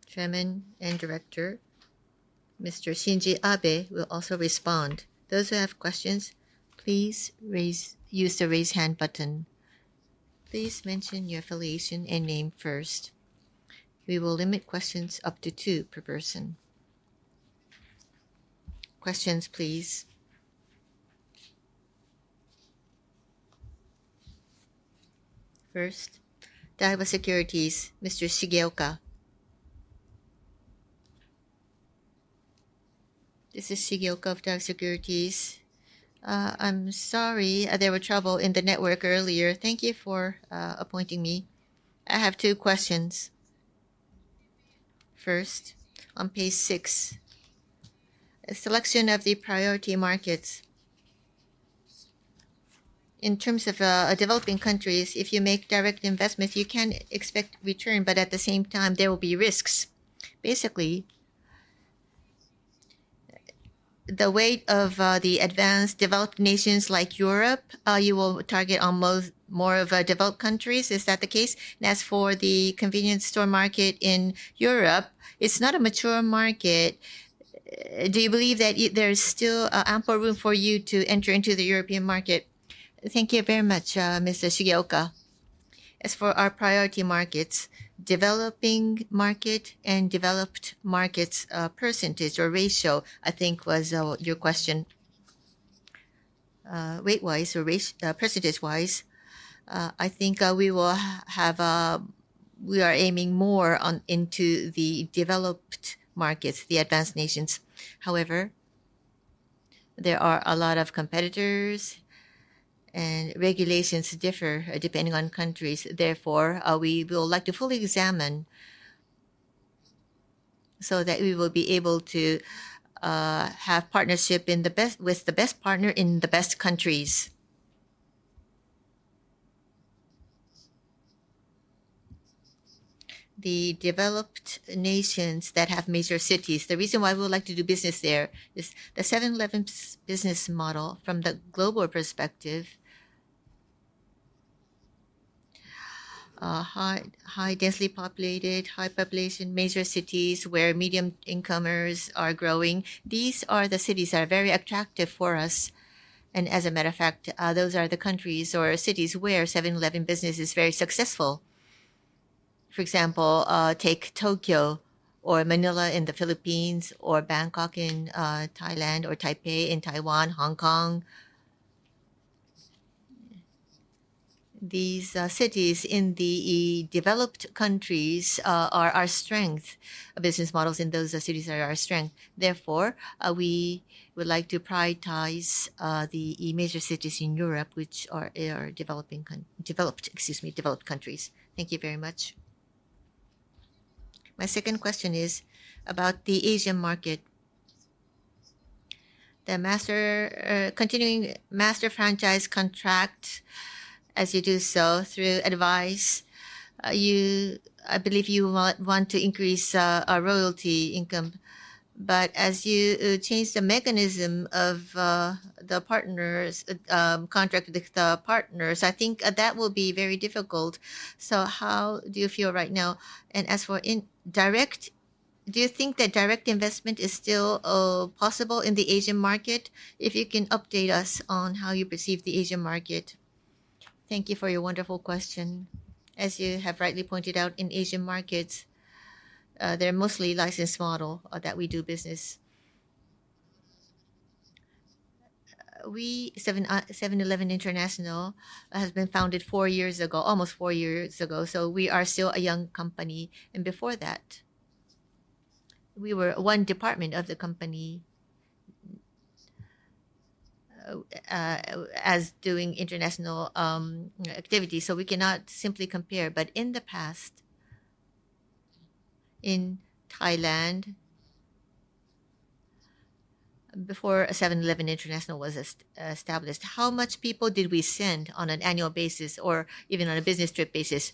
Chairman and Director Mr. Shinji Abe will also respond. Those who have questions, please use the raise hand button. Please mention your affiliation and name first. We will limit questions up to two per person. Questions please. First, Daiwa Securities. Mr. Shigeoka. This is Shigeoka, Daiwa Securities. I'm sorry there were trouble in the network earlier. Thank you for appointing me. I have two questions. First, on page six, selection of the priority markets. In terms of developing countries. If you make direct investments, you can expect return. But at the same time there will be risks. Basically, the weight of the advanced developed nations like Europe, you will target almost more of developed countries. Is that the case? As for the convenience store market in Europe, it's not a mature market. Do you believe that there's still ample room for you to enter into the European market? Thank you very much. Mr. Shigeoka. As for our priority markets, developing market and developed markets, percentage or ratio? I think was your question. Weight-wise or price-wise? I think we will have. We are aiming more on into the developed markets, the advanced nations. However, there are a lot of competitors and regulations differ depending on countries. Therefore, we would like to fully examine so that we will be able to have partnership in the best with the best partner in the best countries. The developed nations that have major cities. The reason why we would like to do business there is the 7-Eleven business model from the global perspective. High, densely populated, high population major cities where medium incomers are growing. These are the cities that are very attractive for us. And as a matter of fact, those are the countries or cities where 7-Eleven business is very successful. For example, take Tokyo or Manila in the Philippines or Bangkok in Thailand or Taipei in Taiwan, Hong Kong. These cities in the developed countries are our strong business models in those cities that are our strengths. Therefore, we would like to prioritize the major cities in Europe, which are developed countries. Excuse me. Thank you very much. My second question is about the Asian market. The master franchise contract. As you do so through acquisition, I believe you might want to increase royalty income. But as you change the mechanism of the partner's contract with the partners, I think that will be very difficult. So how do you feel right now? And as for indirect, do you think that direct investment is still possible in the Asian market? If you can update us on how you perceive the Asian market. Thank you for your wonderful question. As you have rightly pointed out, in Asian markets it's mostly the licensed model that we do business. 7-Eleven International has been founded four years ago, almost four years ago. So we are still a young company. And before that we were one department of the company. As doing international activities, so we cannot simply compare, but in the past. In Thailand, before 7-Eleven International was established, how much people did we send on an annual basis or even on a business trip basis?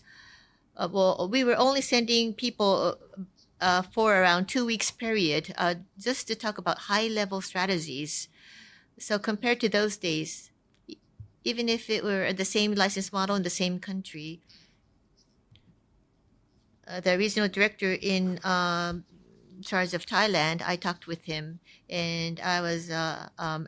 Well, we were only sending people for around two weeks period just to talk about high-level strategies. So compared to those days, even if it were the same license model in the same country. The regional director in charge of Thailand, I talked with him and I was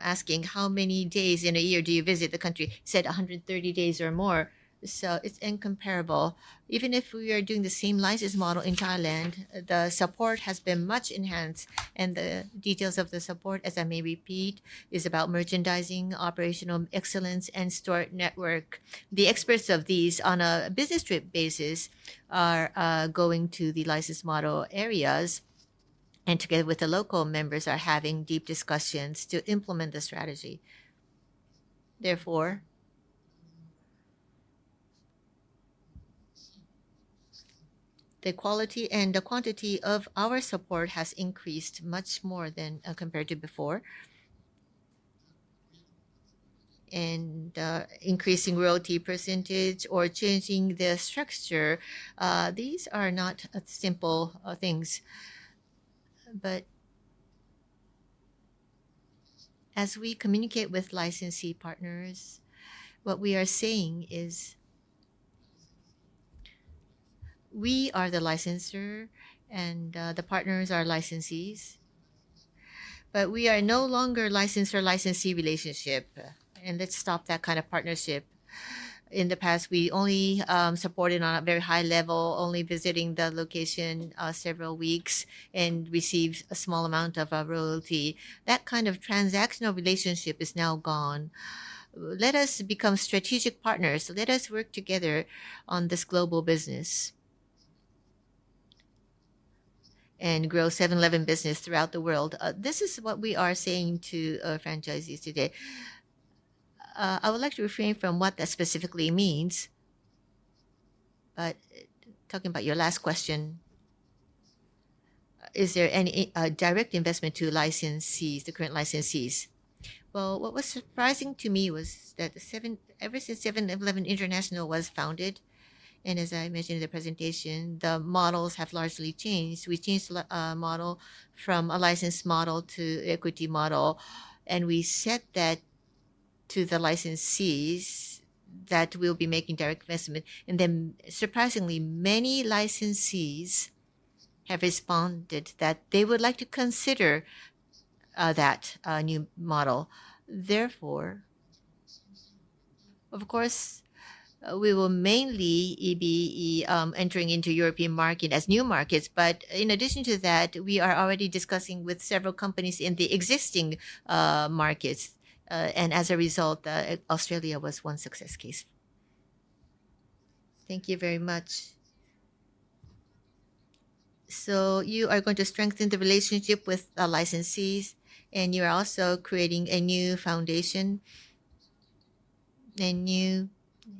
asking how many days in a year do you visit the country said 130 days or more, so it's incomparable. Even if we are doing the same license model in Thailand, the support has been much enhanced, and the details of the support, as I may repeat, is about merchandising, operational excellence and store network. The experts of these on a business trip basis are going to the license model areas and together with the local members are having deep discussions to implement the strategy. Therefore, the quality and the quantity of our support has increased much more than compared to before. And increasing royalty percentage or changing the structure. These are not simple things. But as we communicate with licensee partners, what we are saying is. We are the licensor and the partners are licensees, but we are no longer licensor licensee relationship. Let's stop that kind of partnership. In the past we only supported on a very high level, only visiting the location several weeks and receives a small amount of royalty. That kind of transactional relationship is now gone. Let us become strategic partners. Let us work together on this global business. Grow 7-Eleven business throughout the world. This is what we are saying to franchisees today. I would like to refrain from what that specifically means. But talking about your last question. Is there any direct investment to licensees, the current licensees? Well, what was surprising to me was that ever since 7-Eleven International was founded and as I mentioned in the presentation, the models have largely changed. We changed model from a license model to equity model and we set that to the licensees that will be making direct investment. And then surprisingly, many licensees have responded that they would like to consider that new model. Therefore, of course, we will mainly be entering into European market as new markets. But in addition to that, we are already discussing with several companies in the existing markets. And as a result, Australia was one success case. Thank you very much. You are going to strengthen the relationship with licensees and you are also creating a new foundation. A new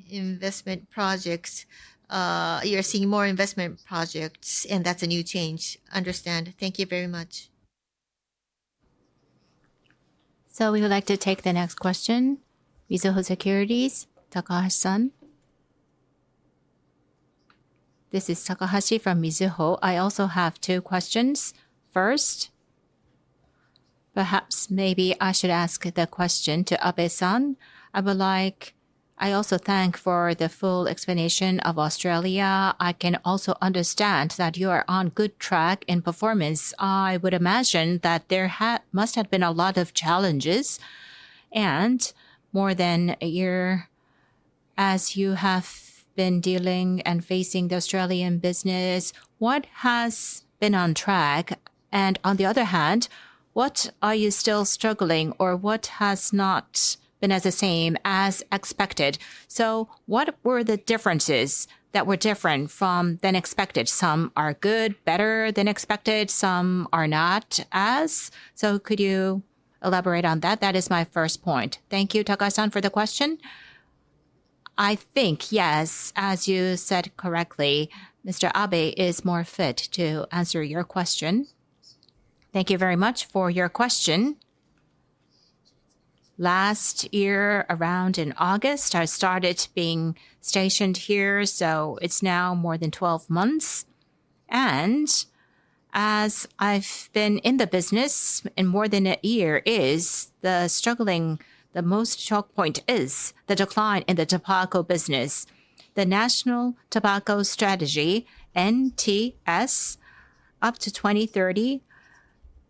investment projects. You're seeing more investment projects and that's a new change. Understand? Thank you very much. We would like to take the next question. Mizuho Securities Takahashi-san. This is Takahashi from Mizuho. I also have two questions. First, perhaps maybe I should ask the question to Abe-san. I would like. I also thank for the full explanation of Australia. I can also understand that you are on good track in performance.I would imagine that there must have been a lot of challenges and more. In a year as you have been dealing and facing the Australian business, what has been on track? And on the other hand, what are you still struggling or what has not been the same as expected? So what were the differences that were different from what was expected? Some are good, better than expected, some are not, so could you elaborate on that? That is my first point. Thank you, Takahashi-san for the question. I think yes, as you said correctly, Mr. Abe is more fit to answer your question. Thank you very much for your question. Last year around in August I started being stationed here. So it's now more than 12 months and as I've been in the business, in more than a year it's struggling. The most choke point is the decline in the tobacco business. The National Tobacco Strategy NTS up to 2030.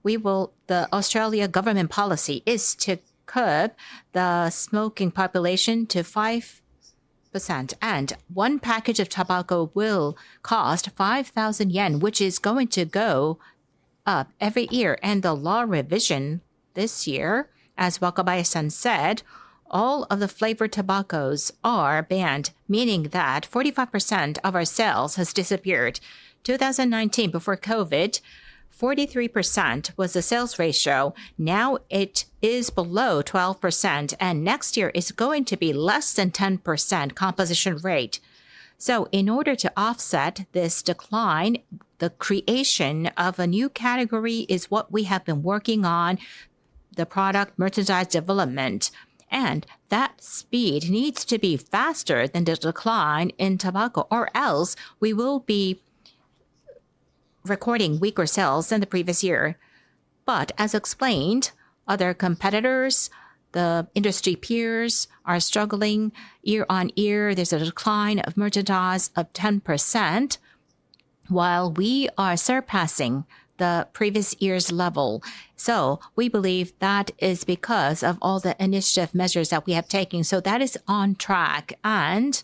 The Australian government policy is to curb the smoking population to 5%. One package of tobacco will cost 5,000 yen which is going to go up every year. The law revision this year, as Wakabayashi-san said, all of the flavored tobaccos are banned, meaning that 45% of our sales has disappeared. In 2019, before COVID, 43% was the sales ratio. Now it is below 12%, and next year it is going to be less than 10% composition rate. In order to offset this decline, the creation of a new category is what we have been working on the product merchandise development. That speed needs to be faster than the decline in tobacco or else we will be recording weaker sales than the previous year. But, as explained, other competitors, the industry peers, are struggling year on year. There's a decline of merchandise of 10% while we are surpassing the previous year's level. So we believe that is because of all the initiative measures that we have taken. So that is on track. And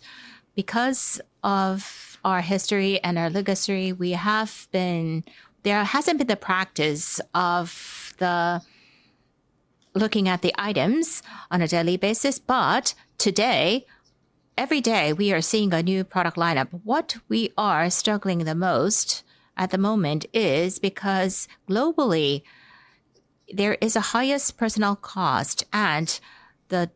because of our history and our legacy, we have been. There hasn't been the practice of the looking at the items on a daily basis. But today, every day we are seeing a new product lineup. What we are struggling the most at the moment is because globally there is. The highest personnel cost and the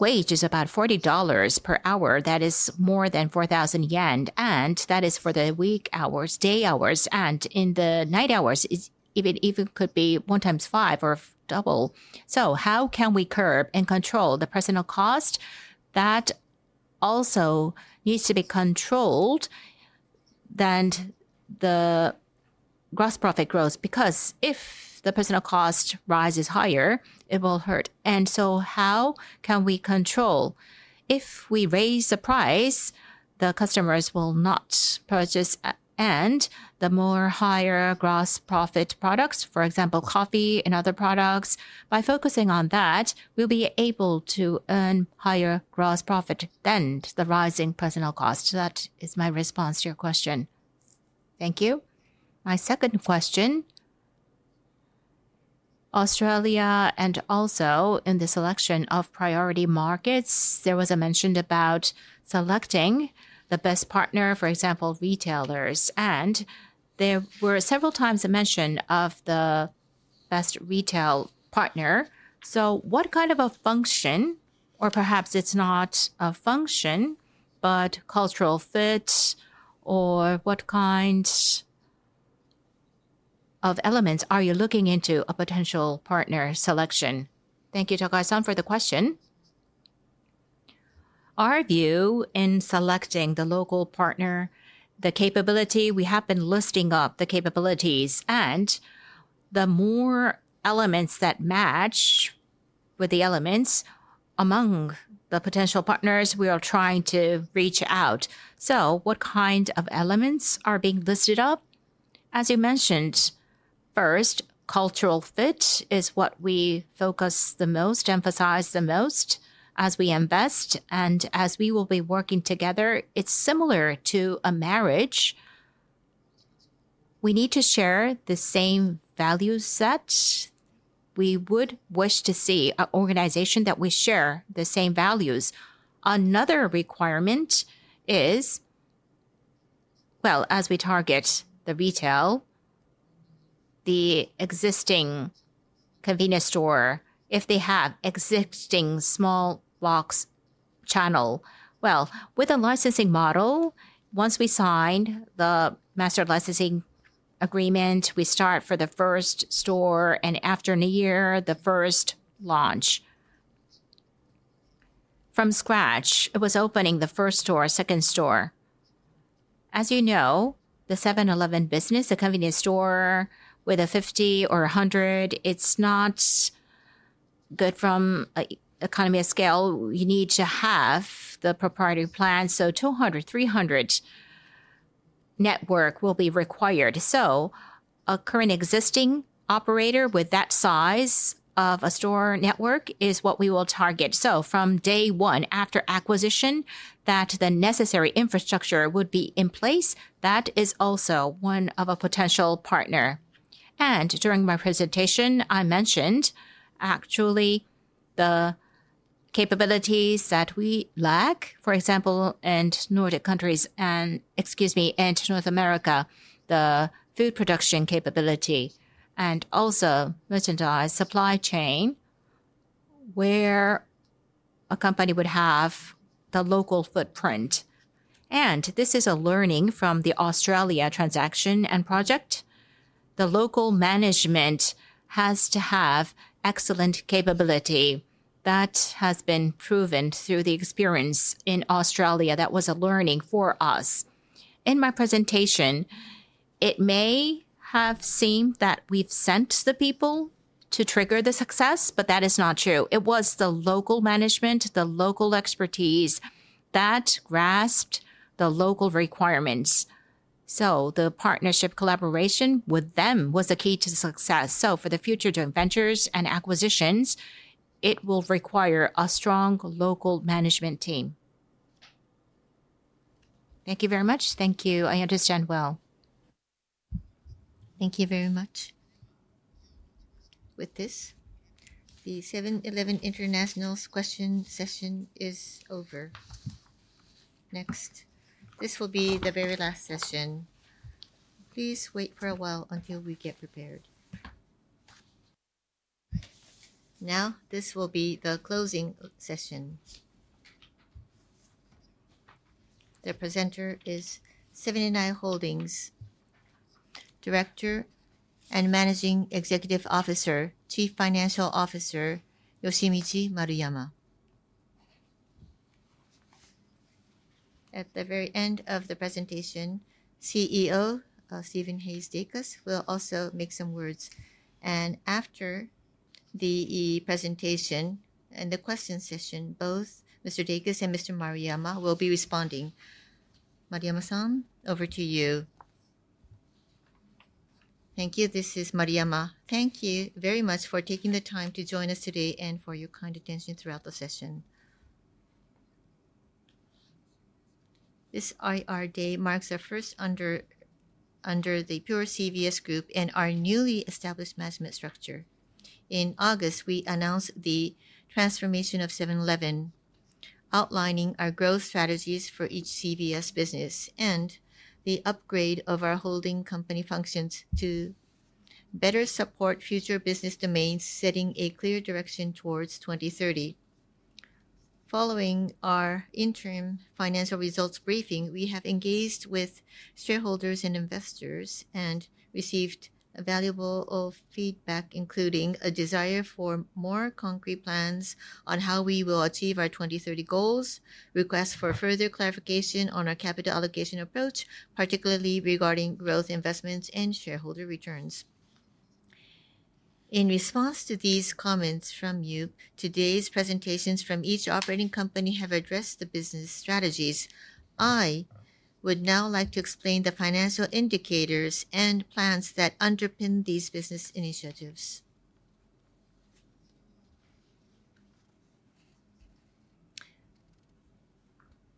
wage is about 40 dollars per hour. That is more than 4,000 yen, and that is for the weak hours, day hours and in the night hours it's even could be one times five or double, so how can we curb and control the personnel cost? That also needs to be controlled, then the gross profit grows because if the personnel cost rises higher, it will hurt. How can we control? If we raise the price, the customers will not purchase and the more higher gross profit products, for example coffee and other products. By focusing on that, we'll be able to earn higher gross profit than the rising personal cost. That is my response to your question. Thank you, my second question. Australia and also in the selection of priority markets, there was a mention about selecting the best partner, for example, retailers. And there were several times a mention of the best retail partner. So what kind of a function, or perhaps it's not a function, but cultural fit or what kind of elements are you looking into a potential partner selection? Thank you for the question. Our view in selecting the local partner, the capability we have been listing up the capabilities and the more elements that match with the elements among the potential partners we are trying to reach out. So what kind of elements are being listed up? As you mentioned first, cultural fit is what we focus the most emphasize the most as we invest and as we will be working together. It's similar to a marriage we need to share the same values set. We would wish to see an organization that we share the same values. Another requirement is as we target the retailer the existing convenience store, if they have existing small box channel. With a licensing model. Once we sign the master licensing agreement, we start for the first store and after a year the first launch. From scratch it was opening the first store, second store, as you know, the 7-Eleven business. A convenience store with a 50 or 100, it's not good from economy of scale. You need to have the proprietary plan. So 200, 300. Network will be required. A current existing operator with that size of a store network is what we will target. From day one after acquisition, that the necessary infrastructure would be in place. That is also one of a potential partner. During my presentation, I mentioned actually the capabilities that we lack, for example and Nordic countries and, excuse me, and North America. The food production capability and also merchandise supply chain where a company would have the local footprint. This is a learning from the Australia transaction and project. The local management has to have excellent capability. That has been proven through the experience in Australia. That was a learning for us. In my presentation, it may have seemed that we've sent the people to trigger the success, but that is not true. It was the local management, the local expertise that grasped the local requirements. So the partnership collaboration with them was the key to success. So for the future joint ventures and acquisitions, it will require a strong local management team. Thank you very much, I understand well. Thank you very much. With this, the 7-Eleven International's Question Session is over. Next, this will be the very last session. Please wait for a while until we get prepared. Now this will be the closing session. The Seven & i Holdings Director and Managing Executive Officer, Chief Financial Officer Yoshimichi Maruyama. At the very end of the presentation, CEO Stephen Hayes Dacus will also make some words and after the presentation and the question session, both Mr. Dacus and Mr. Maruyama will be responding. Maruyama-san, over to you. Thank you, this is Maruyama. Thank you very much for taking the time to join us today and for your kind attention throughout the session. This IR Day marks our first under the pure CVS Group and our newly established management structure. In August, we announced the transformation of 7-Eleven, outlining our growth strategies for each CVS business and the upgrade of our holding company functions to better support future business domains. Setting a clear direction towards 2030 following our interim financial results briefing, we have engaged with shareholders and investors and received valuable feedback including a desire for more concrete plans on how we will achieve our 2030 goals. Requests for further clarification on our capital allocation approach, particularly regarding growth investments and shareholder returns. In response to these comments from you, today's presentations from each operating company have addressed the business strategies. I would now like to explain the financial indicators and plans that underpin these business initiatives.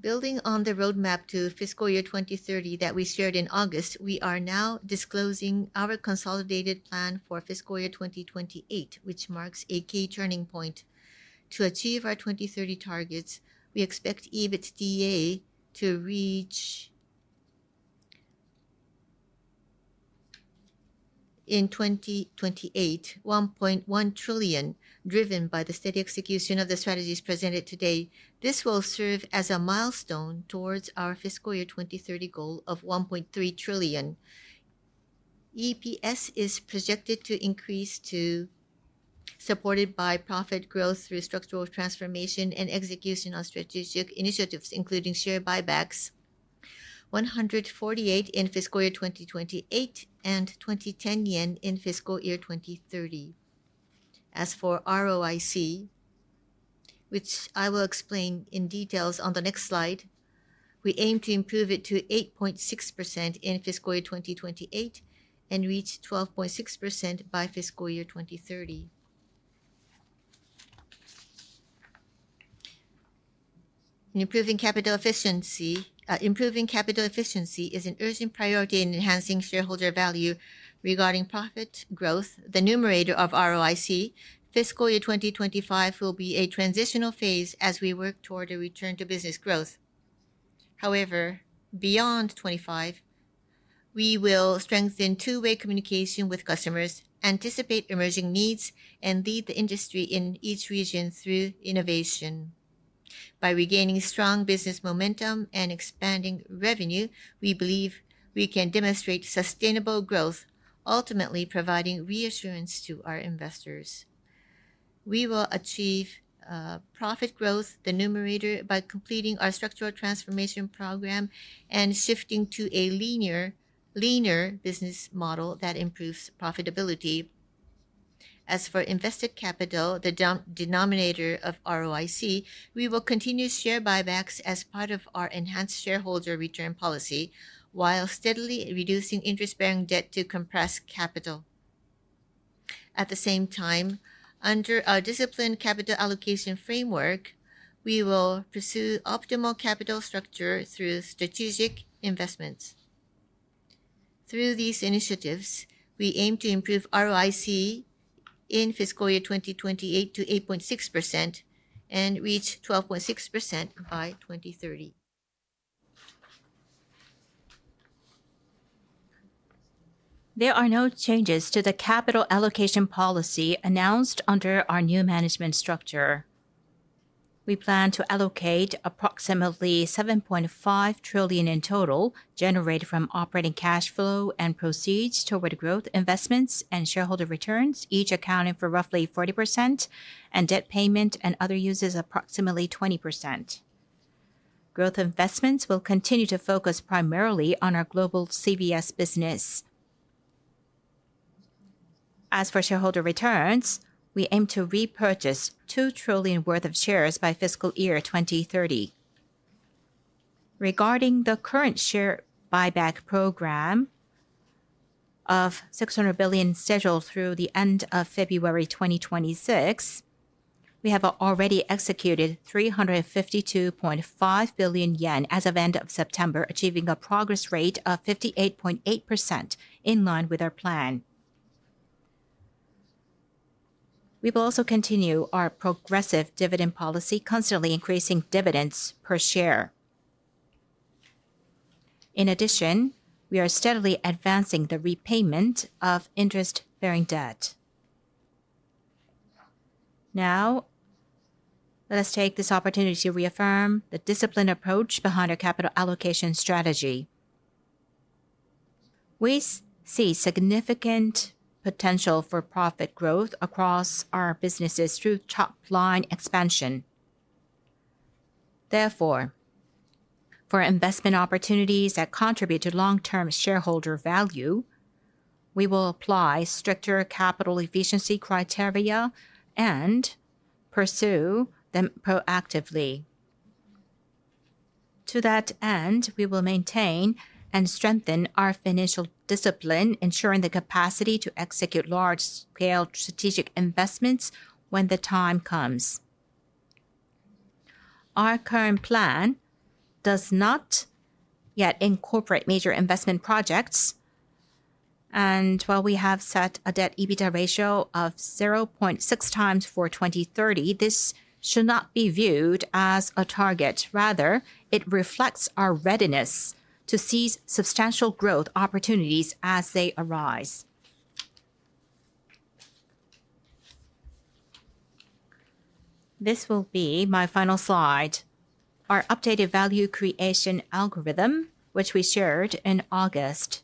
Building on the roadmap to fiscal year 2030 that we shared in August, we are now disclosing our consolidated plan for fiscal year 2028, which marks a key turning point to achieve our 2030 targets. We expect EBITDA to reach.In 2028, 1.1 trillion, driven by the steady execution of the strategies presented today, this will serve as a milestone towards our fiscal year 2030 goal of 1.3 trillion. EPS is projected to increase to 148 yen in fiscal year 2028 and 210 yen in fiscal year 2030, supported by profit growth through structural transformation and execution on strategic initiatives, including share buybacks. As for ROIC, which I will explain in detail on the next slide, we aim to improve it to 8.6% in fiscal year 2028 and reach 12.6% by fiscal year 2030. In improving capital efficiency. Improving capital efficiency is an urgent priority in enhancing shareholder value. Regarding profit growth, the numerator of ROIC, fiscal year 2025 will be a transitional phase as we work toward a return to business growth. However, beyond 25 we will strengthen two-way communication with customers, anticipate emerging needs and lead the industry in each region through innovation. By regaining strong business momentum and expanding revenue, we believe we can demonstrate sustainable growth, ultimately providing reassurance to our investors. We will achieve profit growth, the numerator, by completing our structural transformation program and shifting to a liner, linear business model that improves profitability. As for invested capital, the denominator of ROIC, we will continue share buybacks as part of our enhanced shareholder return policy while steadily reducing interest-bearing debt to compressed capital. At the same time, under our disciplined capital allocation framework, we will pursue optimal capital structure through strategic investments. Through these initiatives, we aim to improve ROIC in fiscal year 2028 to 8.6% and reach 12.6% by 2030.There are no changes to the capital allocation policy announced under our new management structure. We plan to allocate approximately 7.5 trillion in total generated from operating cash flow and proceeds toward growth investments and shareholder returns, each accounting for roughly 40% and debt payment and other uses approximately 20%. Growth investments will continue to focus primarily on our global CVS business. As for shareholder returns, we aim to repurchase 2 trillion worth of shares by fiscal year 2030. Regarding the current share buyback program of 600 billion scheduled through the end of February 2026, we have already executed 352.5 billion yen as of end of September, achieving a progress rate of 58.8%. In line with our plan. We will also continue our progressive dividend policy, constantly increasing dividends per share. In addition, we are steadily advancing the repayment of interest-bearing debt. Now, let us take this opportunity to reaffirm the disciplined approach behind our capital allocation strategy. We see significant potential for profit growth across our businesses through top line expansion. Therefore, for investment opportunities that contribute to long-term shareholder value, we will apply stricter capital efficiency criteria and pursue them proactively. To that end, we will maintain and strengthen our financial discipline, ensuring the capacity to execute large scale strategic investments when the time comes. Our current plan does not yet incorporate major investment projects, and while we have set a debt/EBITDA ratio of 0.6 times for 2030, this should not be viewed as a target. Rather, it reflects our readiness to seize substantial growth opportunities as they arise. This will be my final slide, our updated value creation algorithm, which we shared in August.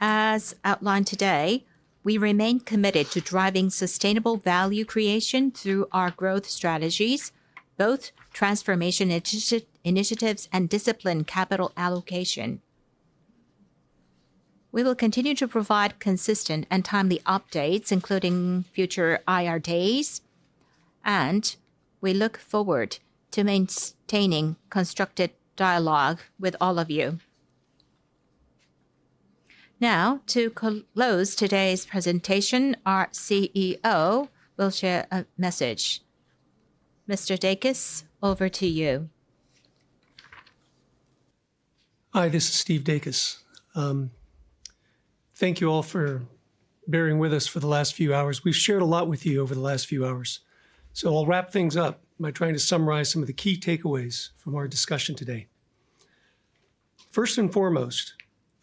As outlined today, we remain committed to driving sustainable value creation through our growth strategies, both transformation initiatives and disciplined capital allocation. We will continue to provide consistent and timely updates, including future IR Days, and we look forward to maintaining constructive dialogue with all of you. Now, to close today's presentation, our CEO will share a message. Mr. Dacus, over to you. Hi, this is Steve Dacus. Thank you all for bearing with us for the last few hours. We've shared a lot with you over the last few hours, so I'll wrap things up by trying to summarize some of the key takeaways from our discussion today. First and foremost,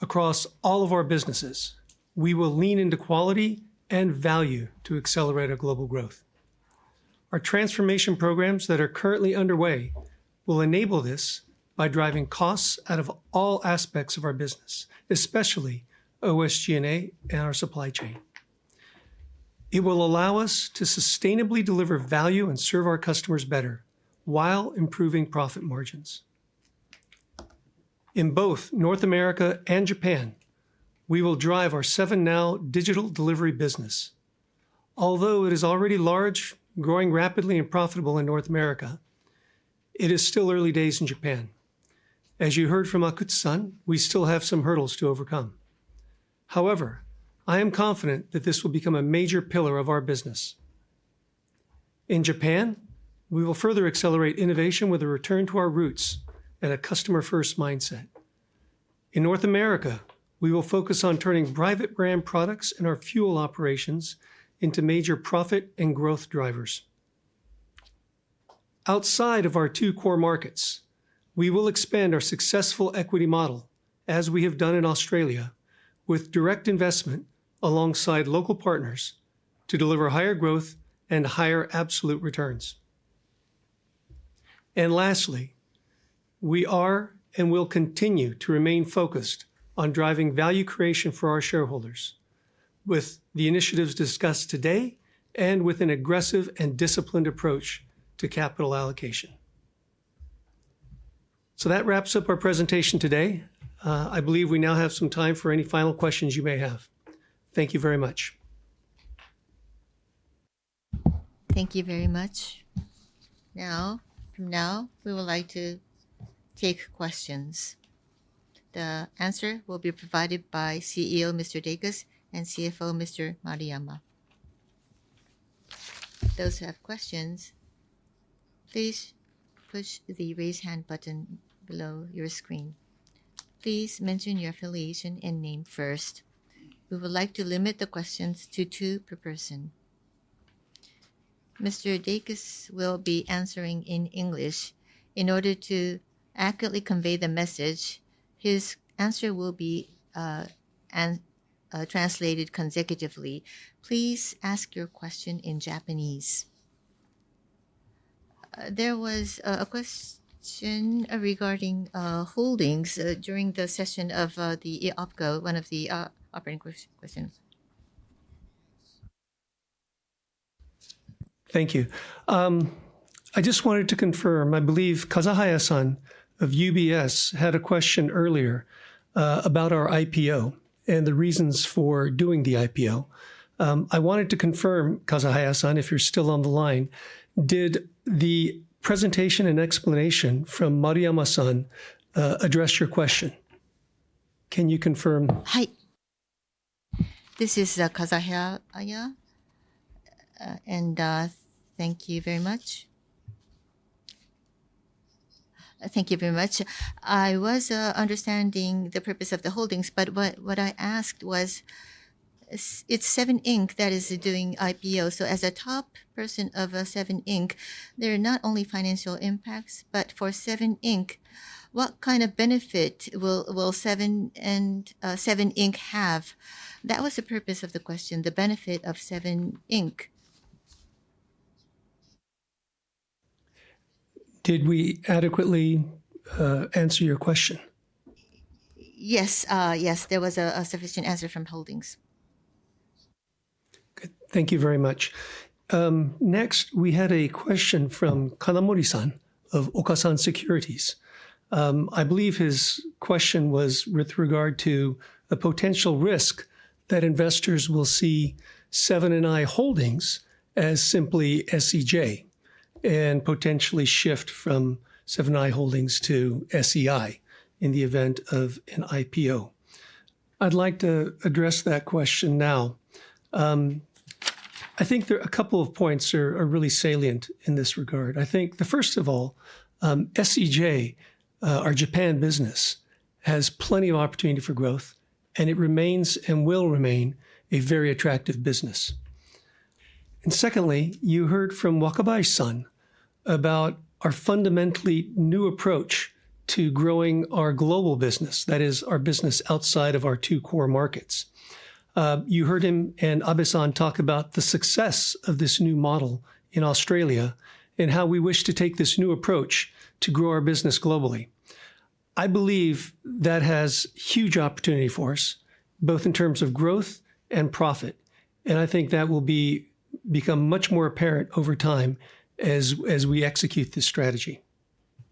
across all of our businesses, we will lean into quality and value to accelerate our global growth. Our transformation programs that are currently underway will enable this by driving costs out of all aspects of our business, especially SG&A and our supply chain. It will allow us to sustainably deliver value and serve our customers better while improving profit margins. In both North America and Japan, we will drive our 7NOW digital delivery business. Although it is already large, growing rapidly and profitable in North America, it is still early days in Japan. As you heard from Akutsu-san, we still have some hurdles to overcome. However, I am confident that this will become a major pillar of our business. In Japan, we will further accelerate innovation with a return to our roots and a customer first mindset. In North America, we will focus on turning private brand products in our fuel operations into major profit and growth drivers. Outside of our two core markets, we will expand our successful equity model as we have done in Australia with direct investment alongside local partners to deliver higher growth and higher absolute returns. Lastly, we are and will continue to remain focused on driving value creation for our shareholders with the initiatives discussed today and with an aggressive and disciplined approach to capital allocation. So that wraps up our presentation today. I believe we now have some time for any final questions you may have. Thank you very much. Thank you very much. Now we would like to take questions. The answer will be provided by CEO Mr. Dacus and CFO Mr. Maruyama. Those who have questions, please push the raise hand button below your screen. Please mention your affiliation and name first. We would like to limit the questions to two per person. Mr. Dacus will be answering in English in order to accurately convey the message. His answer will be translated consecutively. Please ask your question in Japanese. There was a question regarding holdings during the session of the OpCo. One of the operating questions. Thank you, I just wanted to confirm. I believe Kazahaya-san of UBS had a question earlier about our IPO and the reasons for doing the IPO. I wanted to confirm. Kazahaya-san, if you're still on the line. Did the presentation and explanation from Maruyama-san address your question? Can you confirm? This is Kazahaya. Thank you very much, I was understanding the purpose of the Holdings, but what I asked was it's 7-Eleven, Inc. that is doing IPO. So as a top person of 7-Eleven, Inc. There are not only financial impacts, but for 7-Eleven, Inc. What kind of Seven & i and 7-Eleven, Inc. have? That was the purpose of the question. The benefit of 7-Eleven, Inc. Did we adequately answer your question? Yes. Yes, there was a sufficient answer from Holdings. Thank you very much. Next, we had a question from Kanamori-san of Okasan Securities. I believe his question was with regard to a potential risk that investors will see Seven & i Holdings as simply SEJ and potentially shift from Seven & i Holdings to SEI in the event of an IPO. I'd like to address that question now. I think a couple of points are really salient in this regard. I think the first of all, SEJ, our Japan business has plenty of opportunity for growth and it remains and will remain a very attractive business. And secondly, you heard from Wakabayashi-san about our fundamentally new approach to growing our global business that is our business outside of our two core markets. You heard him and Abe-san talk about the success of this new model in Australia and how we wish to take this new approach to grow our business globally. I believe that has huge opportunity for us both in terms of growth and profit. And I think that will become much more apparent over time as we execute this strategy.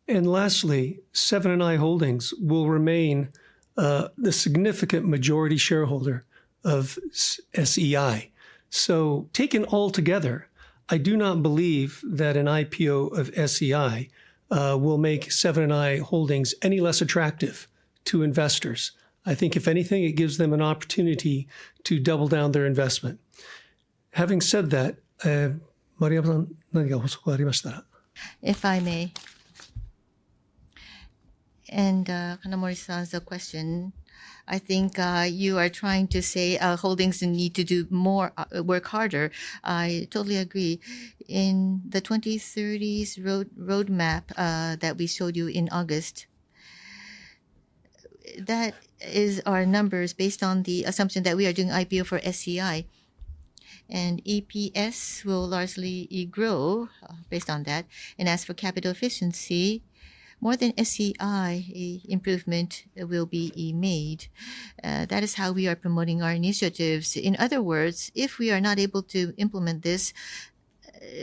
And lastly, Seven & i Holdings will remain the significant majority shareholder of SEI. Taken altogether, I do not believe that an IPO of SEI will make Seven & i Holdings any less attractive to investors. I think if anything, it gives them an opportunity to double down their investment. Having said that. If I may, Kanamori-san's question, I think you are trying to say Holdings need to do more, work harder. I totally agree. In the 2030s roadmap that we showed you in August. That is our numbers based on the assumption that we are doing IPO for SEI and EPS will largely grow based on that. And as for capital efficiency, more than SEI improvement will be made. That is how we are promoting our initiatives. In other words, if we are not able to implement this,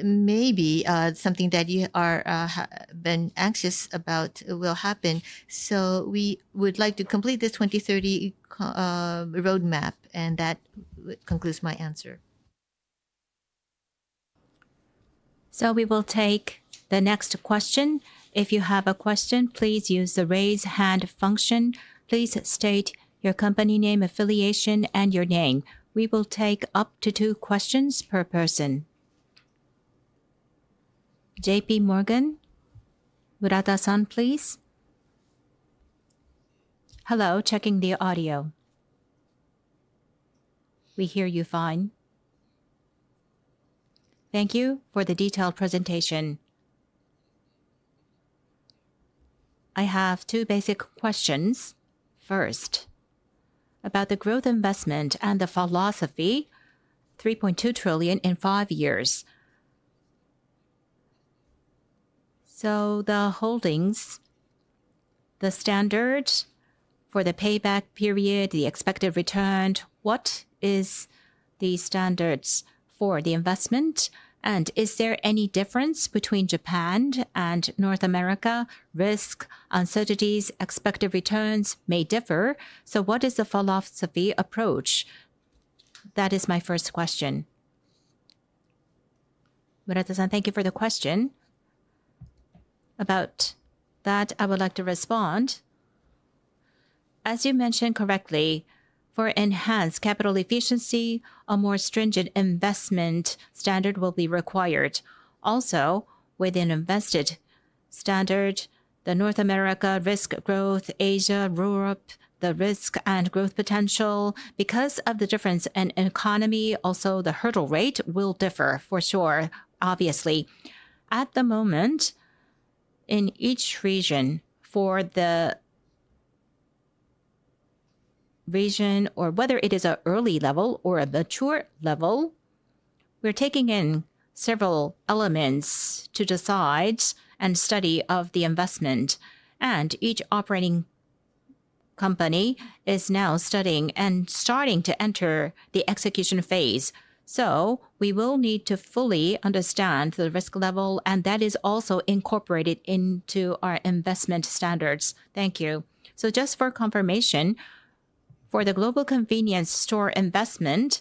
maybe something that you have been anxious about will happen. So we would like to complete this 2030 roadmap. And that concludes my answer. So we will take the next question. If you have a question, please use the raise hand function. Please state your company name, affiliation and your name. We will take up to two questions per person. JPMorgan Murata-san, please. Hello. Checking the audio. We hear you fine. Thank you for the detailed presentation. I have two basic questions. First, about the growth investment and the philosophy 3.2 trillion JPY in five years. So for the holdings, the standard for the payback period, the expected return, what is the standards for the investment? And is there any difference between Japan and North America? Risk uncertainties. Expected returns may differ. So what is the philosophy approach? That is my first question. Thank you for the question. About that, I would like to respond. As you mentioned correctly, for enhanced capital efficiency, a more stringent investment standard will be required. Also, with an investment standard, the North America risk growth, Asia, Europe, the risk and growth potential because of the difference in economy also the hurdle rate will differ for sure. Obviously, at the moment in each region for the. Region or whether it is an early level or a mature level. We're taking in several elements to decide and study of the investment. And each operating company is now studying and starting to enter the execution phase. So we will need to fully understand the risk level and that is also incorporated into our investment standards. Thank you. So just for confirmation for the global convenience store investment,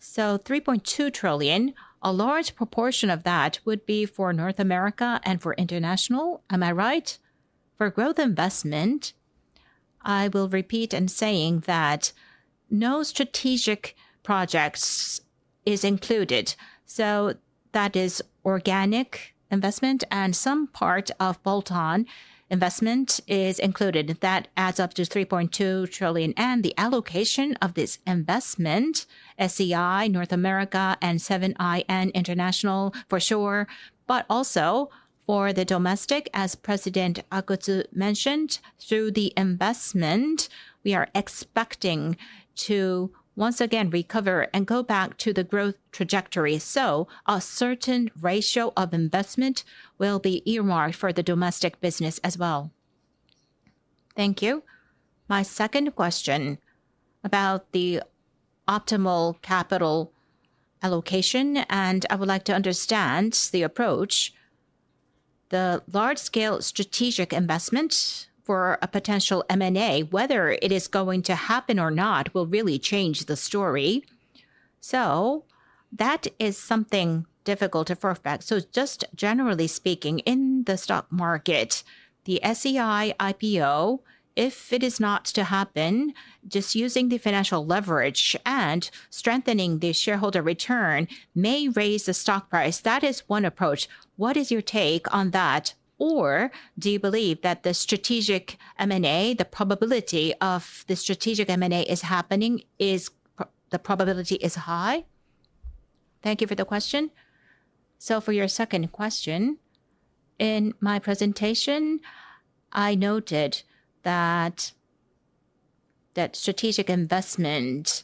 so 3.2 trillion. A large proportion of that would be for North America and for international. Am I right? For growth investment, I will repeat and saying that no strategic projects is included. So that is organic investment and some part of bolt-on investment is included. That adds up to 3.2 trillion. And the allocation of this investment, Seven & i, North America and 7-Eleven International for sure, but also for the domestic. As President Nagamatsu mentioned, through the investment we are expecting to once again recover and go back to the growth trajectory. So a certain ratio of investment will be earmarked for the domestic business as well. Thank you. My second question about the optimal capital allocation and I would like to understand the approach the large scale strategic investment for a potential M&A. Whether it is going to happen or not will really change the story. So that is something difficustelt to throw back. So just generally speaking, in the stock market, the SEI IPO, if it is not to happen, just using the financial leverage and strengthening the shareholder return may raise the stock price. That is one approach. What is your take on that? Or do you believe that the strategic M&A. The probability of the strategic M&A happening is high. Thank you for the question. So for your second question in my presentation, I noted that that strategic investment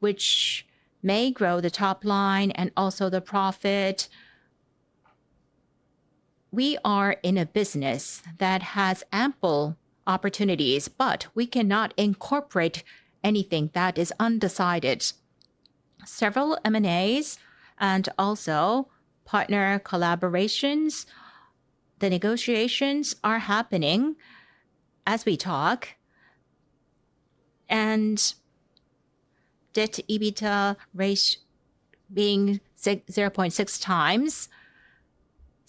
which may grow the top line and also the profit. We are in a business that has ample opportunities. But we cannot incorporate anything that is undecided. Several M&As and also partner collaborations. The negotiations are happening as we talk and Debt/EBITDA ratio being 0.6 times.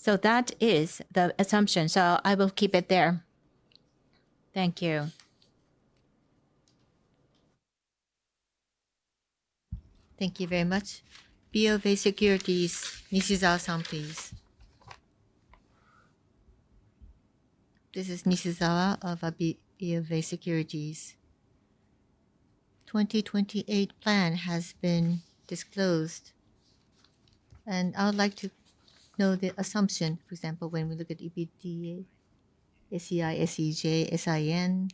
So that is the assumption, so I will keep it there. Thank you. Thank you very much. BofA Securities, Nishizawa-san, please. This is Nishizawa of Bank of America Securities. 2028 plan has been disclosed and I would like to know the assumption. For example, when we look at EBITDA, say, SEJ, Inc.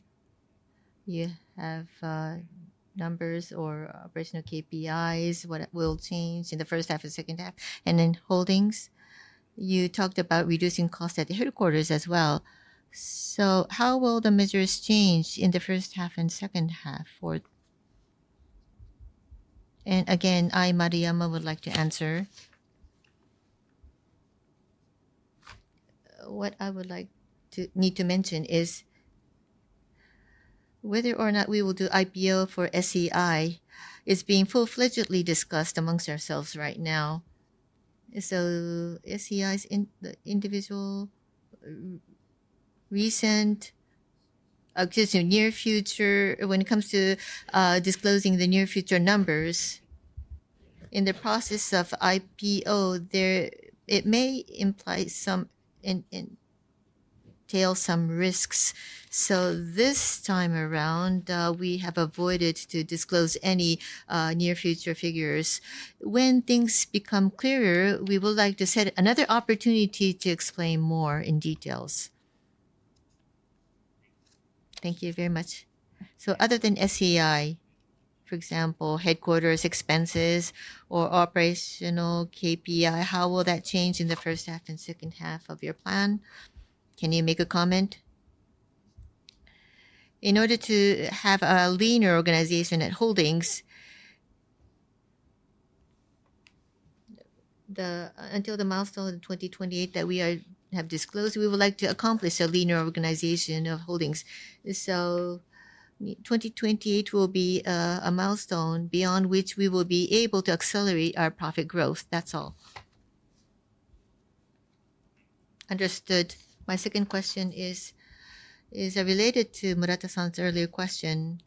You have numbers or operational KPIs, what will change in the first half and second half and then Holdings. You talked about reducing cost at the headquarters as well. So how will the measures change in the first half and second half? Again I, Maruyama, would like to answer. What I would like to mention is whether or not we will do IPO for SEI is being full-fledgedly discussed among ourselves right now. So SEI's individual recent. Excuse me, near future. When it comes to disclosing the near future numbers in the process of IPO, there it may imply some. Entail some risks, so this time around we have avoided to disclose any near future figures. When things become clearer, we would like to set another opportunity to explain more in details. Thank you very much. Other than SG&A, for example headquarters expenses or operational KPI, how will that change in the first half and second half of your plan? Can you make a comment? In order to have a leaner organization at Holdings. Until the milestone in 2028 that we have disclosed, we would like to accomplish a leaner organization of Holdings. So 2028 will be a milestone beyond which we will be able to accelerate our profit growth. That's all Understood, my second question is related to Murata-san's earlier question.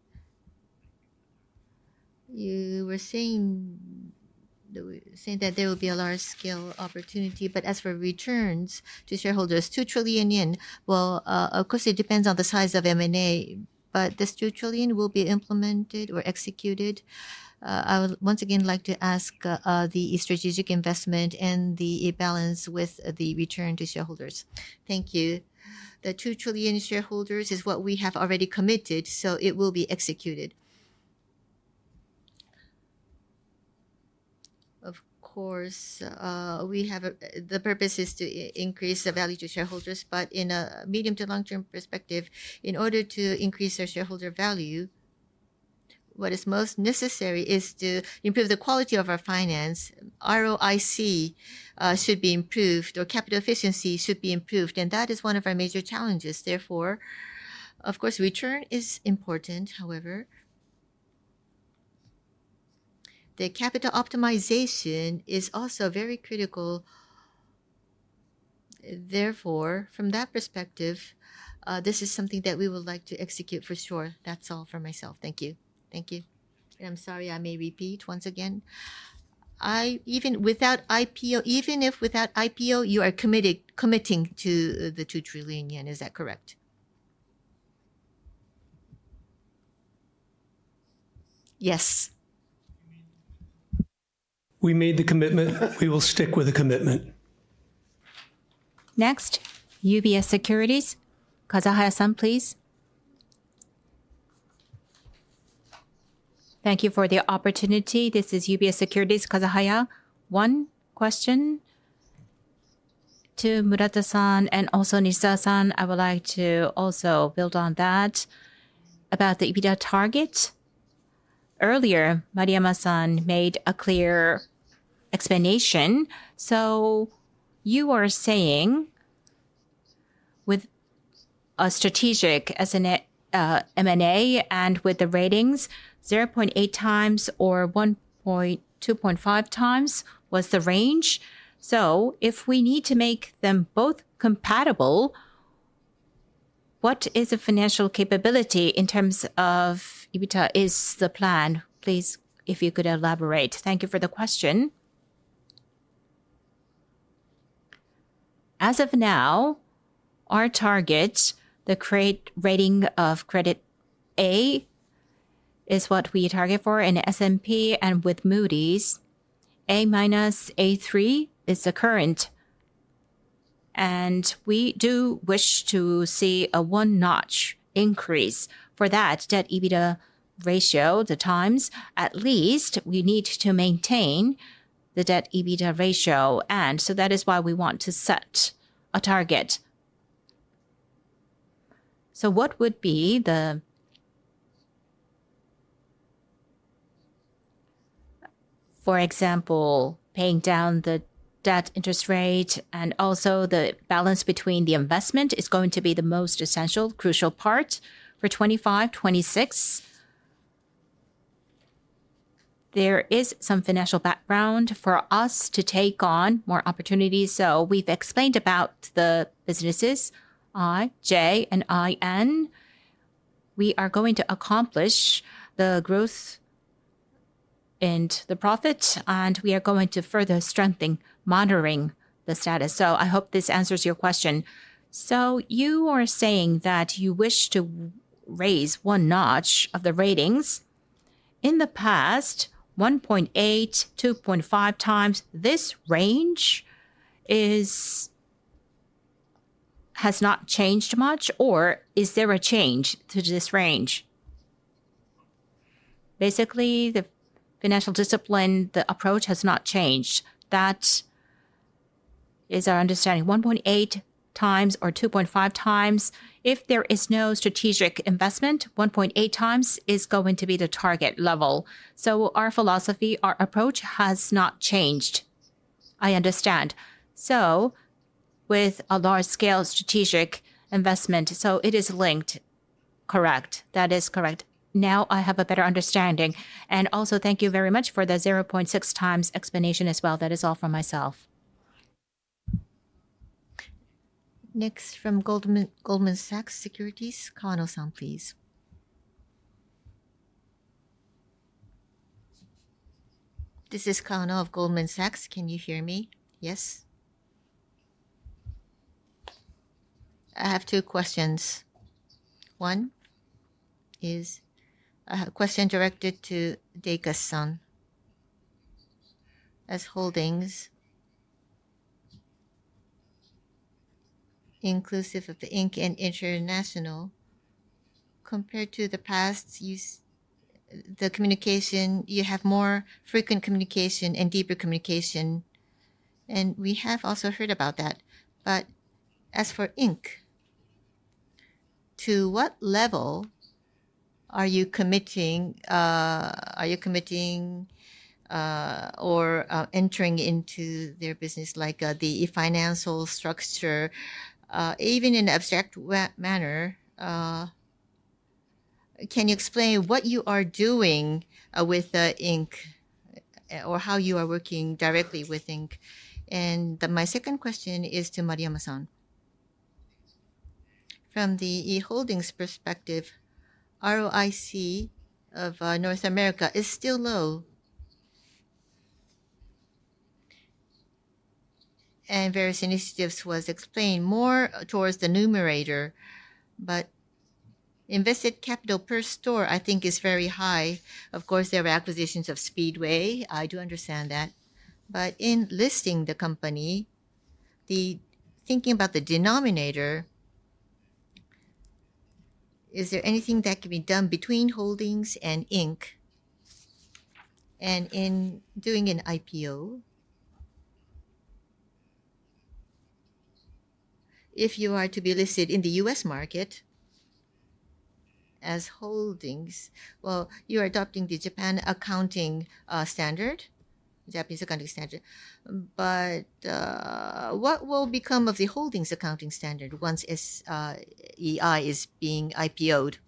You were saying? that there will be a large-scale opportunity, but as for returns to shareholders, 2 trillion yen. Well, of course it depends on the size of M&A, but this 2 trillion will be implemented or executed. I would once again like to ask about the strategic investment and the balance with the return to shareholders. Thank you, the 2 trillion yen to shareholders is what we have already committed so it will be executed. Of course, we have the purpose is to increase the value to shareholders, but in a medium- to long-term perspective, in order to increase our shareholder value, what is most necessary is to improve the quality of our finance. ROIC should be improved or capital efficiency should be improved, and that is one of our major challenges. Therefore, of course, return is important. However, the capital optimization is also very critical. Therefore, from that perspective, this is something that we would like to execute for sure. That's all for myself. Thank you. Thank you. I'm sorry, I may repeat once again. Even without IPO, even if without IPO, you are committing to the 2 trillion yen. Is that correct? Yes. We made the commitment. We will stick with the commitment. Next, UBS Securities Kazahaya-san, please. Thank you for the opportunity. This is UBS Securities Kazahaya. One question. To Murata-san and also Nishizawa-san, I would like to also build on that about the EBITDA target. Earlier Maruyama-san made a clear explanation, so you are saying. With a strategic M&A and with the ratings 0.8 times or 1-2.5 times was the range, so if we need to make them both compatible. What is the financial capability in terms of EBITDA is the plan? Please, if you could elaborate. Thank you for the question. As of now, our target, the credit rating of A, is what we target for in S&P, and with Moody's, A-, A3 is the current. We do wish to see a one notch increase for that debt/EBITDA ratio the times. At least we need to maintain the debt/EBITDA ratio, and so that is why we want to set a target. So what would be, for example, paying down the debt interest rate and also the balance between the investment is going to be the most essential crucial part for 2526. There is some financial background for us to take on more opportunities, so we think explained about the businesses Seven & i. And we are going to accomplish the growth. And the profit and we are going to further strengthen monitoring the status. So I hope this answers your question. So you are saying that you wish to raise one notch of the ratings. In the past, 1.8-2.5 times this range is has not changed much or is there a change to this range? Basically, the financial discipline, the approach has not changed. That is our understanding 1.8 times or 2.5 times? If there is no strategic investment, 1.8 times is going to be the target level. Our philosophy, our approach has not changed. I understand. With a large scale strategic investment, so it is linked, correct? That is correct. Now I have a better understanding. Also thank you very much for the 0.6 times explanation as well, that is all from myself. Next, from Goldman Sachs. Kawano-san, please. Please. This is Kawano of Goldman Sachs. Can you hear me? Yes. I have two questions. One is a question directed to Dacus-san. As holdings inclusive of the Inc. and international. Compared to the past, the communication, you have more frequent communication and deeper communication and we have also heard about that. But as for Inc., to what level, are you committing? Or entering into their business? Like the financial structure, even in abstract manner. Can you explain what you are doing with Inc. or how you are working directly with Inc.? And my second question is to Maruyama-sanhe Seven & i Holdings perspective, ROIC of North America is still low. And various initiatives was explained more towards the numerator. But invested capital per store I think is very high. Of course there are acquisitions of Speedway. I do understand that. But in listing the company, the thinking about the denominator. Is there anything that can be done between Holdings and Inc. in doing an IPO? If you are to be listed in the U.S. market. As Holdings, well, you are adopting the Japanese Accounting Standard. But what will become of the holdings accounting standard once EI is being IPO'd?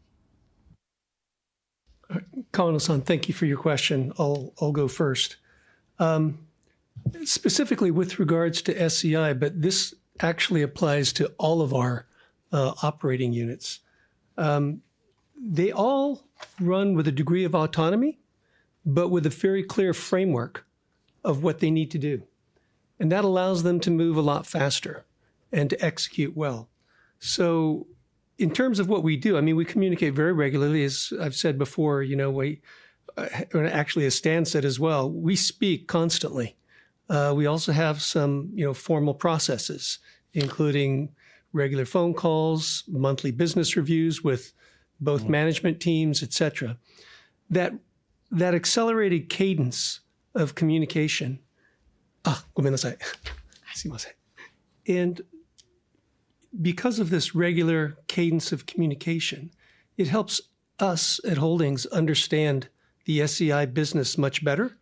Kawano-san, thank you for your question. I'll go first. Specifically with regards to SEI, but this actually applies to all of our operating units. They all run with a degree of autonomy, but with a very clear framework of what they need to do. And that allows them to move a lot faster and to execute well. So in terms of what we do, I mean, we communicate very regularly. As I've said before, you know, actually, as Stan said as well, we speak constantly. We also have some formal processes, including regular phone calls, monthly business reviews with both management teams, etc. That accelerated cadence of communication. And because of this regular cadence of communication, it helps us at holdings understand the SEI business much better.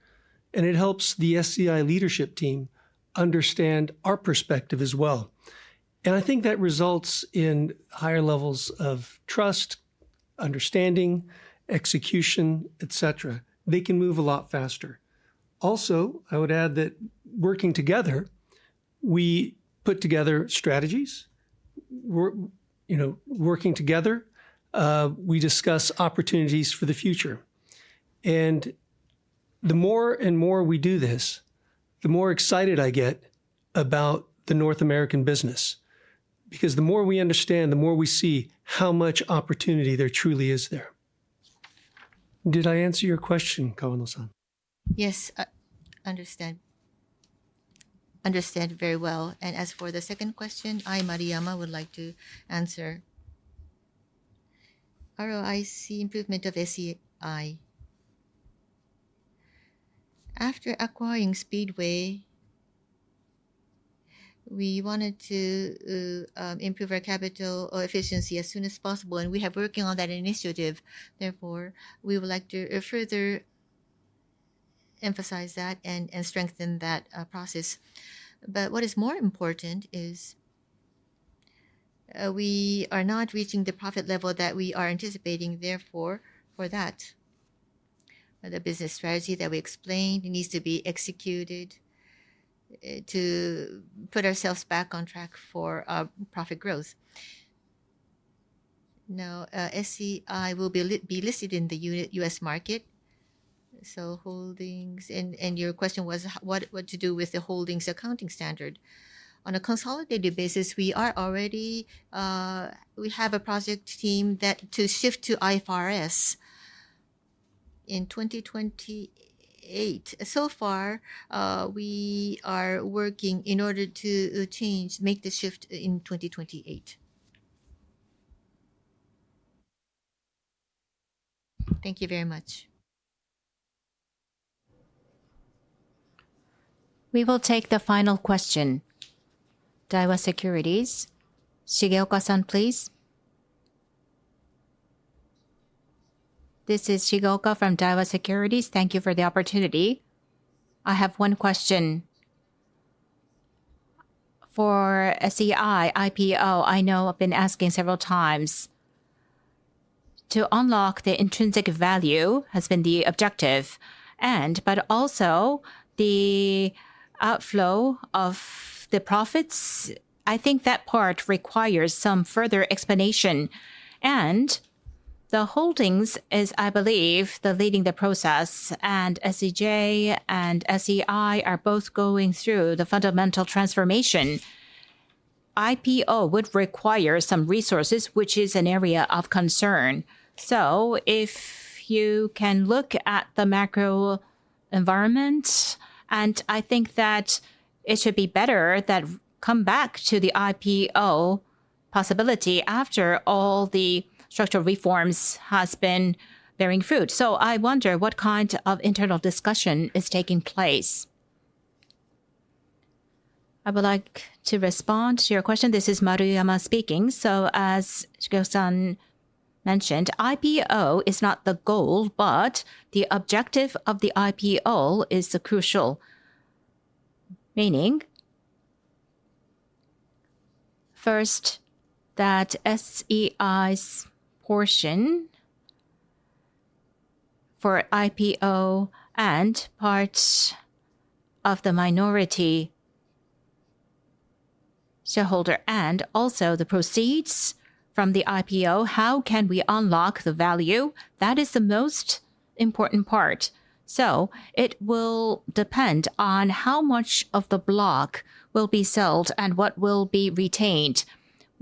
And it helps the SCI leadership team understand our perspective as well. And I think that results in higher levels of trust, understanding, execution, et cetera. They can move a lot faster. Also, I would add that working together, we put together strategies. Working together, we discuss opportunities for the future, and the more and more we do this, the more excited I get about the North American business because the more we understand, the more we see how much opportunity there truly is there. Did I answer your question, Kawano-san? Yes, understand. Understand very well. And as for the second question, I, Maruyama, would like to answer. ROIC improvement of SEI. After acquiring Speedway. We wanted to improve our capital efficiency as soon as possible. We have been working on that initiative. Therefore, we would like to further emphasize that and strengthen that process. But what is more important is we are not reaching the profit level that we are anticipating. Therefore, for that the business strategy that we explained needs to be executed to put ourselves back on track for profit growth. Now, SEI will be listed in the U.S. market. So, Holdings, and your question was what to do with the Holdings accounting standard on a consolidated basis. We are already. We have a project team that to shift to IFRS. In 2028, so far we are working in order to make the change shift in 2028. Thank you very much. We will take the final question. Daiwa Securities Shigeoka-san, please. This is Shigeoka from Daiwa Securities. Thank you for the opportunity. I have one question. For SEI-IPO. I know I've been asking several times. To unlock the intrinsic value has been the objective and but also the outflow of the profits. I think that part requires some further explanation, and the holdings is I believe leading the process. And SEJ and SEI are both going through the fundamental transformation. IPO would require some resources which is an area of concern. So if you can look at the macro environment and I think that it should be better that come back to the IPO possibility after all the structural reforms has been bearing fruit. So I wonder what kind of internal discussion is taking place? I would like to respond to your question. This is Maruyama speaking. So as, IPO is not the goal, but the objective of the IPO is the crucial. Meaning, first, that SEI's portion for IPO and parts of the minority shareholder and also the proceeds from the IPO. How can we unlock the value? That is the most important part. It will depend on how much of the block will be sold and what will be retained.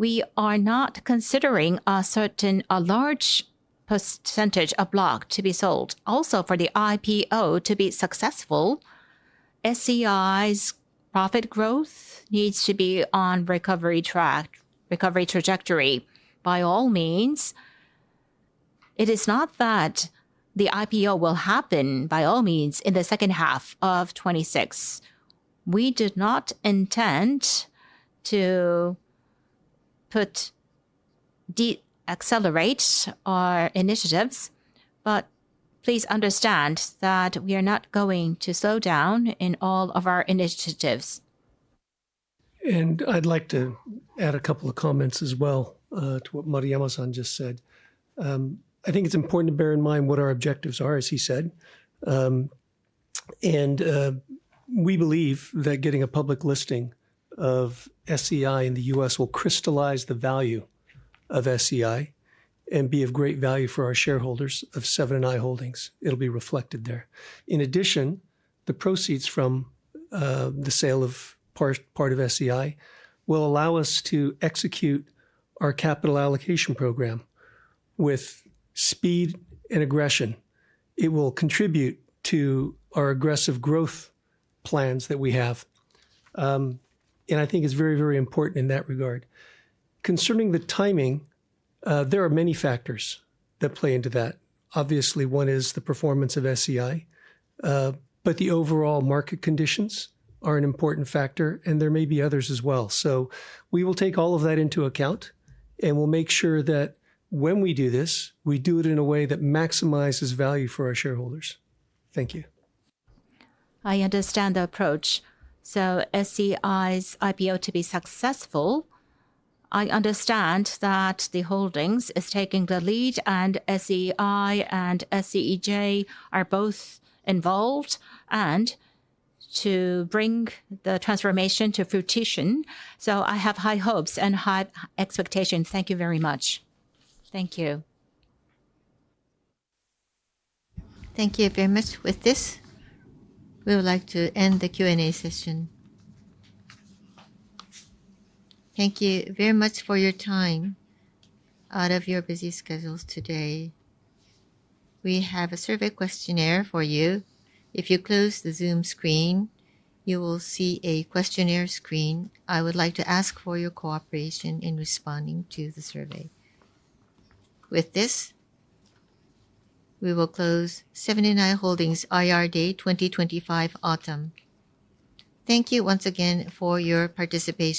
We are not considering a certain large percentage of block to be sold. Also for the IPO to be successful, SEI's profit growth needs to be on recovery track. Recovery trajectory. By all means, it is not that the IPO will happen by all means. In the second half of 2016. We did not intend to decelerate our initiatives, but please understand that we are not going to slow down in all of our initiatives. I'd like to add a couple of comments as well to what Maruyama-san just said. I think it's important to bear in mind what our objectives are, as he said. We believe that getting a public listing of SEI in the U.S. will crystallize the value of SEI and be of great value for our shareholders of Seven & i Holdings. It'll be reflected there. In addition, the proceeds from the sale of part of SEI will allow us to execute our capital allocation program with speed and aggression. It will contribute to our aggressive growth plans that we have. I think it's very, very important in that regard. Concerning the timing, there are many factors that play into that. Obviously one is the performance of SEI, but the overall market conditions are an important factor and there may be others as well. We will take all of that into account and we'll make sure that when we do this, we do it in a way that maximizes value for our shareholders. Thank you. I understand the approach so SEI's IPO to be successful. I understand that the holdings is taking the lead and SEI and SEJ are both involved and to bring the transformation to fruition. I have high hopes and high expectations. Thank you very much. Thank you. Thank you very much. With this, we would like to end the Q&A session. Thank you very much for your time out of your busy schedules. Today we have a survey questionnaire for you. If you close the Zoom screen, you will see a questionnaire screen. I would like to ask for your cooperation in responding to the survey. With this. We Seven & i Holdings IR Day 2025 Autumn. Thank you once again for your participation.